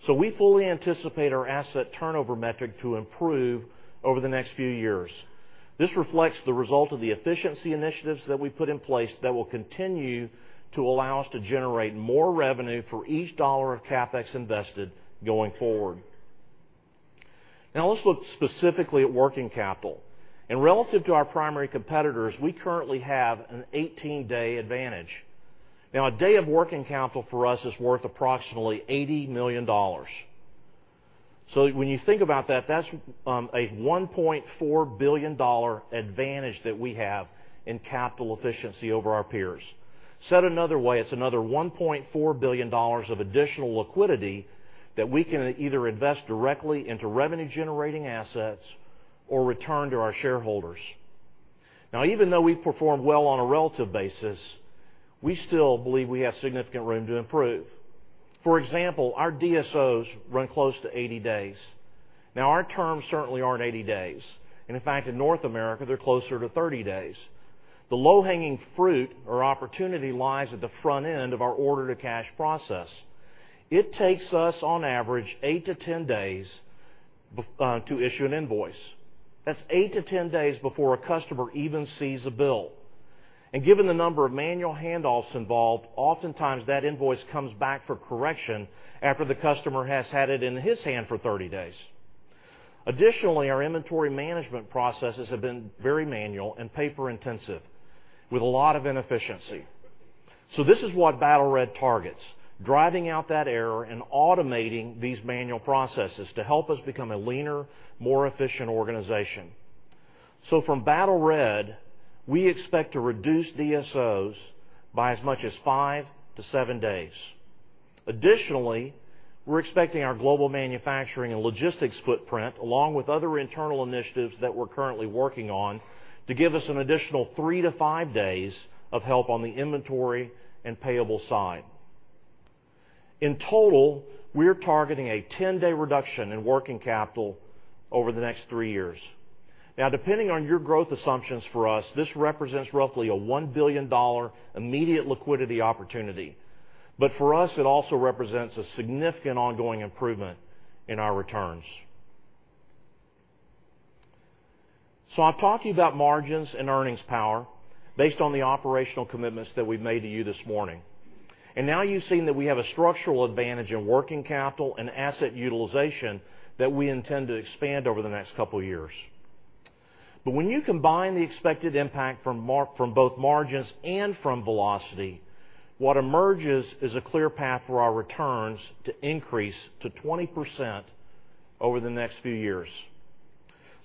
We fully anticipate our asset turnover metric to improve over the next few years. This reflects the result of the efficiency initiatives that we put in place that will continue to allow us to generate more revenue for each dollar of CapEx invested going forward. Let's look specifically at working capital. Relative to our primary competitors, we currently have an 18-day advantage. A day of working capital for us is worth approximately $80 million. When you think about that's a $1.4 billion advantage that we have in capital efficiency over our peers. Said another way, it's another $1.4 billion of additional liquidity that we can either invest directly into revenue-generating assets or return to our shareholders. Even though we've performed well on a relative basis, we still believe we have significant room to improve. For example, our DSOs run close to 80 days. Our terms certainly aren't 80 days, and in fact, in North America, they're closer to 30 days. The low-hanging fruit or opportunity lies at the front end of our order-to-cash process. It takes us, on average, 8 to 10 days to issue an invoice. That's 8 to 10 days before a customer even sees a bill. Given the number of manual handoffs involved, oftentimes that invoice comes back for correction after the customer has had it in his hand for 30 days. Additionally, our inventory management processes have been very manual and paper intensive with a lot of inefficiency. This is what Battle Red targets, driving out that error and automating these manual processes to help us become a leaner, more efficient organization. From Battle Red, we expect to reduce DSOs by as much as five to seven days. Additionally, we're expecting our global manufacturing and logistics footprint, along with other internal initiatives that we're currently working on, to give us an additional three to five days of help on the inventory and payable side. In total, we're targeting a 10-day reduction in working capital over the next three years. Depending on your growth assumptions for us, this represents roughly a $1 billion immediate liquidity opportunity. For us, it also represents a significant ongoing improvement in our returns. I've talked to you about margins and earnings power based on the operational commitments that we've made to you this morning. Now you've seen that we have a structural advantage in working capital and asset utilization that we intend to expand over the next couple of years. When you combine the expected impact from both margins and from velocity, what emerges is a clear path for our returns to increase to 20% over the next few years.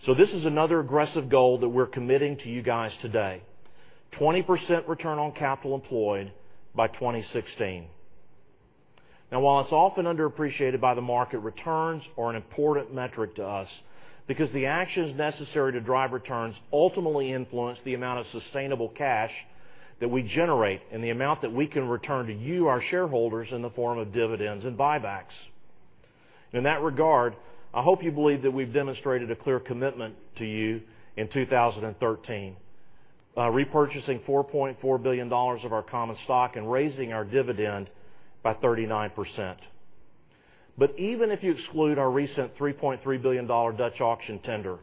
This is another aggressive goal that we're committing to you guys today. 20% return on capital employed by 2016. While it's often underappreciated by the market, returns are an important metric to us because the actions necessary to drive returns ultimately influence the amount of sustainable cash that we generate and the amount that we can return to you, our shareholders, in the form of dividends and buybacks. In that regard, I hope you believe that we've demonstrated a clear commitment to you in 2013 by repurchasing $4.4 billion of our common stock and raising our dividend by 39%. Even if you exclude our recent $3.3 billion Dutch auction tender.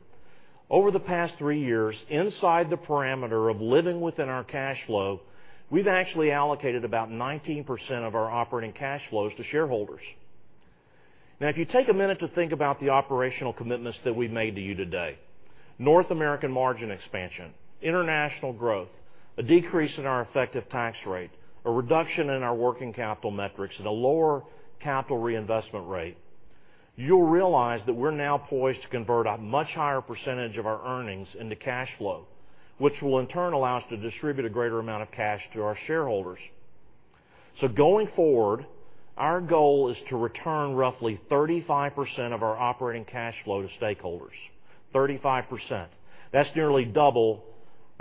Over the past three years, inside the parameter of living within our cash flow, we've actually allocated about 19% of our operating cash flows to shareholders. If you take a minute to think about the operational commitments that we've made to you today, North American margin expansion, international growth, a decrease in our effective tax rate, a reduction in our working capital metrics, and a lower capital reinvestment rate, you'll realize that we're now poised to convert a much higher percentage of our earnings into cash flow, which will in turn allow us to distribute a greater amount of cash to our shareholders. Going forward, our goal is to return roughly 35% of our operating cash flow to stakeholders. 35%. That's nearly double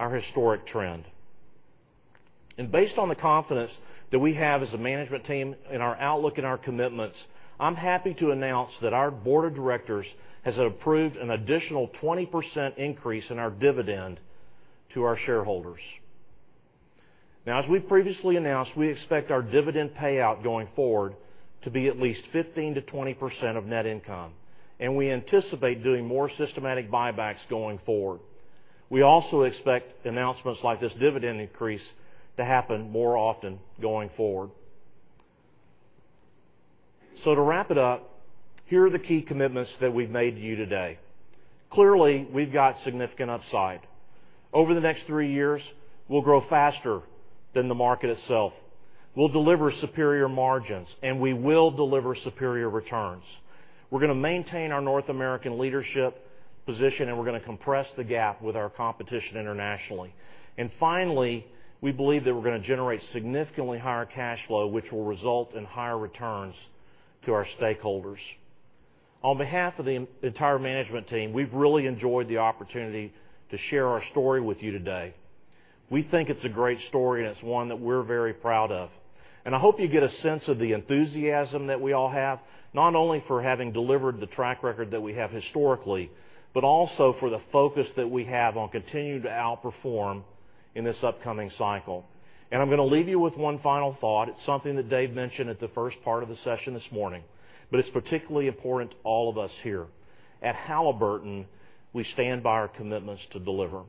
our historic trend. Based on the confidence that we have as a management team in our outlook and our commitments, I'm happy to announce that our board of directors has approved an additional 20% increase in our dividend to our shareholders. As we previously announced, we expect our dividend payout going forward to be at least 15%-20% of net income, and we anticipate doing more systematic buybacks going forward. We also expect announcements like this dividend increase to happen more often going forward. To wrap it up, here are the key commitments that we've made to you today. Clearly, we've got significant upside. Over the next three years, we'll grow faster than the market itself. We'll deliver superior margins, and we will deliver superior returns. We're going to maintain our North American leadership position, and we're going to compress the gap with our competition internationally. Finally, we believe that we're going to generate significantly higher cash flow, which will result in higher returns to our stakeholders. On behalf of the entire management team, we've really enjoyed the opportunity to share our story with you today. We think it's a great story, and it's one that we're very proud of. I hope you get a sense of the enthusiasm that we all have, not only for having delivered the track record that we have historically, but also for the focus that we have on continuing to outperform in this upcoming cycle. I'm going to leave you with one final thought. It's something that Dave mentioned at the first part of the session this morning, but it's particularly important to all of us here. At Halliburton, we stand by our commitments to deliver.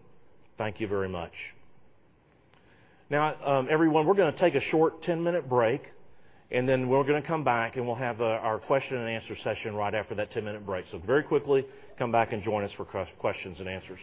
Thank you very much. Everyone, we're going to take a short 10-minute break, and then we're going to come back, and we'll have our question and answer session right after that 10-minute break. Very quickly, come back and join us for questions and answers.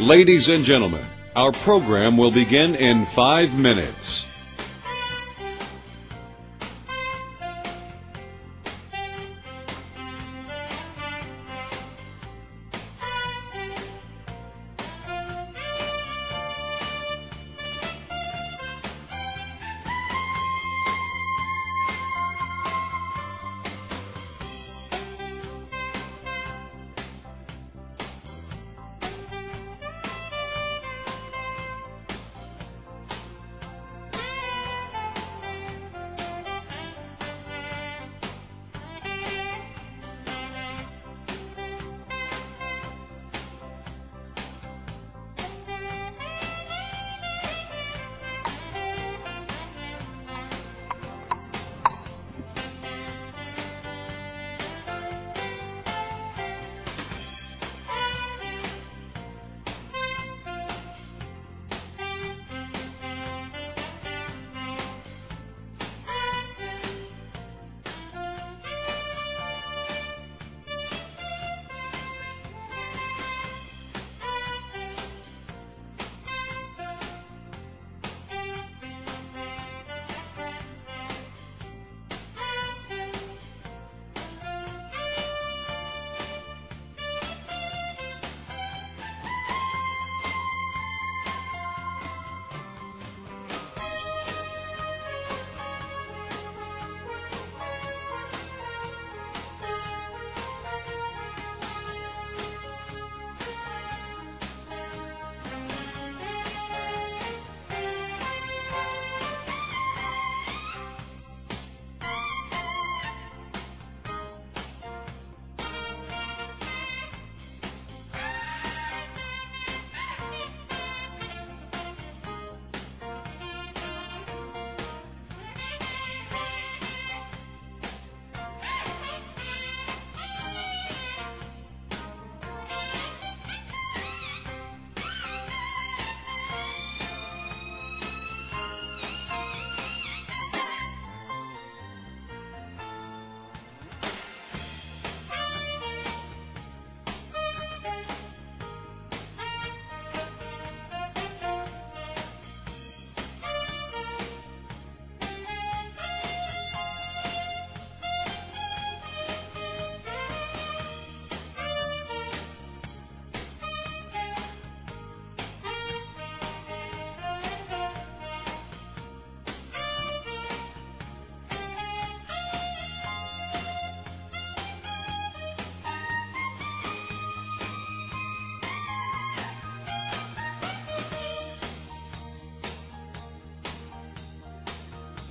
Ladies and gentlemen, our program will begin in five minutes.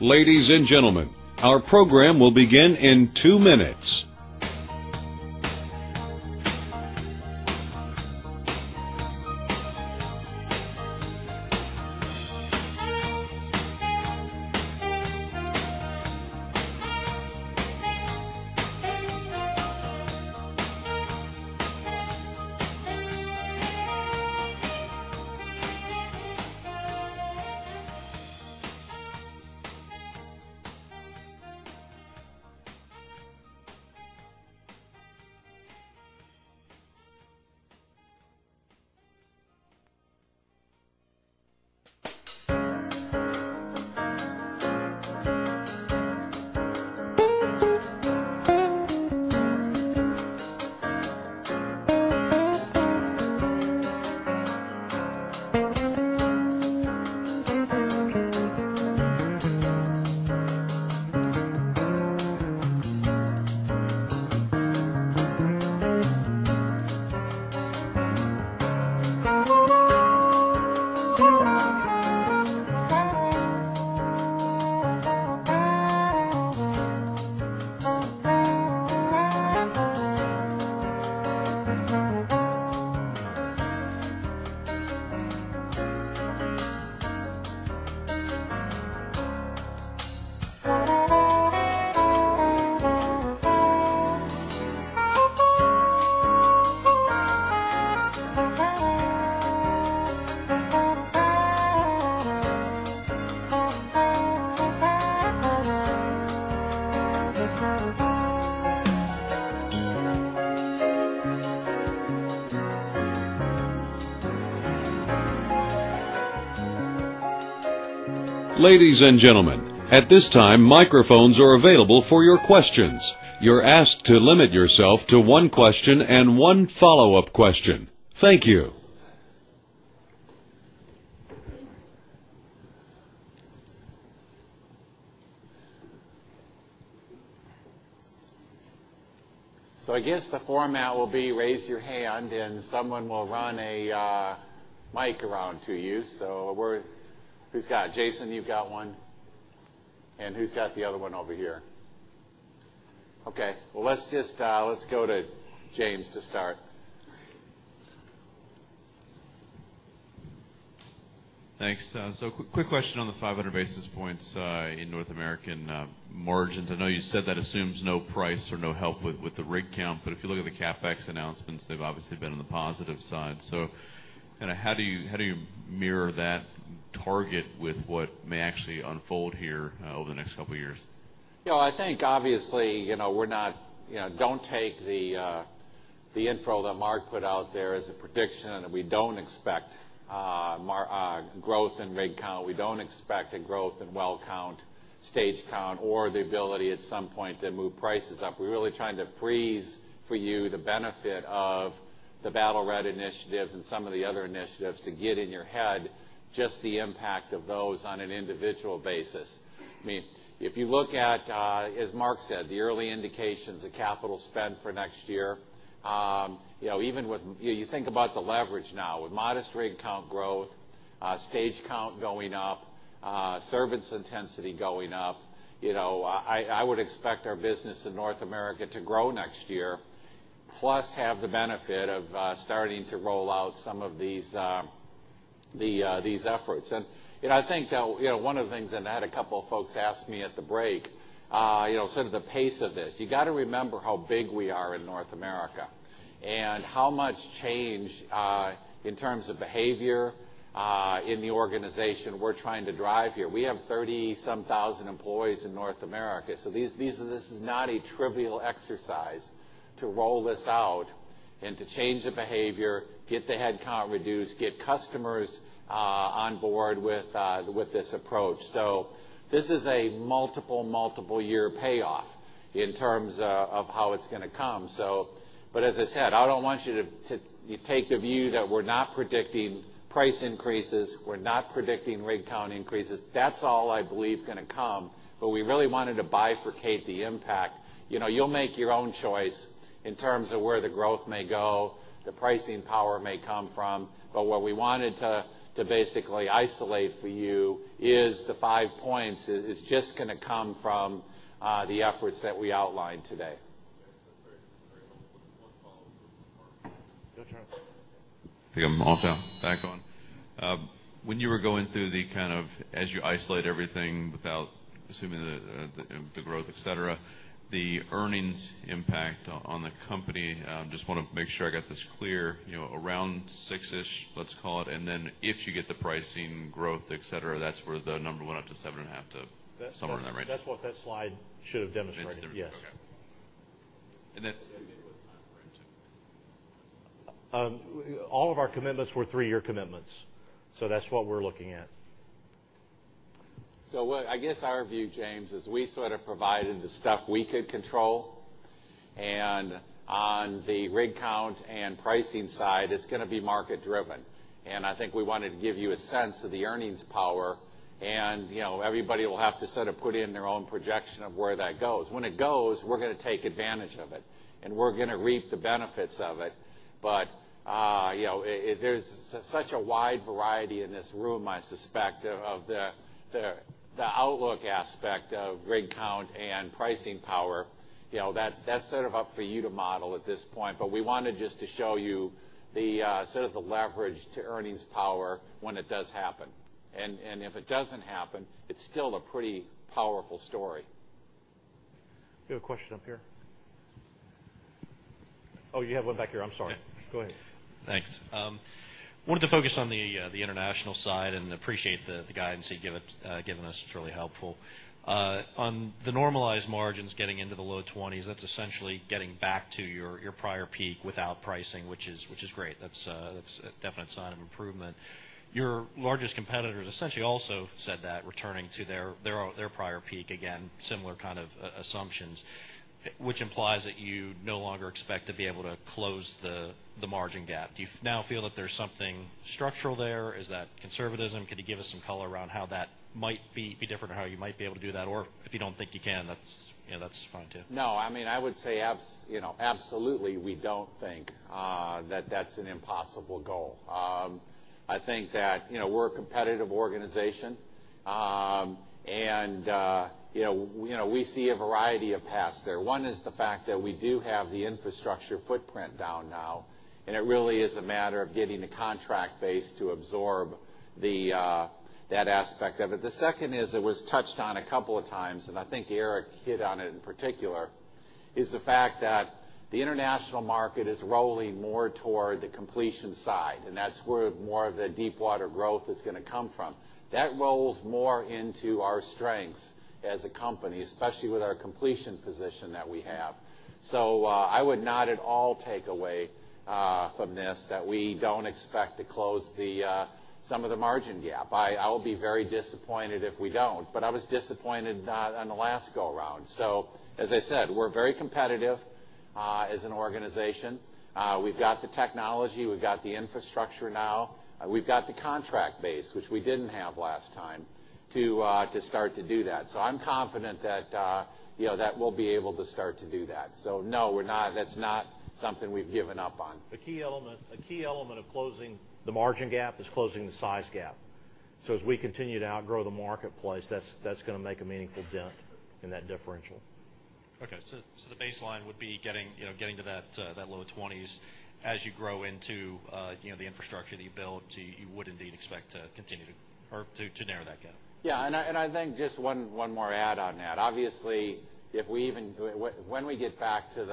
Ladies and gentlemen, our program will begin in two minutes. Ladies and gentlemen, at this time, microphones are available for your questions. You're asked to limit yourself to one question and one follow-up question. Thank you. I guess the format will be raise your hand and someone will run a mic around to you. Jason, you've got one. Who's got the other one over here? Okay. Let's go to James to start. Thanks. Quick question on the 500 basis points in North American margins. I know you said that assumes no price or no help with the rig count, if you look at the CapEx announcements, they've obviously been on the positive side. How do you mirror that target with what may actually unfold here over the next couple of years? I think obviously, don't take the info that Mark put out there as a prediction. We don't expect growth in rig count. We don't expect a growth in well count, stage count, or the ability at some point to move prices up. We're really trying to freeze for you the benefit of the Battle Red initiatives and some of the other initiatives to get in your head just the impact of those on an individual basis. If you look at, as Mark said, the early indications of capital spend for next year, you think about the leverage now with modest rig count growth, stage count going up, service intensity going up. I would expect our business in North America to grow next year, plus have the benefit of starting to roll out some of these efforts. I think that one of the things, and I had a couple of folks ask me at the break, sort of the pace of this. You got to remember how big we are in North America and how much change in terms of behavior in the organization we're trying to drive here. We have 30-some thousand employees in North America. This is not a trivial exercise to roll this out and to change the behavior, get the headcount reduced, get customers on board with this approach. This is a multiple year payoff in terms of how it's going to come. As I said, I don't want you to take the view that we're not predicting price increases, we're not predicting rig count increases. That's all I believe going to come, but we really wanted to bifurcate the impact. You'll make your own choice in terms of where the growth may go, the pricing power may come from. What we wanted to basically isolate for you is the five points is just going to come from the efforts that we outlined today. That's very helpful. One follow-up. Go, James. Think I'm back on. You were going through the kind of, as you isolate everything without assuming the growth, et cetera, the earnings impact on the company, just want to make sure I got this clear, around $6-ish, let's call it, and then if you get the pricing growth, et cetera, that's where the number went up to $7.5 to somewhere in that range. That's what that slide should have demonstrated. It should have. Okay. All of our commitments were three-year commitments. That's what we're looking at. I guess our view, James, is we sort of provided the stuff we could control, on the rig count and pricing side, it's going to be market driven. I think we wanted to give you a sense of the earnings power, and everybody will have to sort of put in their own projection of where that goes. When it goes, we're going to take advantage of it, and we're going to reap the benefits of it. There's such a wide variety in this room, I suspect, of the outlook aspect of rig count and pricing power. That's sort of up for you to model at this point, but we wanted just to show you the leverage to earnings power when it does happen. If it doesn't happen, it's still a pretty powerful story. You have a question up here? Oh, you have one back here. I'm sorry. Go ahead. Thanks. Wanted to focus on the international side and appreciate the guidance you've given us. It's really helpful. On the normalized margins getting into the low 20s, that's essentially getting back to your prior peak without pricing, which is great. That's a definite sign of improvement. Your largest competitors essentially also said that, returning to their prior peak, again, similar kind of assumptions, which implies that you no longer expect to be able to close the margin gap. Do you now feel that there's something structural there? Is that conservatism? Could you give us some color around how that might be different or how you might be able to do that? If you don't think you can, that's fine too. No. I would say absolutely we don't think that that's an impossible goal. I think that we're a competitive organization. We see a variety of paths there. One is the fact that we do have the infrastructure footprint down now, and it really is a matter of getting the contract base to absorb that aspect of it. The second is, it was touched on a couple of times, and I think Eric Carre hit on it in particular, is the fact that the international market is rolling more toward the completion side, and that's where more of the deepwater growth is going to come from. That rolls more into our strengths as a company, especially with our completion position that we have. I would not at all take away from this that we don't expect to close some of the margin gap. I will be very disappointed if we don't. I was disappointed on the last go-around. As I said, we're very competitive as an organization. We've got the technology, we've got the infrastructure now, we've got the contract base, which we didn't have last time, to start to do that. I'm confident that we'll be able to start to do that. No, that's not something we've given up on. A key element of closing the margin gap is closing the size gap. As we continue to outgrow the marketplace, that's going to make a meaningful dent in that differential. Okay, the baseline would be getting to that low 20s as you grow into the infrastructure that you built, you would indeed expect to continue to narrow that gap. Yeah. I think just one more add on that. Obviously, when we get back to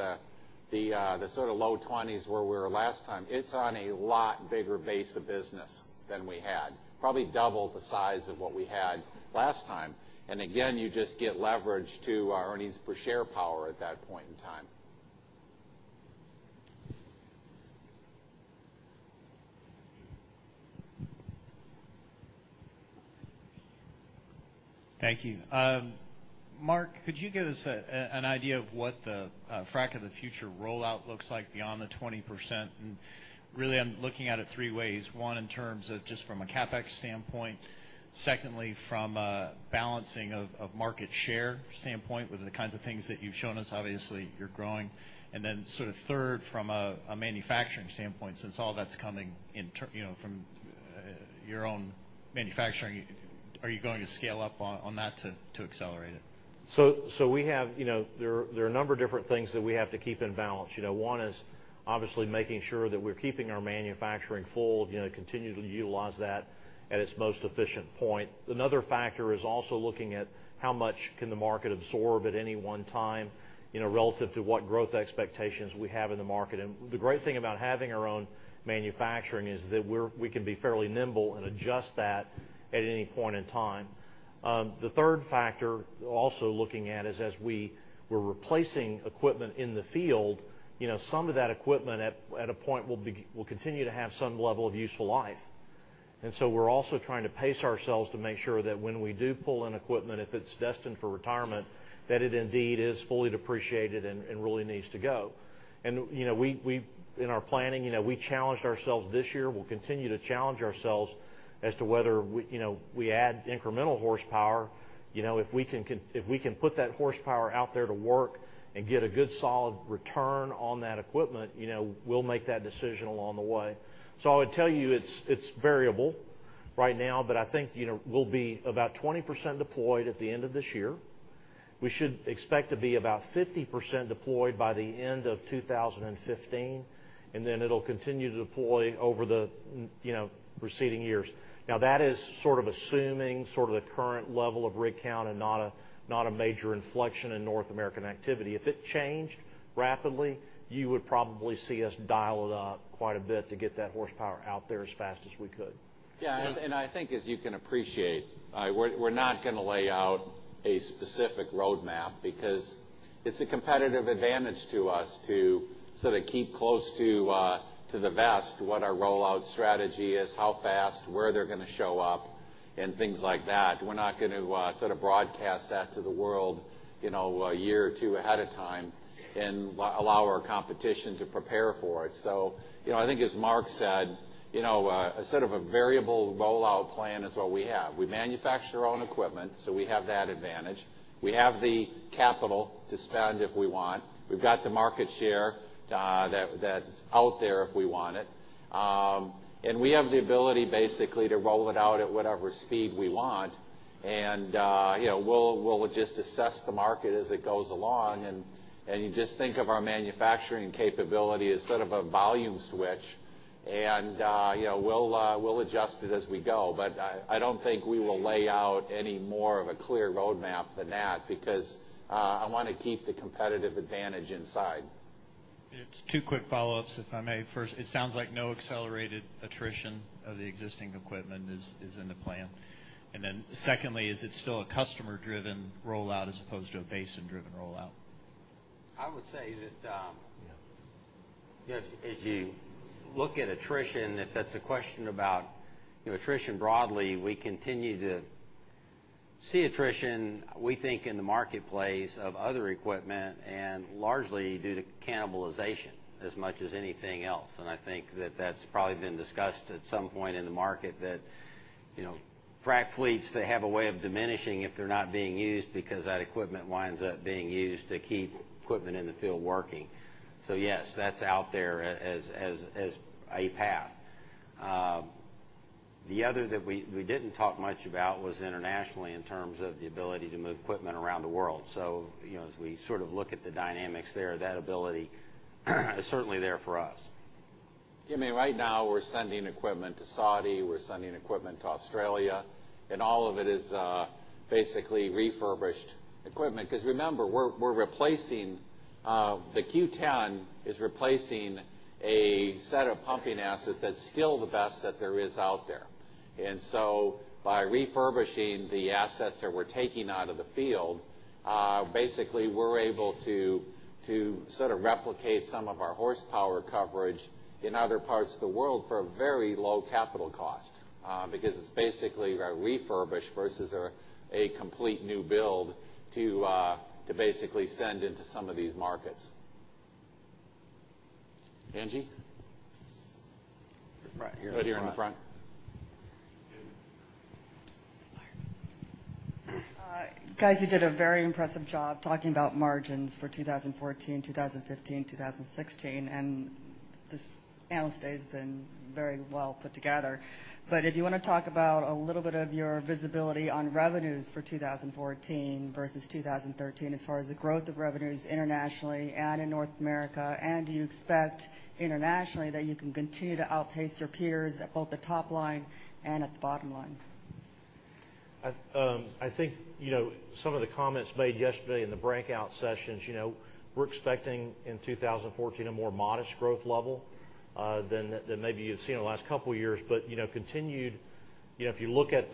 the sort of low 20s where we were last time, it's on a lot bigger base of business than we had, probably double the size of what we had last time. Again, you just get leverage to our earnings per share power at that point in time. Thank you. Mark, could you give us an idea of what the Frac of the Future rollout looks like beyond the 20%? Really, I'm looking at it three ways. One, in terms of just from a CapEx standpoint. Secondly, from a balancing of market share standpoint with the kinds of things that you've shown us, obviously you're growing. Sort of third, from a manufacturing standpoint, since all that's coming from your own manufacturing, are you going to scale up on that to accelerate it? There are a number of different things that we have to keep in balance. One is obviously making sure that we're keeping our manufacturing full, continue to utilize that at its most efficient point. Another factor is also looking at how much can the market absorb at any one time, relative to what growth expectations we have in the market. The great thing about having our own manufacturing is that we can be fairly nimble and adjust that at any point in time. The third factor we're also looking is as we're replacing equipment in the field, some of that equipment at a point will continue to have some level of useful life. We're also trying to pace ourselves to make sure that when we do pull in equipment, if it's destined for retirement, that it indeed is fully depreciated and really needs to go. In our planning, we challenged ourselves this year. We'll continue to challenge ourselves as to whether we add incremental horsepower. If we can put that horsepower out there to work and get a good solid return on that equipment, we'll make that decision along the way. I would tell you it's variable right now, but I think we'll be about 20% deployed at the end of this year. We should expect to be about 50% deployed by the end of 2015, and then it'll continue to deploy over the preceding years. That is sort of assuming sort of the current level of rig count and not a major inflection in North American activity. If it changed rapidly, you would probably see us dial it up quite a bit to get that horsepower out there as fast as we could. Yeah. I think as you can appreciate, we're not going to lay out a specific roadmap because it's a competitive advantage to us to sort of keep close to the vest what our rollout strategy is, how fast, where they're going to show up and things like that. We're not going to sort of broadcast that to the world a year or two ahead of time and allow our competition to prepare for it. I think as Mark said, a sort of a variable rollout plan is what we have. We manufacture our own equipment, so we have that advantage. We have the capital to spend if we want. We've got the market share that's out there if we want it. We have the ability basically to roll it out at whatever speed we want. We'll just assess the market as it goes along and you just think of our manufacturing capability as sort of a volume switch and we'll adjust it as we go. I don't think we will lay out any more of a clear roadmap than that because I want to keep the competitive advantage inside. It's two quick follow-ups, if I may. First, it sounds like no accelerated attrition of the existing equipment is in the plan. Secondly, is it still a customer driven rollout as opposed to a basin driven rollout? I would say that as you look at attrition, if that's a question about attrition broadly, we continue to see attrition, we think in the marketplace of other equipment and largely due to cannibalization as much as anything else. I think that's probably been discussed at some point in the market that frac fleets, they have a way of diminishing if they're not being used because that equipment winds up being used to keep equipment in the field working. Yes, that's out there as a path. The other that we didn't talk much about was internationally in terms of the ability to move equipment around the world. As we look at the dynamics there, that ability is certainly there for us. Right now, we're sending equipment to Saudi, we're sending equipment to Australia, and all of it is basically refurbished equipment. Remember, the Q10 is replacing a set of pumping assets that's still the best that there is out there. So by refurbishing the assets that we're taking out of the field, basically we're able to replicate some of our horsepower coverage in other parts of the world for a very low capital cost, because it's basically a refurbish versus a complete new build to basically send into some of these markets. Angie? Right here in front. Right here in the front. Guys, you did a very impressive job talking about margins for 2014, 2015, 2016. This Analyst Day has been very well put together. If you want to talk about a little bit of your visibility on revenues for 2014 versus 2013, as far as the growth of revenues internationally and in North America, do you expect internationally that you can continue to outpace your peers at both the top line and at the bottom line? I think some of the comments made yesterday in the breakout sessions, we're expecting in 2014 a more modest growth level than maybe you've seen in the last couple of years. If you look at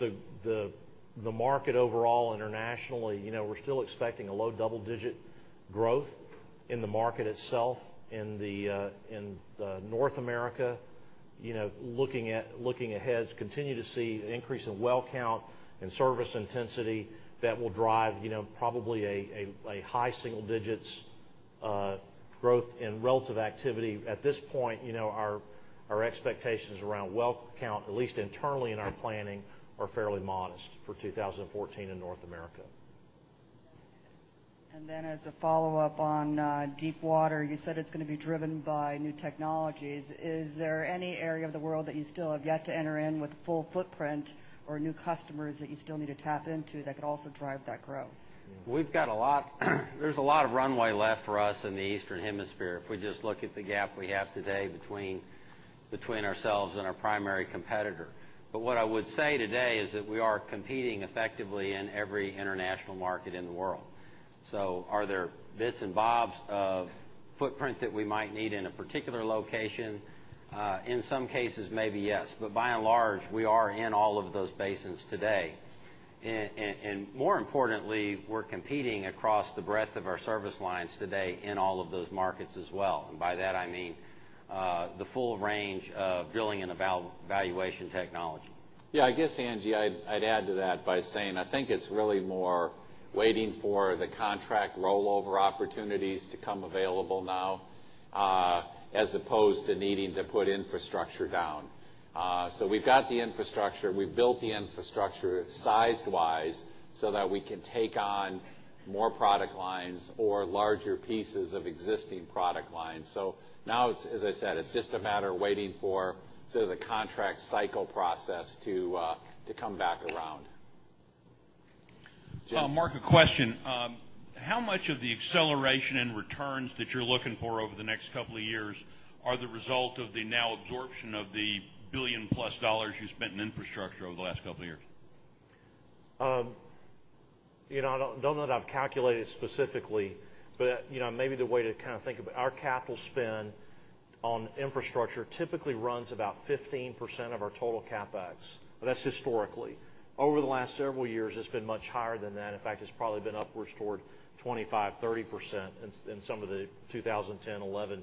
the market overall internationally, we're still expecting a low double-digit growth in the market itself. In North America, looking ahead, continue to see an increase in well count and service intensity that will drive probably a high single digits growth in relative activity. At this point, our expectations around well count, at least internally in our planning, are fairly modest for 2014 in North America. As a follow-up on deepwater, you said it's going to be driven by new technologies? Is there any area of the world that you still have yet to enter in with full footprint or new customers that you still need to tap into that could also drive that growth? There's a lot of runway left for us in the Eastern Hemisphere if we just look at the gap we have today between ourselves and our primary competitor. What I would say today is that we are competing effectively in every international market in the world. Are there bits and bobs of footprint that we might need in a particular location? In some cases, maybe yes. By and large, we are in all of those basins today. More importantly, we're competing across the breadth of our service lines today in all of those markets as well. By that I mean, the full range of drilling and evaluation technology. Angie, I'd add to that by saying, I think it's really more waiting for the contract rollover opportunities to come available now, as opposed to needing to put infrastructure down. We've got the infrastructure, we've built the infrastructure size-wise so that we can take on more product lines or larger pieces of existing product lines. Now, as I said, it's just a matter of waiting for the contract cycle process to come back around. Jim. Mark, a question. How much of the acceleration in returns that you're looking for over the next couple of years are the result of the now absorption of the $1 billion-plus you spent in infrastructure over the last couple of years? Don't know that I've calculated specifically, but maybe the way to kind of think about our capital spend on infrastructure typically runs about 15% of our total CapEx, but that's historically. Over the last several years, it's been much higher than that. In fact, it's probably been upwards toward 25%-30% in some of the 2010-2011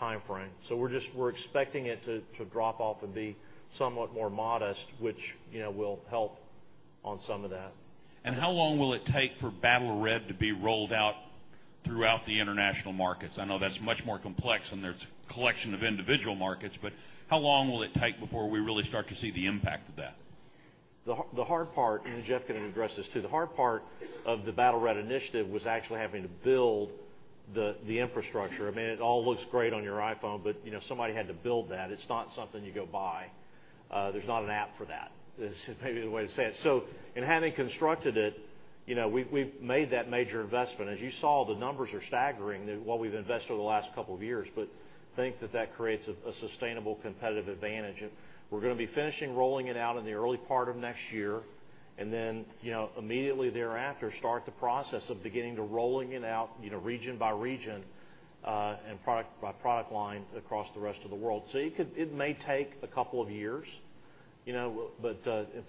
timeframe. We're expecting it to drop off and be somewhat more modest, which will help on some of that. How long will it take for Battle Red to be rolled out throughout the international markets? I know that's much more complex, and there's collection of individual markets, but how long will it take before we really start to see the impact of that? Jeff can address this too. The hard part of the Battle Red initiative was actually having to build the infrastructure. It all looks great on your iPhone, but somebody had to build that. It's not something you go buy. There's not an app for that, is maybe the way to say it. In having constructed it, we've made that major investment. As you saw, the numbers are staggering, what we've invested over the last couple of years, but think that that creates a sustainable competitive advantage. We're going to be finishing rolling it out in the early part of next year, and then immediately thereafter, start the process of beginning to rolling it out region by region, and product by product line across the rest of the world. It may take a couple of years, but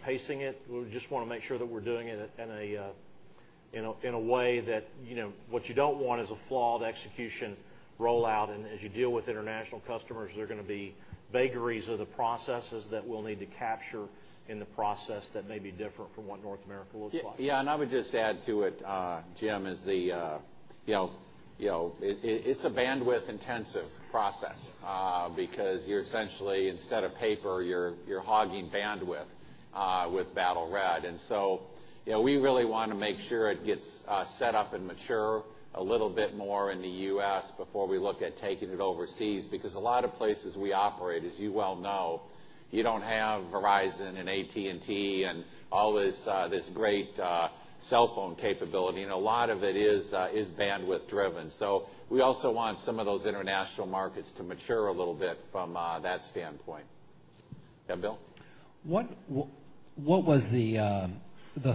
pacing it, we just want to make sure that we're doing it in a way that what you don't want is a flawed execution rollout. As you deal with international customers, there are going to be vagaries of the processes that we'll need to capture in the process that may be different from what North America looks like. I would just add to it, Jim, it's a bandwidth intensive process, because you're essentially, instead of paper, you're hogging bandwidth. With Battle Red. We really want to make sure it gets set up and mature a little bit more in the U.S. before we look at taking it overseas, because a lot of places we operate, as you well know, you don't have Verizon and AT&T and all this great cellphone capability, and a lot of it is bandwidth driven. We also want some of those international markets to mature a little bit from that standpoint. Bill. What was the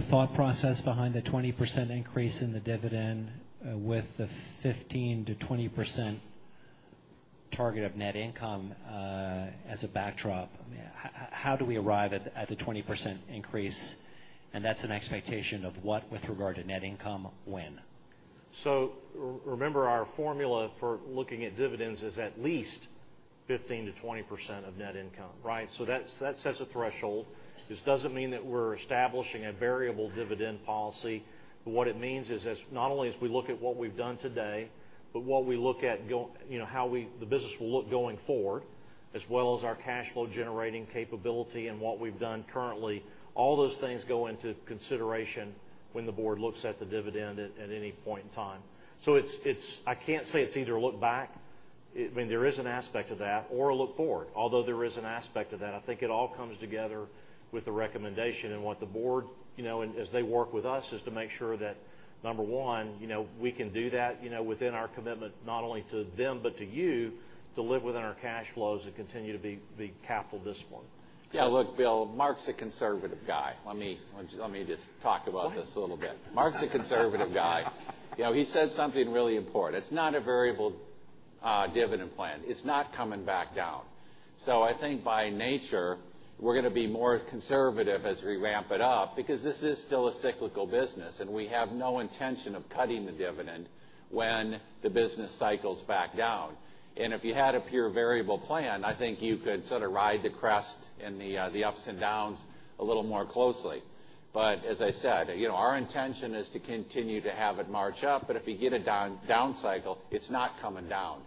thought process behind the 20% increase in the dividend with the 15%-20% target of net income as a backdrop? How do we arrive at the 20% increase? That's an expectation of what with regard to net income, when? Remember, our formula for looking at dividends is at least 15%-20% of net income, right? That sets a threshold. This doesn't mean that we're establishing a variable dividend policy. What it means is not only as we look at what we've done today, but what we look at how the business will look going forward, as well as our cash flow generating capability and what we've done currently. All those things go into consideration when the board looks at the dividend at any point in time. I can't say it's either look back, there is an aspect of that, or look forward, although there is an aspect of that. I think it all comes together with the recommendation and what the board, as they work with us, is to make sure that, number one, we can do that within our commitment, not only to them but to you, to live within our cash flows and continue to be capital disciplined. Yeah. Look, Bill, Mark's a conservative guy. Let me just talk about this a little bit. What? Mark's a conservative guy. He said something really important. It's not a variable dividend plan. It's not coming back down. I think by nature, we're going to be more conservative as we ramp it up because this is still a cyclical business, we have no intention of cutting the dividend when the business cycles back down. If you had a pure variable plan, I think you could sort of ride the crest and the ups and downs a little more closely. As I said, our intention is to continue to have it march up, but if you get a down cycle, it's not coming down.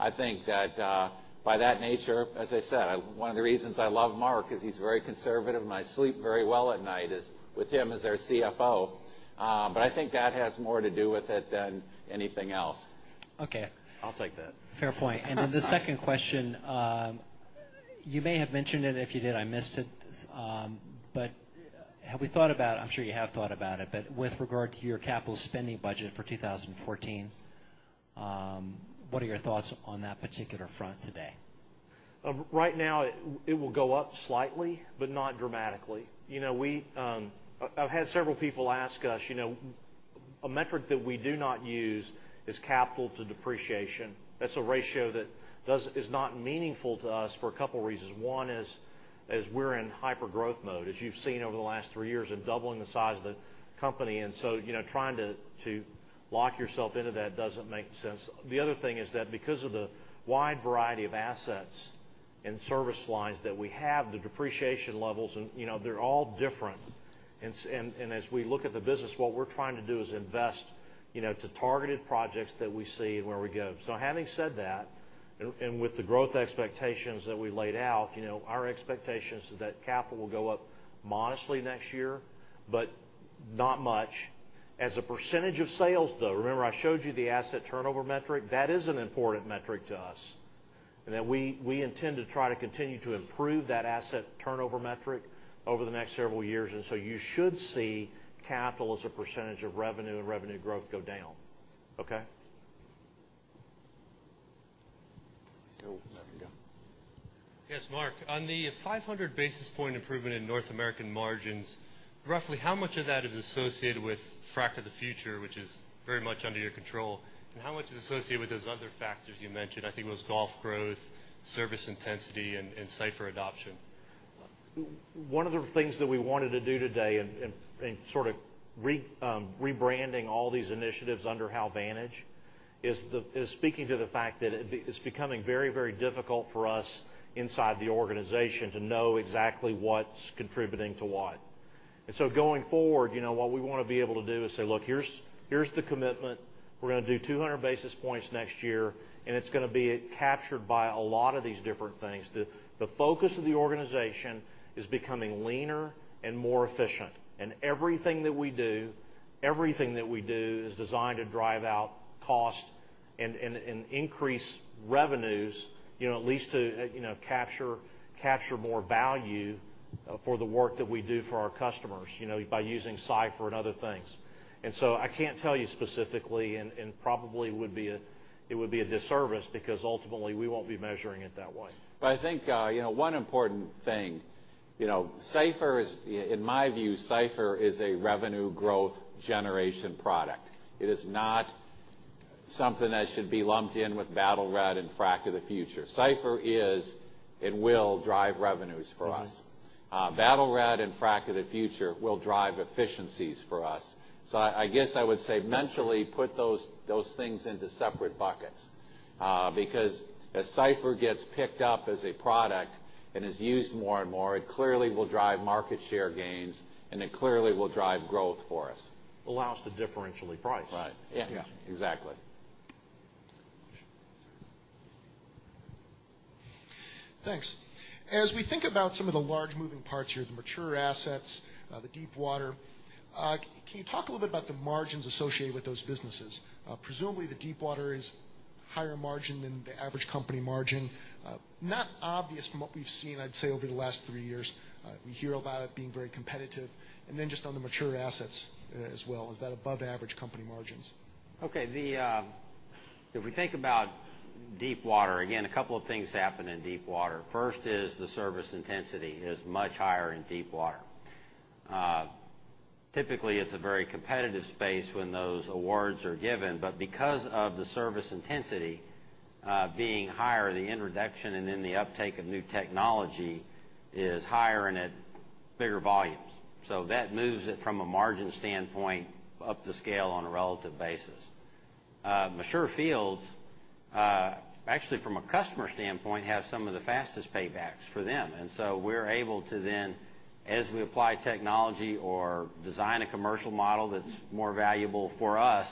I think that by that nature, as I said, one of the reasons I love Mark is he's very conservative, and I sleep very well at night with him as our CFO. I think that has more to do with it than anything else. Okay. I'll take that. Fair point. The second question, you may have mentioned it, and if you did, I missed it. Have we thought about, I'm sure you have thought about it, with regard to your capital spending budget for 2014, what are your thoughts on that particular front today? Right now, it will go up slightly, but not dramatically. I've had several people ask us, a metric that we do not use is capital to depreciation. That's a ratio that is not meaningful to us for a couple of reasons. One is we're in hyper-growth mode, as you've seen over the last three years of doubling the size of the company. Trying to lock yourself into that doesn't make sense. The other thing is that because of the wide variety of assets and service lines that we have, the depreciation levels, they're all different. As we look at the business, what we're trying to do is invest to targeted projects that we see and where we go. Having said that, with the growth expectations that we laid out, our expectation is that capital will go up modestly next year, but not much. As a percentage of sales, though, remember I showed you the asset turnover metric. That is an important metric to us, and that we intend to try to continue to improve that asset turnover metric over the next several years. You should see capital as a percentage of revenue and revenue growth go down. Okay? There we go. Yes, Mark. On the 500 basis point improvement in North American margins, roughly how much of that is associated with Frac of the Future, which is very much under your control, and how much is associated with those other factors you mentioned? I think it was Gulf growth, service intensity, and CYPHER adoption. One of the things that we wanted to do today in sort of rebranding all these initiatives under HalVantage is speaking to the fact that it's becoming very difficult for us inside the organization to know exactly what's contributing to what. Going forward, what we want to be able to do is say, "Look, here's the commitment. We're going to do 200 basis points next year, and it's going to be captured by a lot of these different things." The focus of the organization is becoming leaner and more efficient. Everything that we do is designed to drive out cost and increase revenues at least to capture more value for the work that we do for our customers by using CYPHER and other things. I can't tell you specifically, and probably it would be a disservice because ultimately we won't be measuring it that way. I think one important thing, in my view, CYPHER is a revenue growth generation product. It is not something that should be lumped in with Battle Red and Frac of the Future. CYPHER will drive revenues for us. Battle Red and Frac of the Future will drive efficiencies for us. I guess I would say mentally put those things into separate buckets. As CYPHER gets picked up as a product and is used more and more, it clearly will drive market share gains, and it clearly will drive growth for us. Allow us to differentially price. Right. Yeah, exactly. Thanks. As we think about some of the large moving parts here, the mature assets, the deep water, can you talk a little bit about the margins associated with those businesses? Presumably, the deep water is higher margin than the average company margin. Not obvious from what we've seen, I'd say, over the last three years. We hear about it being very competitive. Just on the mature assets as well, is that above average company margins? Okay. If we think about deep water, again, a couple of things happen in deep water. First is the service intensity is much higher in deep water. Typically, it's a very competitive space when those awards are given, because of the service intensity being higher, the introduction and then the uptake of new technology is higher and at bigger volumes. That moves it from a margin standpoint up the scale on a relative basis. Mature fields, actually, from a customer standpoint, have some of the fastest paybacks for them. We're able to then, as we apply technology or design a commercial model that's more valuable for us,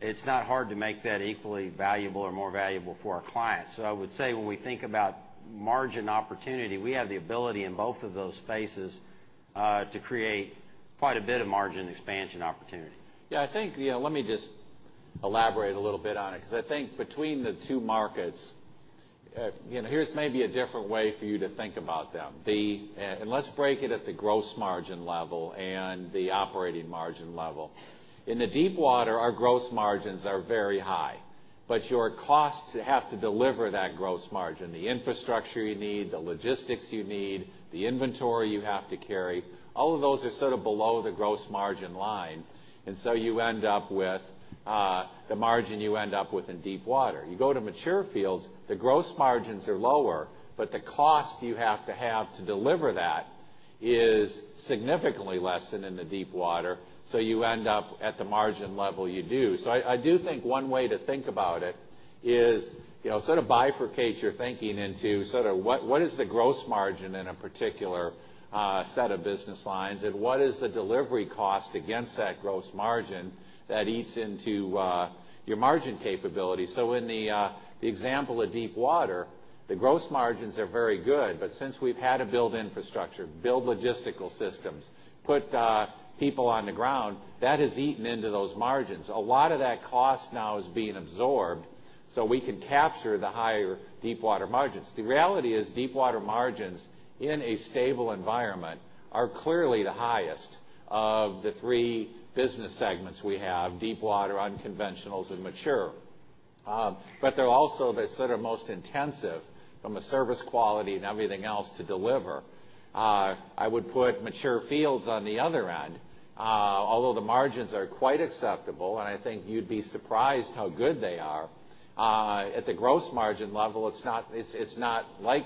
it's not hard to make that equally valuable or more valuable for our clients. I would say when we think about margin opportunity, we have the ability in both of those spaces to create quite a bit of margin expansion opportunity. Let me just elaborate a little bit on it, because I think between the two markets. Here's maybe a different way for you to think about them. Let's break it at the gross margin level and the operating margin level. In the deep water, our gross margins are very high, but your costs to have to deliver that gross margin, the infrastructure you need, the logistics you need, the inventory you have to carry, all of those are sort of below the gross margin line. You end up with the margin you end up with in deep water. You go to mature fields, the gross margins are lower, but the cost you have to have to deliver that is significantly less than in the deep water, so you end up at the margin level you do. I do think one way to think about it is sort of bifurcate your thinking into what is the gross margin in a particular set of business lines, and what is the delivery cost against that gross margin that eats into your margin capability. In the example of deep water, the gross margins are very good, but since we've had to build infrastructure, build logistical systems, put people on the ground, that has eaten into those margins. A lot of that cost now is being absorbed so we can capture the higher deep water margins. The reality is deep water margins in a stable environment are clearly the highest of the three business segments we have, deep water, unconventionals, and mature. They're also the most intensive from a service quality and everything else to deliver. I would put mature fields on the other end. The margins are quite acceptable, and I think you'd be surprised how good they are. At the gross margin level, it's not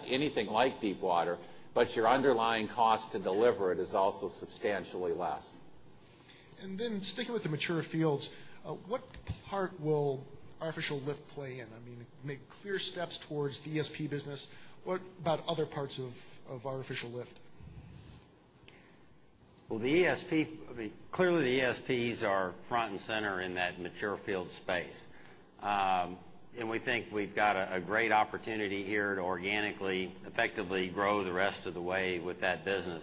anything like deep water, but your underlying cost to deliver it is also substantially less. Sticking with the mature fields, what part will artificial lift play in? I mean, make clear steps towards the ESP business. What about other parts of artificial lift? Well, clearly the ESPs are front and center in that mature field space. We think we've got a great opportunity here to organically, effectively grow the rest of the way with that business.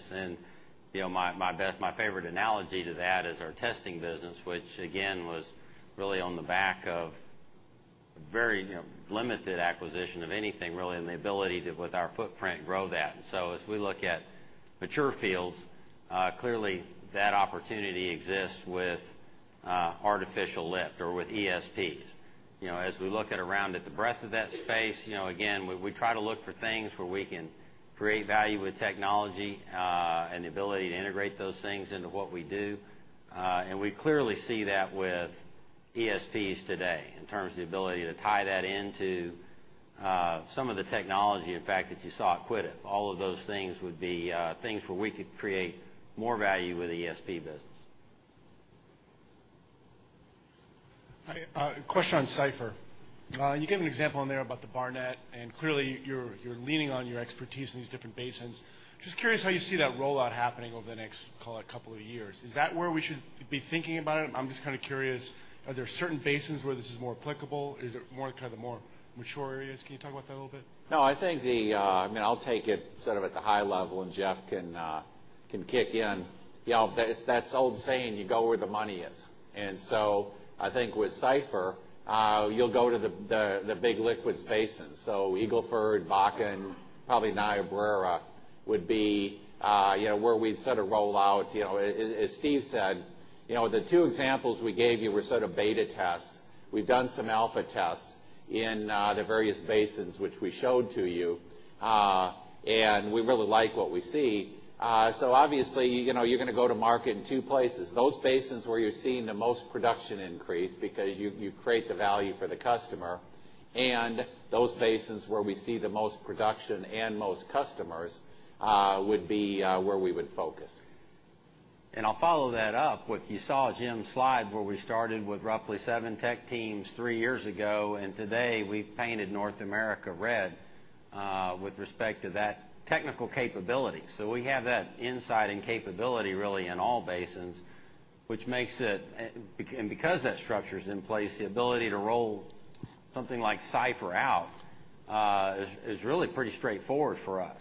My favorite analogy to that is our testing business, which again, was really on the back of very limited acquisition of anything, really, and the ability to, with our footprint, grow that. As we look at mature fields, clearly that opportunity exists with artificial lift or with ESPs. As we look around at the breadth of that space, again, we try to look for things where we can create value with technology, and the ability to integrate those things into what we do. We clearly see that with ESPs today, in terms of the ability to tie that into some of the technology, in fact, that you saw at Qatif. All of those things would be things where we could create more value with the ESP business. A question on CYPHER. You gave an example in there about the Barnett, clearly, you're leaning on your expertise in these different basins. Just curious how you see that rollout happening over the next, call it, couple of years. Is that where we should be thinking about it? I'm just kind of curious, are there certain basins where this is more applicable? Is it more kind of the more mature areas? Can you talk about that a little bit? I'll take it sort of at the high level, and Jeff can kick in. That old saying, you go where the money is. I think with CYPHER, you'll go to the big liquids basins. Eagle Ford, Bakken, probably Niobrara would be where we'd sort of roll out. As Steven said, the two examples we gave you were sort of beta tests. We've done some alpha tests in the various basins, which we showed to you. We really like what we see. Obviously, you're going to go to market in two places. Those basins where you're seeing the most production increase because you create the value for the customer, and those basins where we see the most production and most customers would be where we would focus. I'll follow that up. What you saw, Jim's slide, where we started with roughly seven tech teams three years ago, and today, we've painted North America red. With respect to that technical capability. We have that insight and capability really in all basins, and because that structure's in place, the ability to roll something like CYPHER out is really pretty straightforward for us.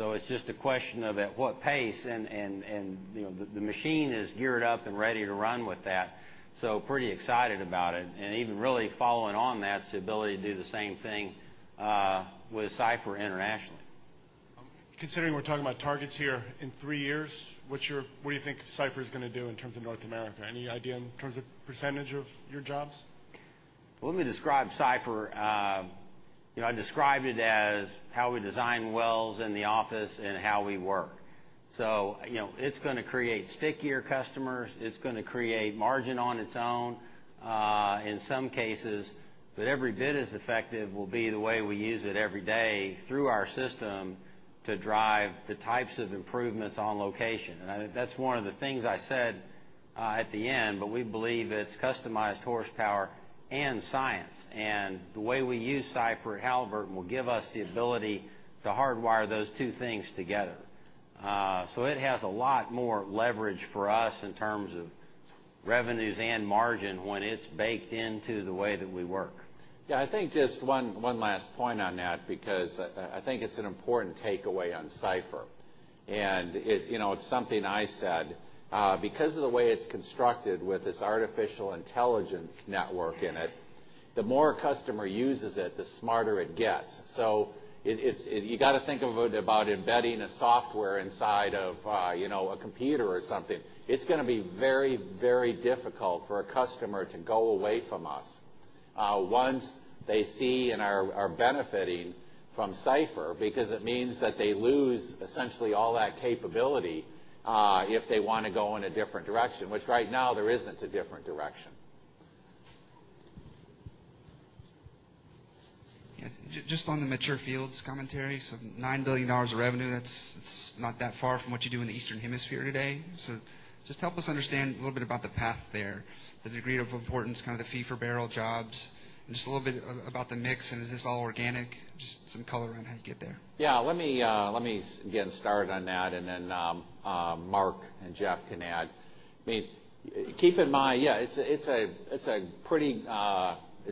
It's just a question of at what pace, and the machine is geared up and ready to run with that, so pretty excited about it. Even really following on that is the ability to do the same thing with CYPHER internationally. Considering we're talking about targets here in three years, what do you think CYPHER's going to do in terms of North America? Any idea in terms of percentage of your jobs? When we describe CYPHER, I describe it as how we design wells in the office and how we work. It's going to create stickier customers. It's going to create margin on its own, in some cases. Every bit as effective will be the way we use it every day through our system to drive the types of improvements on location. I think that's one of the things I said at the end, but we believe it's customized horsepower and science. The way we use CYPHER at Halliburton will give us the ability to hardwire those two things together. It has a lot more leverage for us in terms of revenues and margin when it's baked into the way that we work. I think just one last point on that, because I think it's an important takeaway on CYPHER. It's something I said. Because of the way it's constructed with this artificial intelligence network in it, the more a customer uses it, the smarter it gets. You got to think about embedding a software inside of a computer or something. It's going to be very difficult for a customer to go away from us once they see and are benefiting from CYPHER, because it means that they lose essentially all that capability, if they want to go in a different direction. Which right now there isn't a different direction. Just on the mature fields commentary, $9 billion of revenue, that's not that far from what you do in the Eastern Hemisphere today. Just help us understand a little bit about the path there, the degree of importance, kind of the fee-for-barrel jobs, and just a little bit about the mix, and is this all organic? Just some color on how you get there. Let me get started on that, and then Mark and Jeff can add. Keep in mind, it's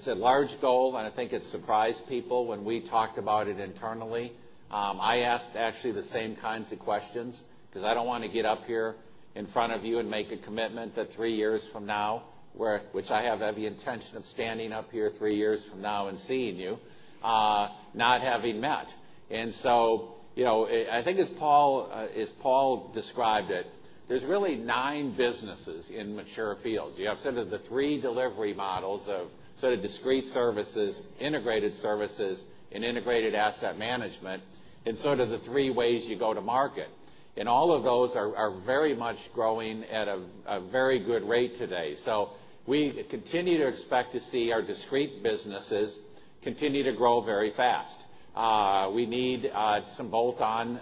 a large goal, and I think it surprised people when we talked about it internally. I asked actually the same kinds of questions because I don't want to get up here in front of you and make a commitment that three years from now, which I have every intention of standing up here three years from now and seeing you, not having met. I think as Paul described it, there's really nine businesses in mature fields. You have sort of the three delivery models of sort of discrete services, integrated services, and integrated asset management, and sort of the three ways you go to market. All of those are very much growing at a very good rate today. We continue to expect to see our discrete businesses continue to grow very fast. We need some bolt-on,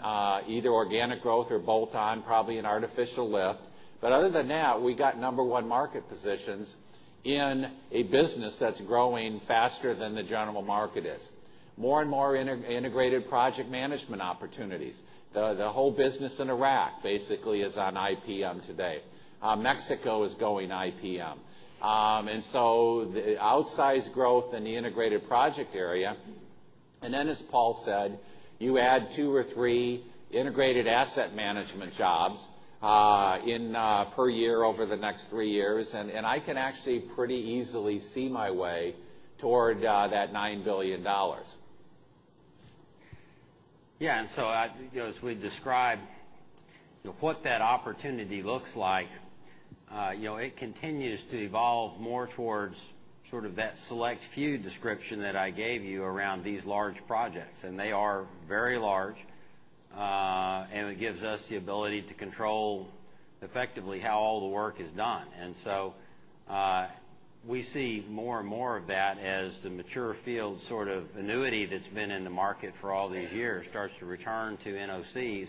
either organic growth or bolt-on, probably an artificial lift. Other than that, we got number one market positions in a business that's growing faster than the general market is. More and more integrated project management opportunities. The whole business in Iraq basically is on IPM today. Mexico is going IPM. The outsized growth in the integrated project area, and then as Paul said, you add two or three integrated asset management jobs in per year over the next three years, and I can actually pretty easily see my way toward that $9 billion. Yeah, as we described what that opportunity looks like, it continues to evolve more towards sort of that select few description that I gave you around these large projects, and they are very large. It gives us the ability to control effectively how all the work is done. We see more and more of that as the mature field sort of annuity that's been in the market for all these years starts to return to NOCs.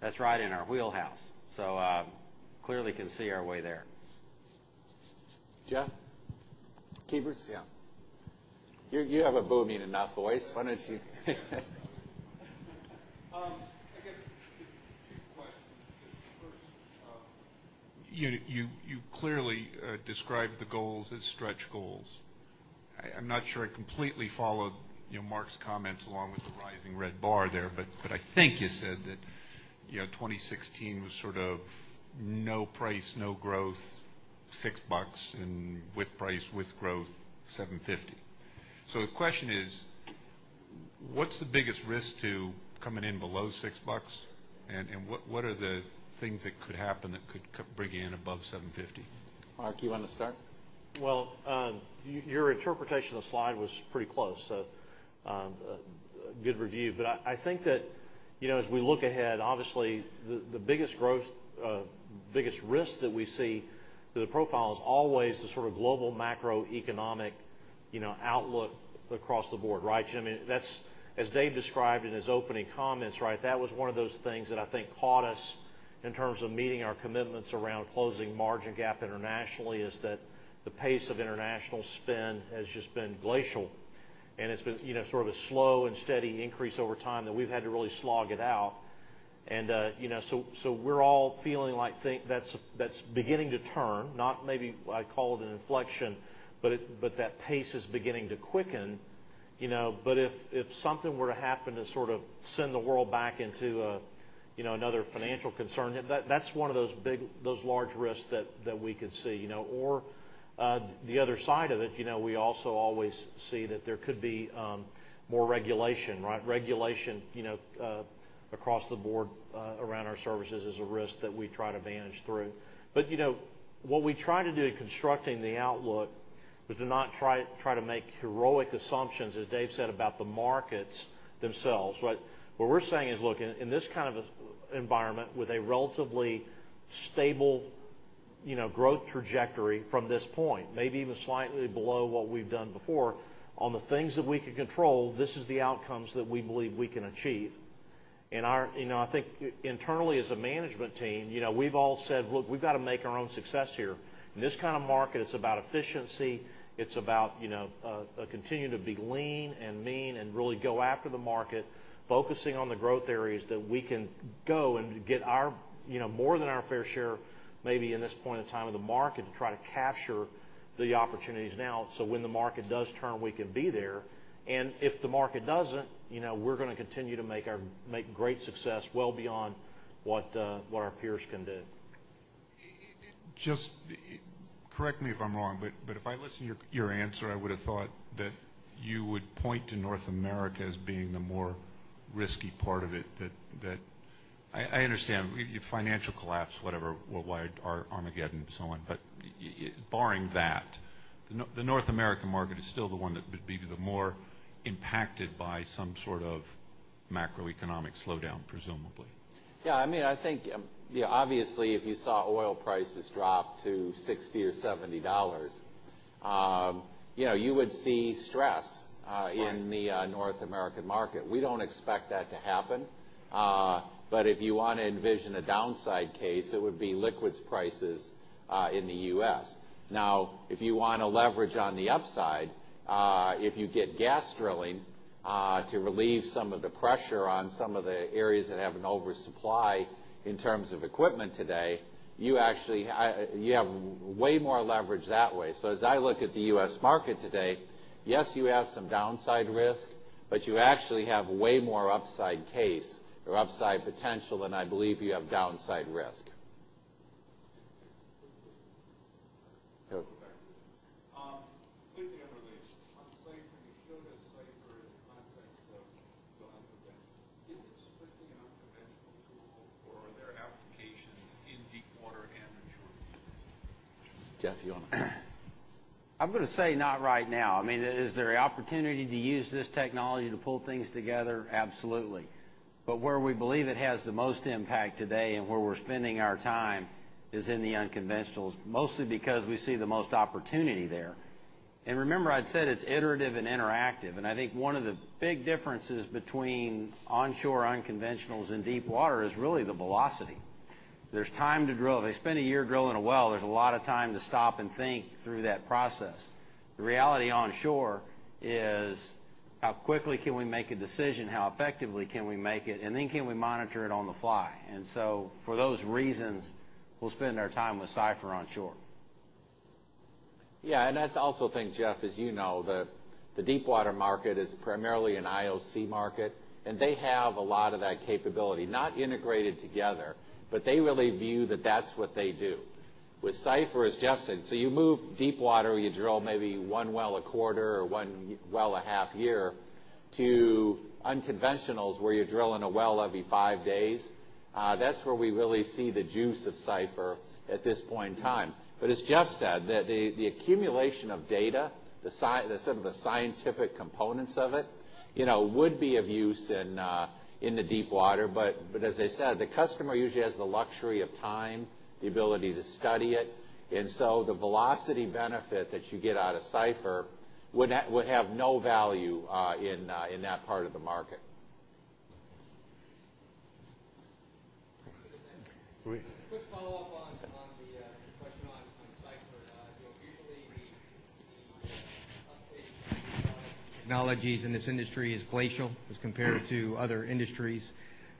That's right in our wheelhouse. Clearly can see our way there. Jeff? [KeyBroads]? Yeah. You have a booming enough voice. Why don't you I guess two questions. First, you clearly described the goals as stretch goals. I'm not sure I completely followed Mark's comments along with the rising red bar there, but I think you said that 2016 was sort of no price, no growth, $6, and with price, with growth, $7.50. The question is, what's the biggest risk to coming in below $6? And what are the things that could happen that could bring you in above $7.50? Mark, you want to start? Well, your interpretation of the slide was pretty close, so good review. I think that as we look ahead, obviously the biggest risk that we see to the profile is always the sort of global macroeconomic outlook across the board, right, Jim? As Dave described in his opening comments, that was one of those things that I think caught us in terms of meeting our commitments around closing margin gap internationally, is that the pace of international spend has just been glacial, and it's been sort of a slow and steady increase over time that we've had to really slog it out. We're all feeling like that's beginning to turn, not maybe I'd call it an inflection, but that pace is beginning to quicken. If something were to happen to sort of send the world back into another financial concern, that's one of those large risks that we could see. The other side of it, we also always see that there could be more regulation. Regulation across the board around our services is a risk that we try to manage through. What we try to do in constructing the outlook is to not try to make heroic assumptions, as Dave said, about the markets themselves. What we're saying is, look, in this kind of environment, with a relatively stable growth trajectory from this point, maybe even slightly below what we've done before, on the things that we can control, this is the outcomes that we believe we can achieve. I think internally as a management team, we've all said, "Look, we've got to make our own success here." In this kind of market, it's about efficiency. It's about continuing to be lean and mean and really go after the market, focusing on the growth areas that we can go and get more than our fair share, maybe in this point in time of the market, to try to capture the opportunities now, so when the market does turn, we can be there. If the market doesn't, we're going to continue to make great success well beyond what our peers can do. Just correct me if I'm wrong, if I listen to your answer, I would have thought that you would point to North America as being the more risky part of it. I understand financial collapse, whatever, worldwide Armageddon and so on. Barring that, the North American market is still the one that would be the more impacted by some sort of macroeconomic slowdown, presumably. Yeah. I think, obviously, if you saw oil prices drop to $60 or $70, you would see stress in the North American market. We don't expect that to happen. If you want to envision a downside case, it would be liquids prices in the U.S. If you want to leverage on the upside, if you get gas drilling to relieve some of the pressure on some of the areas that have an oversupply in terms of equipment today, you have way more leverage that way. As I look at the U.S. market today, yes, you have some downside risk, but you actually have way more upside case or upside potential than I believe you have downside risk. Completely unrelated. On CYPHER, you showed us CYPHER in the context of the unconventionals. Is it strictly an unconventional tool, or are there applications in deepwater and mature fields? Jeff, you want to I'm going to say not right now. Is there an opportunity to use this technology to pull things together? Absolutely. Where we believe it has the most impact today and where we're spending our time is in the unconventionals, mostly because we see the most opportunity there. Remember, I'd said it's iterative and interactive, and I think one of the big differences between onshore unconventionals and deepwater is really the velocity. There's time to drill. If they spend a year drilling a well, there's a lot of time to stop and think through that process. The reality onshore is how quickly can we make a decision, how effectively can we make it, and then can we monitor it on the fly? For those reasons, we'll spend our time with CYPHER onshore. I'd also think, Jeff, as you know, the deepwater market is primarily an IOC market, and they have a lot of that capability, not integrated together, but they really view that that's what they do. With CYPHER, as Jeff said, you move deepwater, you drill maybe one well a quarter or one well a half year, to unconventionals, where you're drilling a well every five days. That's where we really see the juice of CYPHER at this point in time. As Jeff said, the accumulation of data, the scientific components of it, would be of use in the deepwater. As I said, the customer usually has the luxury of time, the ability to study it, the velocity benefit that you get out of CYPHER would have no value in that part of the market. Quick follow-up on the question on CYPHER. Usually the update to technologies in this industry is glacial as compared to other industries.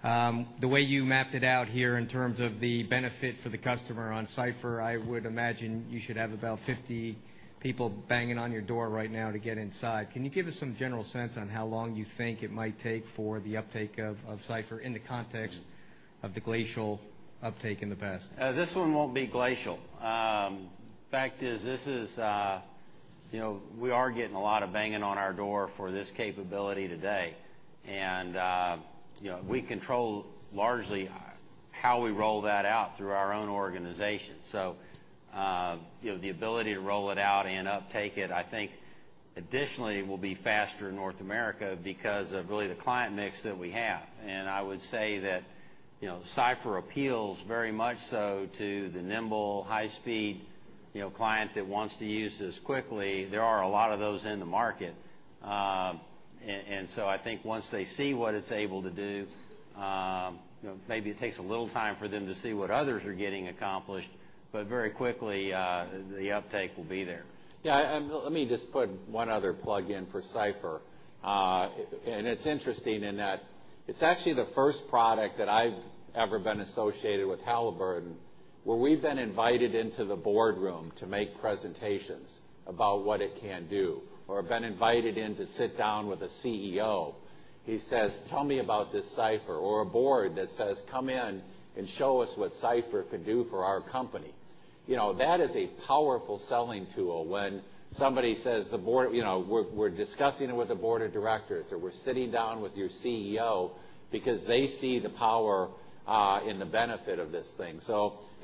The way you mapped it out here in terms of the benefit for the customer on CYPHER, I would imagine you should have about 50 people banging on your door right now to get inside. Can you give us some general sense on how long you think it might take for the uptake of CYPHER in the context of the glacial uptake in the past? This one won't be glacial. Fact is, we are getting a lot of banging on our door for this capability today. We control largely how we roll that out through our own organization. The ability to roll it out and uptake it, I think additionally, will be faster in North America because of really the client mix that we have. I would say that CYPHER appeals very much so to the nimble, high-speed client that wants to use this quickly. There are a lot of those in the market. I think once they see what it's able to do, maybe it takes a little time for them to see what others are getting accomplished, but very quickly the uptake will be there. Let me just put one other plug in for CYPHER. It's interesting in that it's actually the first product that I've ever been associated with Halliburton, where we've been invited into the boardroom to make presentations about what it can do, or been invited in to sit down with a CEO. He says, "Tell me about this CYPHER." A board that says, "Come in and show us what CYPHER could do for our company." That is a powerful selling tool when somebody says, "We're discussing it with the board of directors," or, "We're sitting down with your CEO," because they see the power in the benefit of this thing.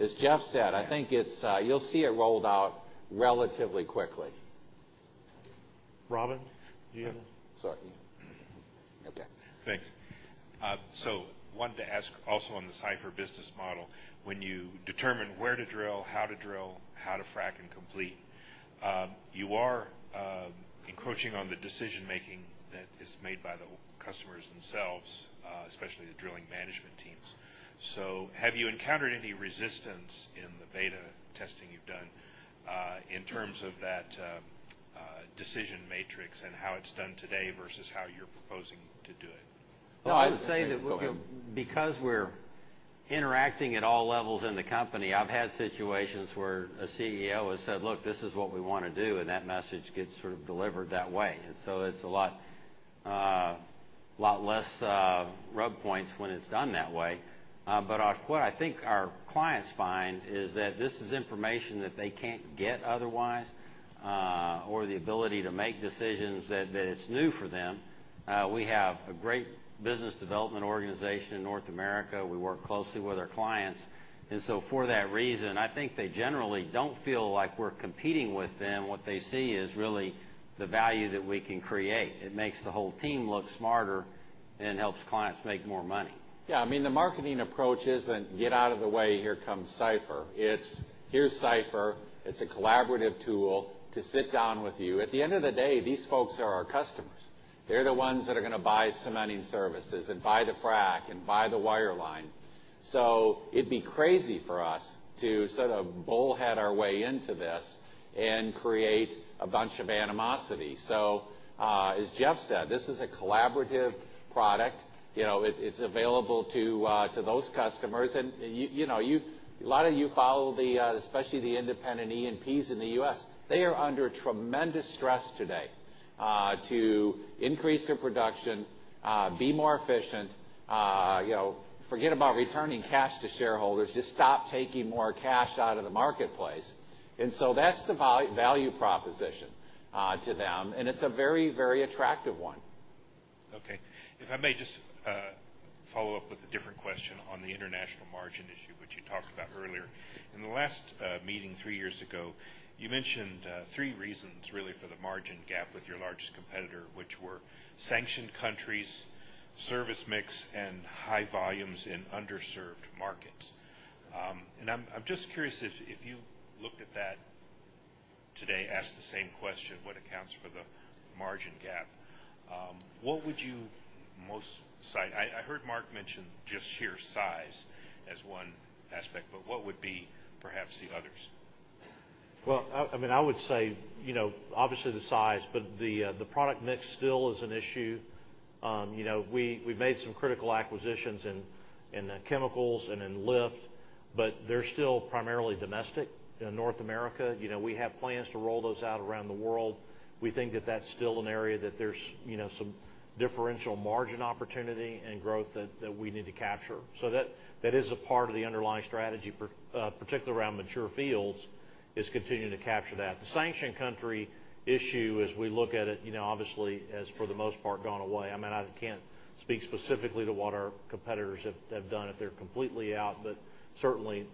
As Jeff said, I think you'll see it rolled out relatively quickly. Robin, do you have a? Sorry. Okay. Thanks. Wanted to ask also on the CYPHER business model, when you determine where to drill, how to drill, how to frack and complete, you are encroaching on the decision-making that is made by the customers themselves, especially the drilling management teams. Have you encountered any resistance in the beta testing you've done, in terms of that decision matrix and how it's done today versus how you're proposing to do it? No, I would say. Go ahead. Because we're interacting at all levels in the company, I've had situations where a CEO has said, "Look, this is what we want to do," and that message gets sort of delivered that way. It's a lot less rub points when it's done that way. What I think our clients find is that this is information that they can't get otherwise, or the ability to make decisions that it's new for them. We have a great business development organization in North America. We work closely with our clients. For that reason, I think they generally don't feel like we're competing with them. What they see is really the value that we can create. It makes the whole team look smarter and helps clients make more money. Yeah, I mean, the marketing approach isn't, "Get out of the way, here comes CYPHER." It's, "Here's CYPHER. It's a collaborative tool to sit down with you." At the end of the day, these folks are our customers. They're the ones that are going to buy cementing services and buy the frack and buy the wireline. It'd be crazy for us to sort of bullhead our way into this and create a bunch of animosity. As Jeff said, this is a collaborative product. It's available to those customers. A lot of you follow especially the independent E&Ps in the U.S. They are under tremendous stress today to increase their production, be more efficient, forget about returning cash to shareholders, just stop taking more cash out of the marketplace. That's the value proposition to them, and it's a very, very attractive one. Okay. If I may just follow up with a different question on the international margin issue, which you talked about earlier. In the last meeting three years ago, you mentioned three reasons really for the margin gap with your largest competitor, which were sanctioned countries, service mix, and high volumes in underserved markets. I'm just curious if you looked at that today, asked the same question, what accounts for the margin gap? What would you most cite? I heard Mark mention just here size as one aspect, what would be perhaps the others? I would say obviously the size, but the product mix still is an issue. We made some critical acquisitions in the chemicals and in lift, but they're still primarily domestic in North America. We have plans to roll those out around the world. We think that that's still an area that there's some differential margin opportunity and growth that we need to capture. That is a part of the underlying strategy, particularly around mature fields, is continuing to capture that. The sanction country issue, as we look at it, obviously has, for the most part, gone away. I can't speak specifically to what our competitors have done, if they're completely out. Certainly,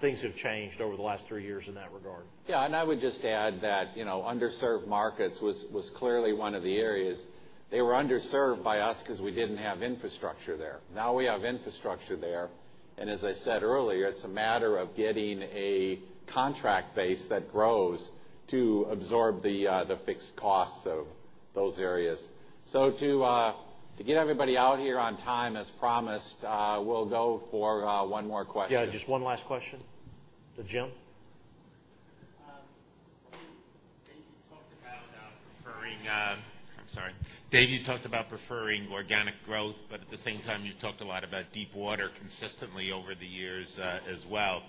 things have changed over the last three years in that regard. I would just add that underserved markets was clearly one of the areas. They were underserved by us because we didn't have infrastructure there. Now we have infrastructure there, and as I said earlier, it's a matter of getting a contract base that grows to absorb the fixed costs of those areas. To get everybody out here on time as promised, we'll go for one more question. Just one last question for Jim. Dave, you talked about preferring organic growth, at the same time, you talked a lot about deep water consistently over the years as well.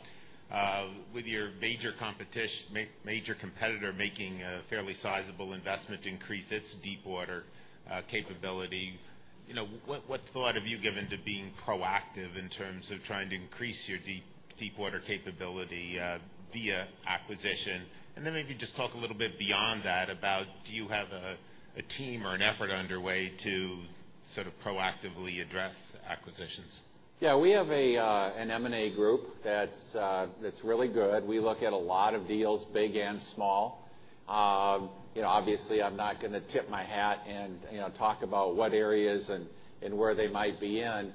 With your major competitor making a fairly sizable investment to increase its deep water capability, what thought have you given to being proactive in terms of trying to increase your deep water capability via acquisition? Then maybe just talk a little bit beyond that about do you have a team or an effort underway to sort of proactively address acquisitions? Yeah, we have an M&A group that's really good. We look at a lot of deals, big and small. Obviously, I'm not gonna tip my hat and talk about what areas and where they might be in.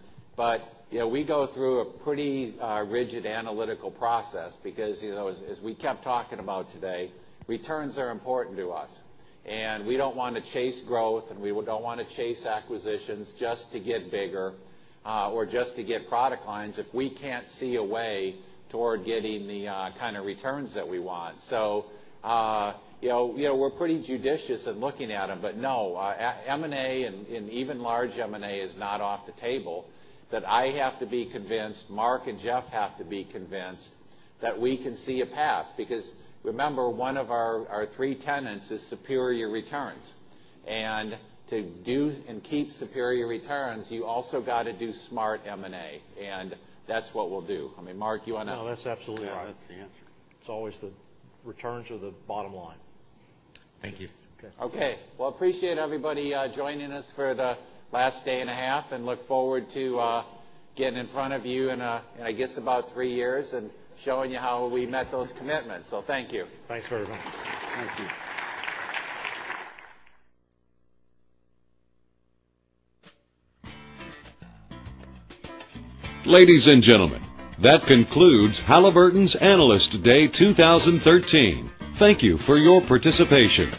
We go through a pretty rigid analytical process because as we kept talking about today, returns are important to us. We don't want to chase growth, and we don't want to chase acquisitions just to get bigger or just to get product lines if we can't see a way toward getting the kind of returns that we want. We're pretty judicious in looking at them. No, M&A and even large M&A is not off the table. I have to be convinced, Mark and Jeff have to be convinced that we can see a path. Remember, one of our three tenets is superior returns. To do and keep superior returns, you also got to do smart M&A. That's what we'll do. Mark, you want to- No, that's absolutely right. That's the answer. It's always the returns are the bottom line. Thank you. Okay. Well, appreciate everybody joining us for the last day and a half. Look forward to getting in front of you in, I guess about three years and showing you how we met those commitments. Thank you. Thanks, everyone. Thank you. Ladies and gentlemen, that concludes Halliburton's Analyst Day 2013. Thank you for your participation.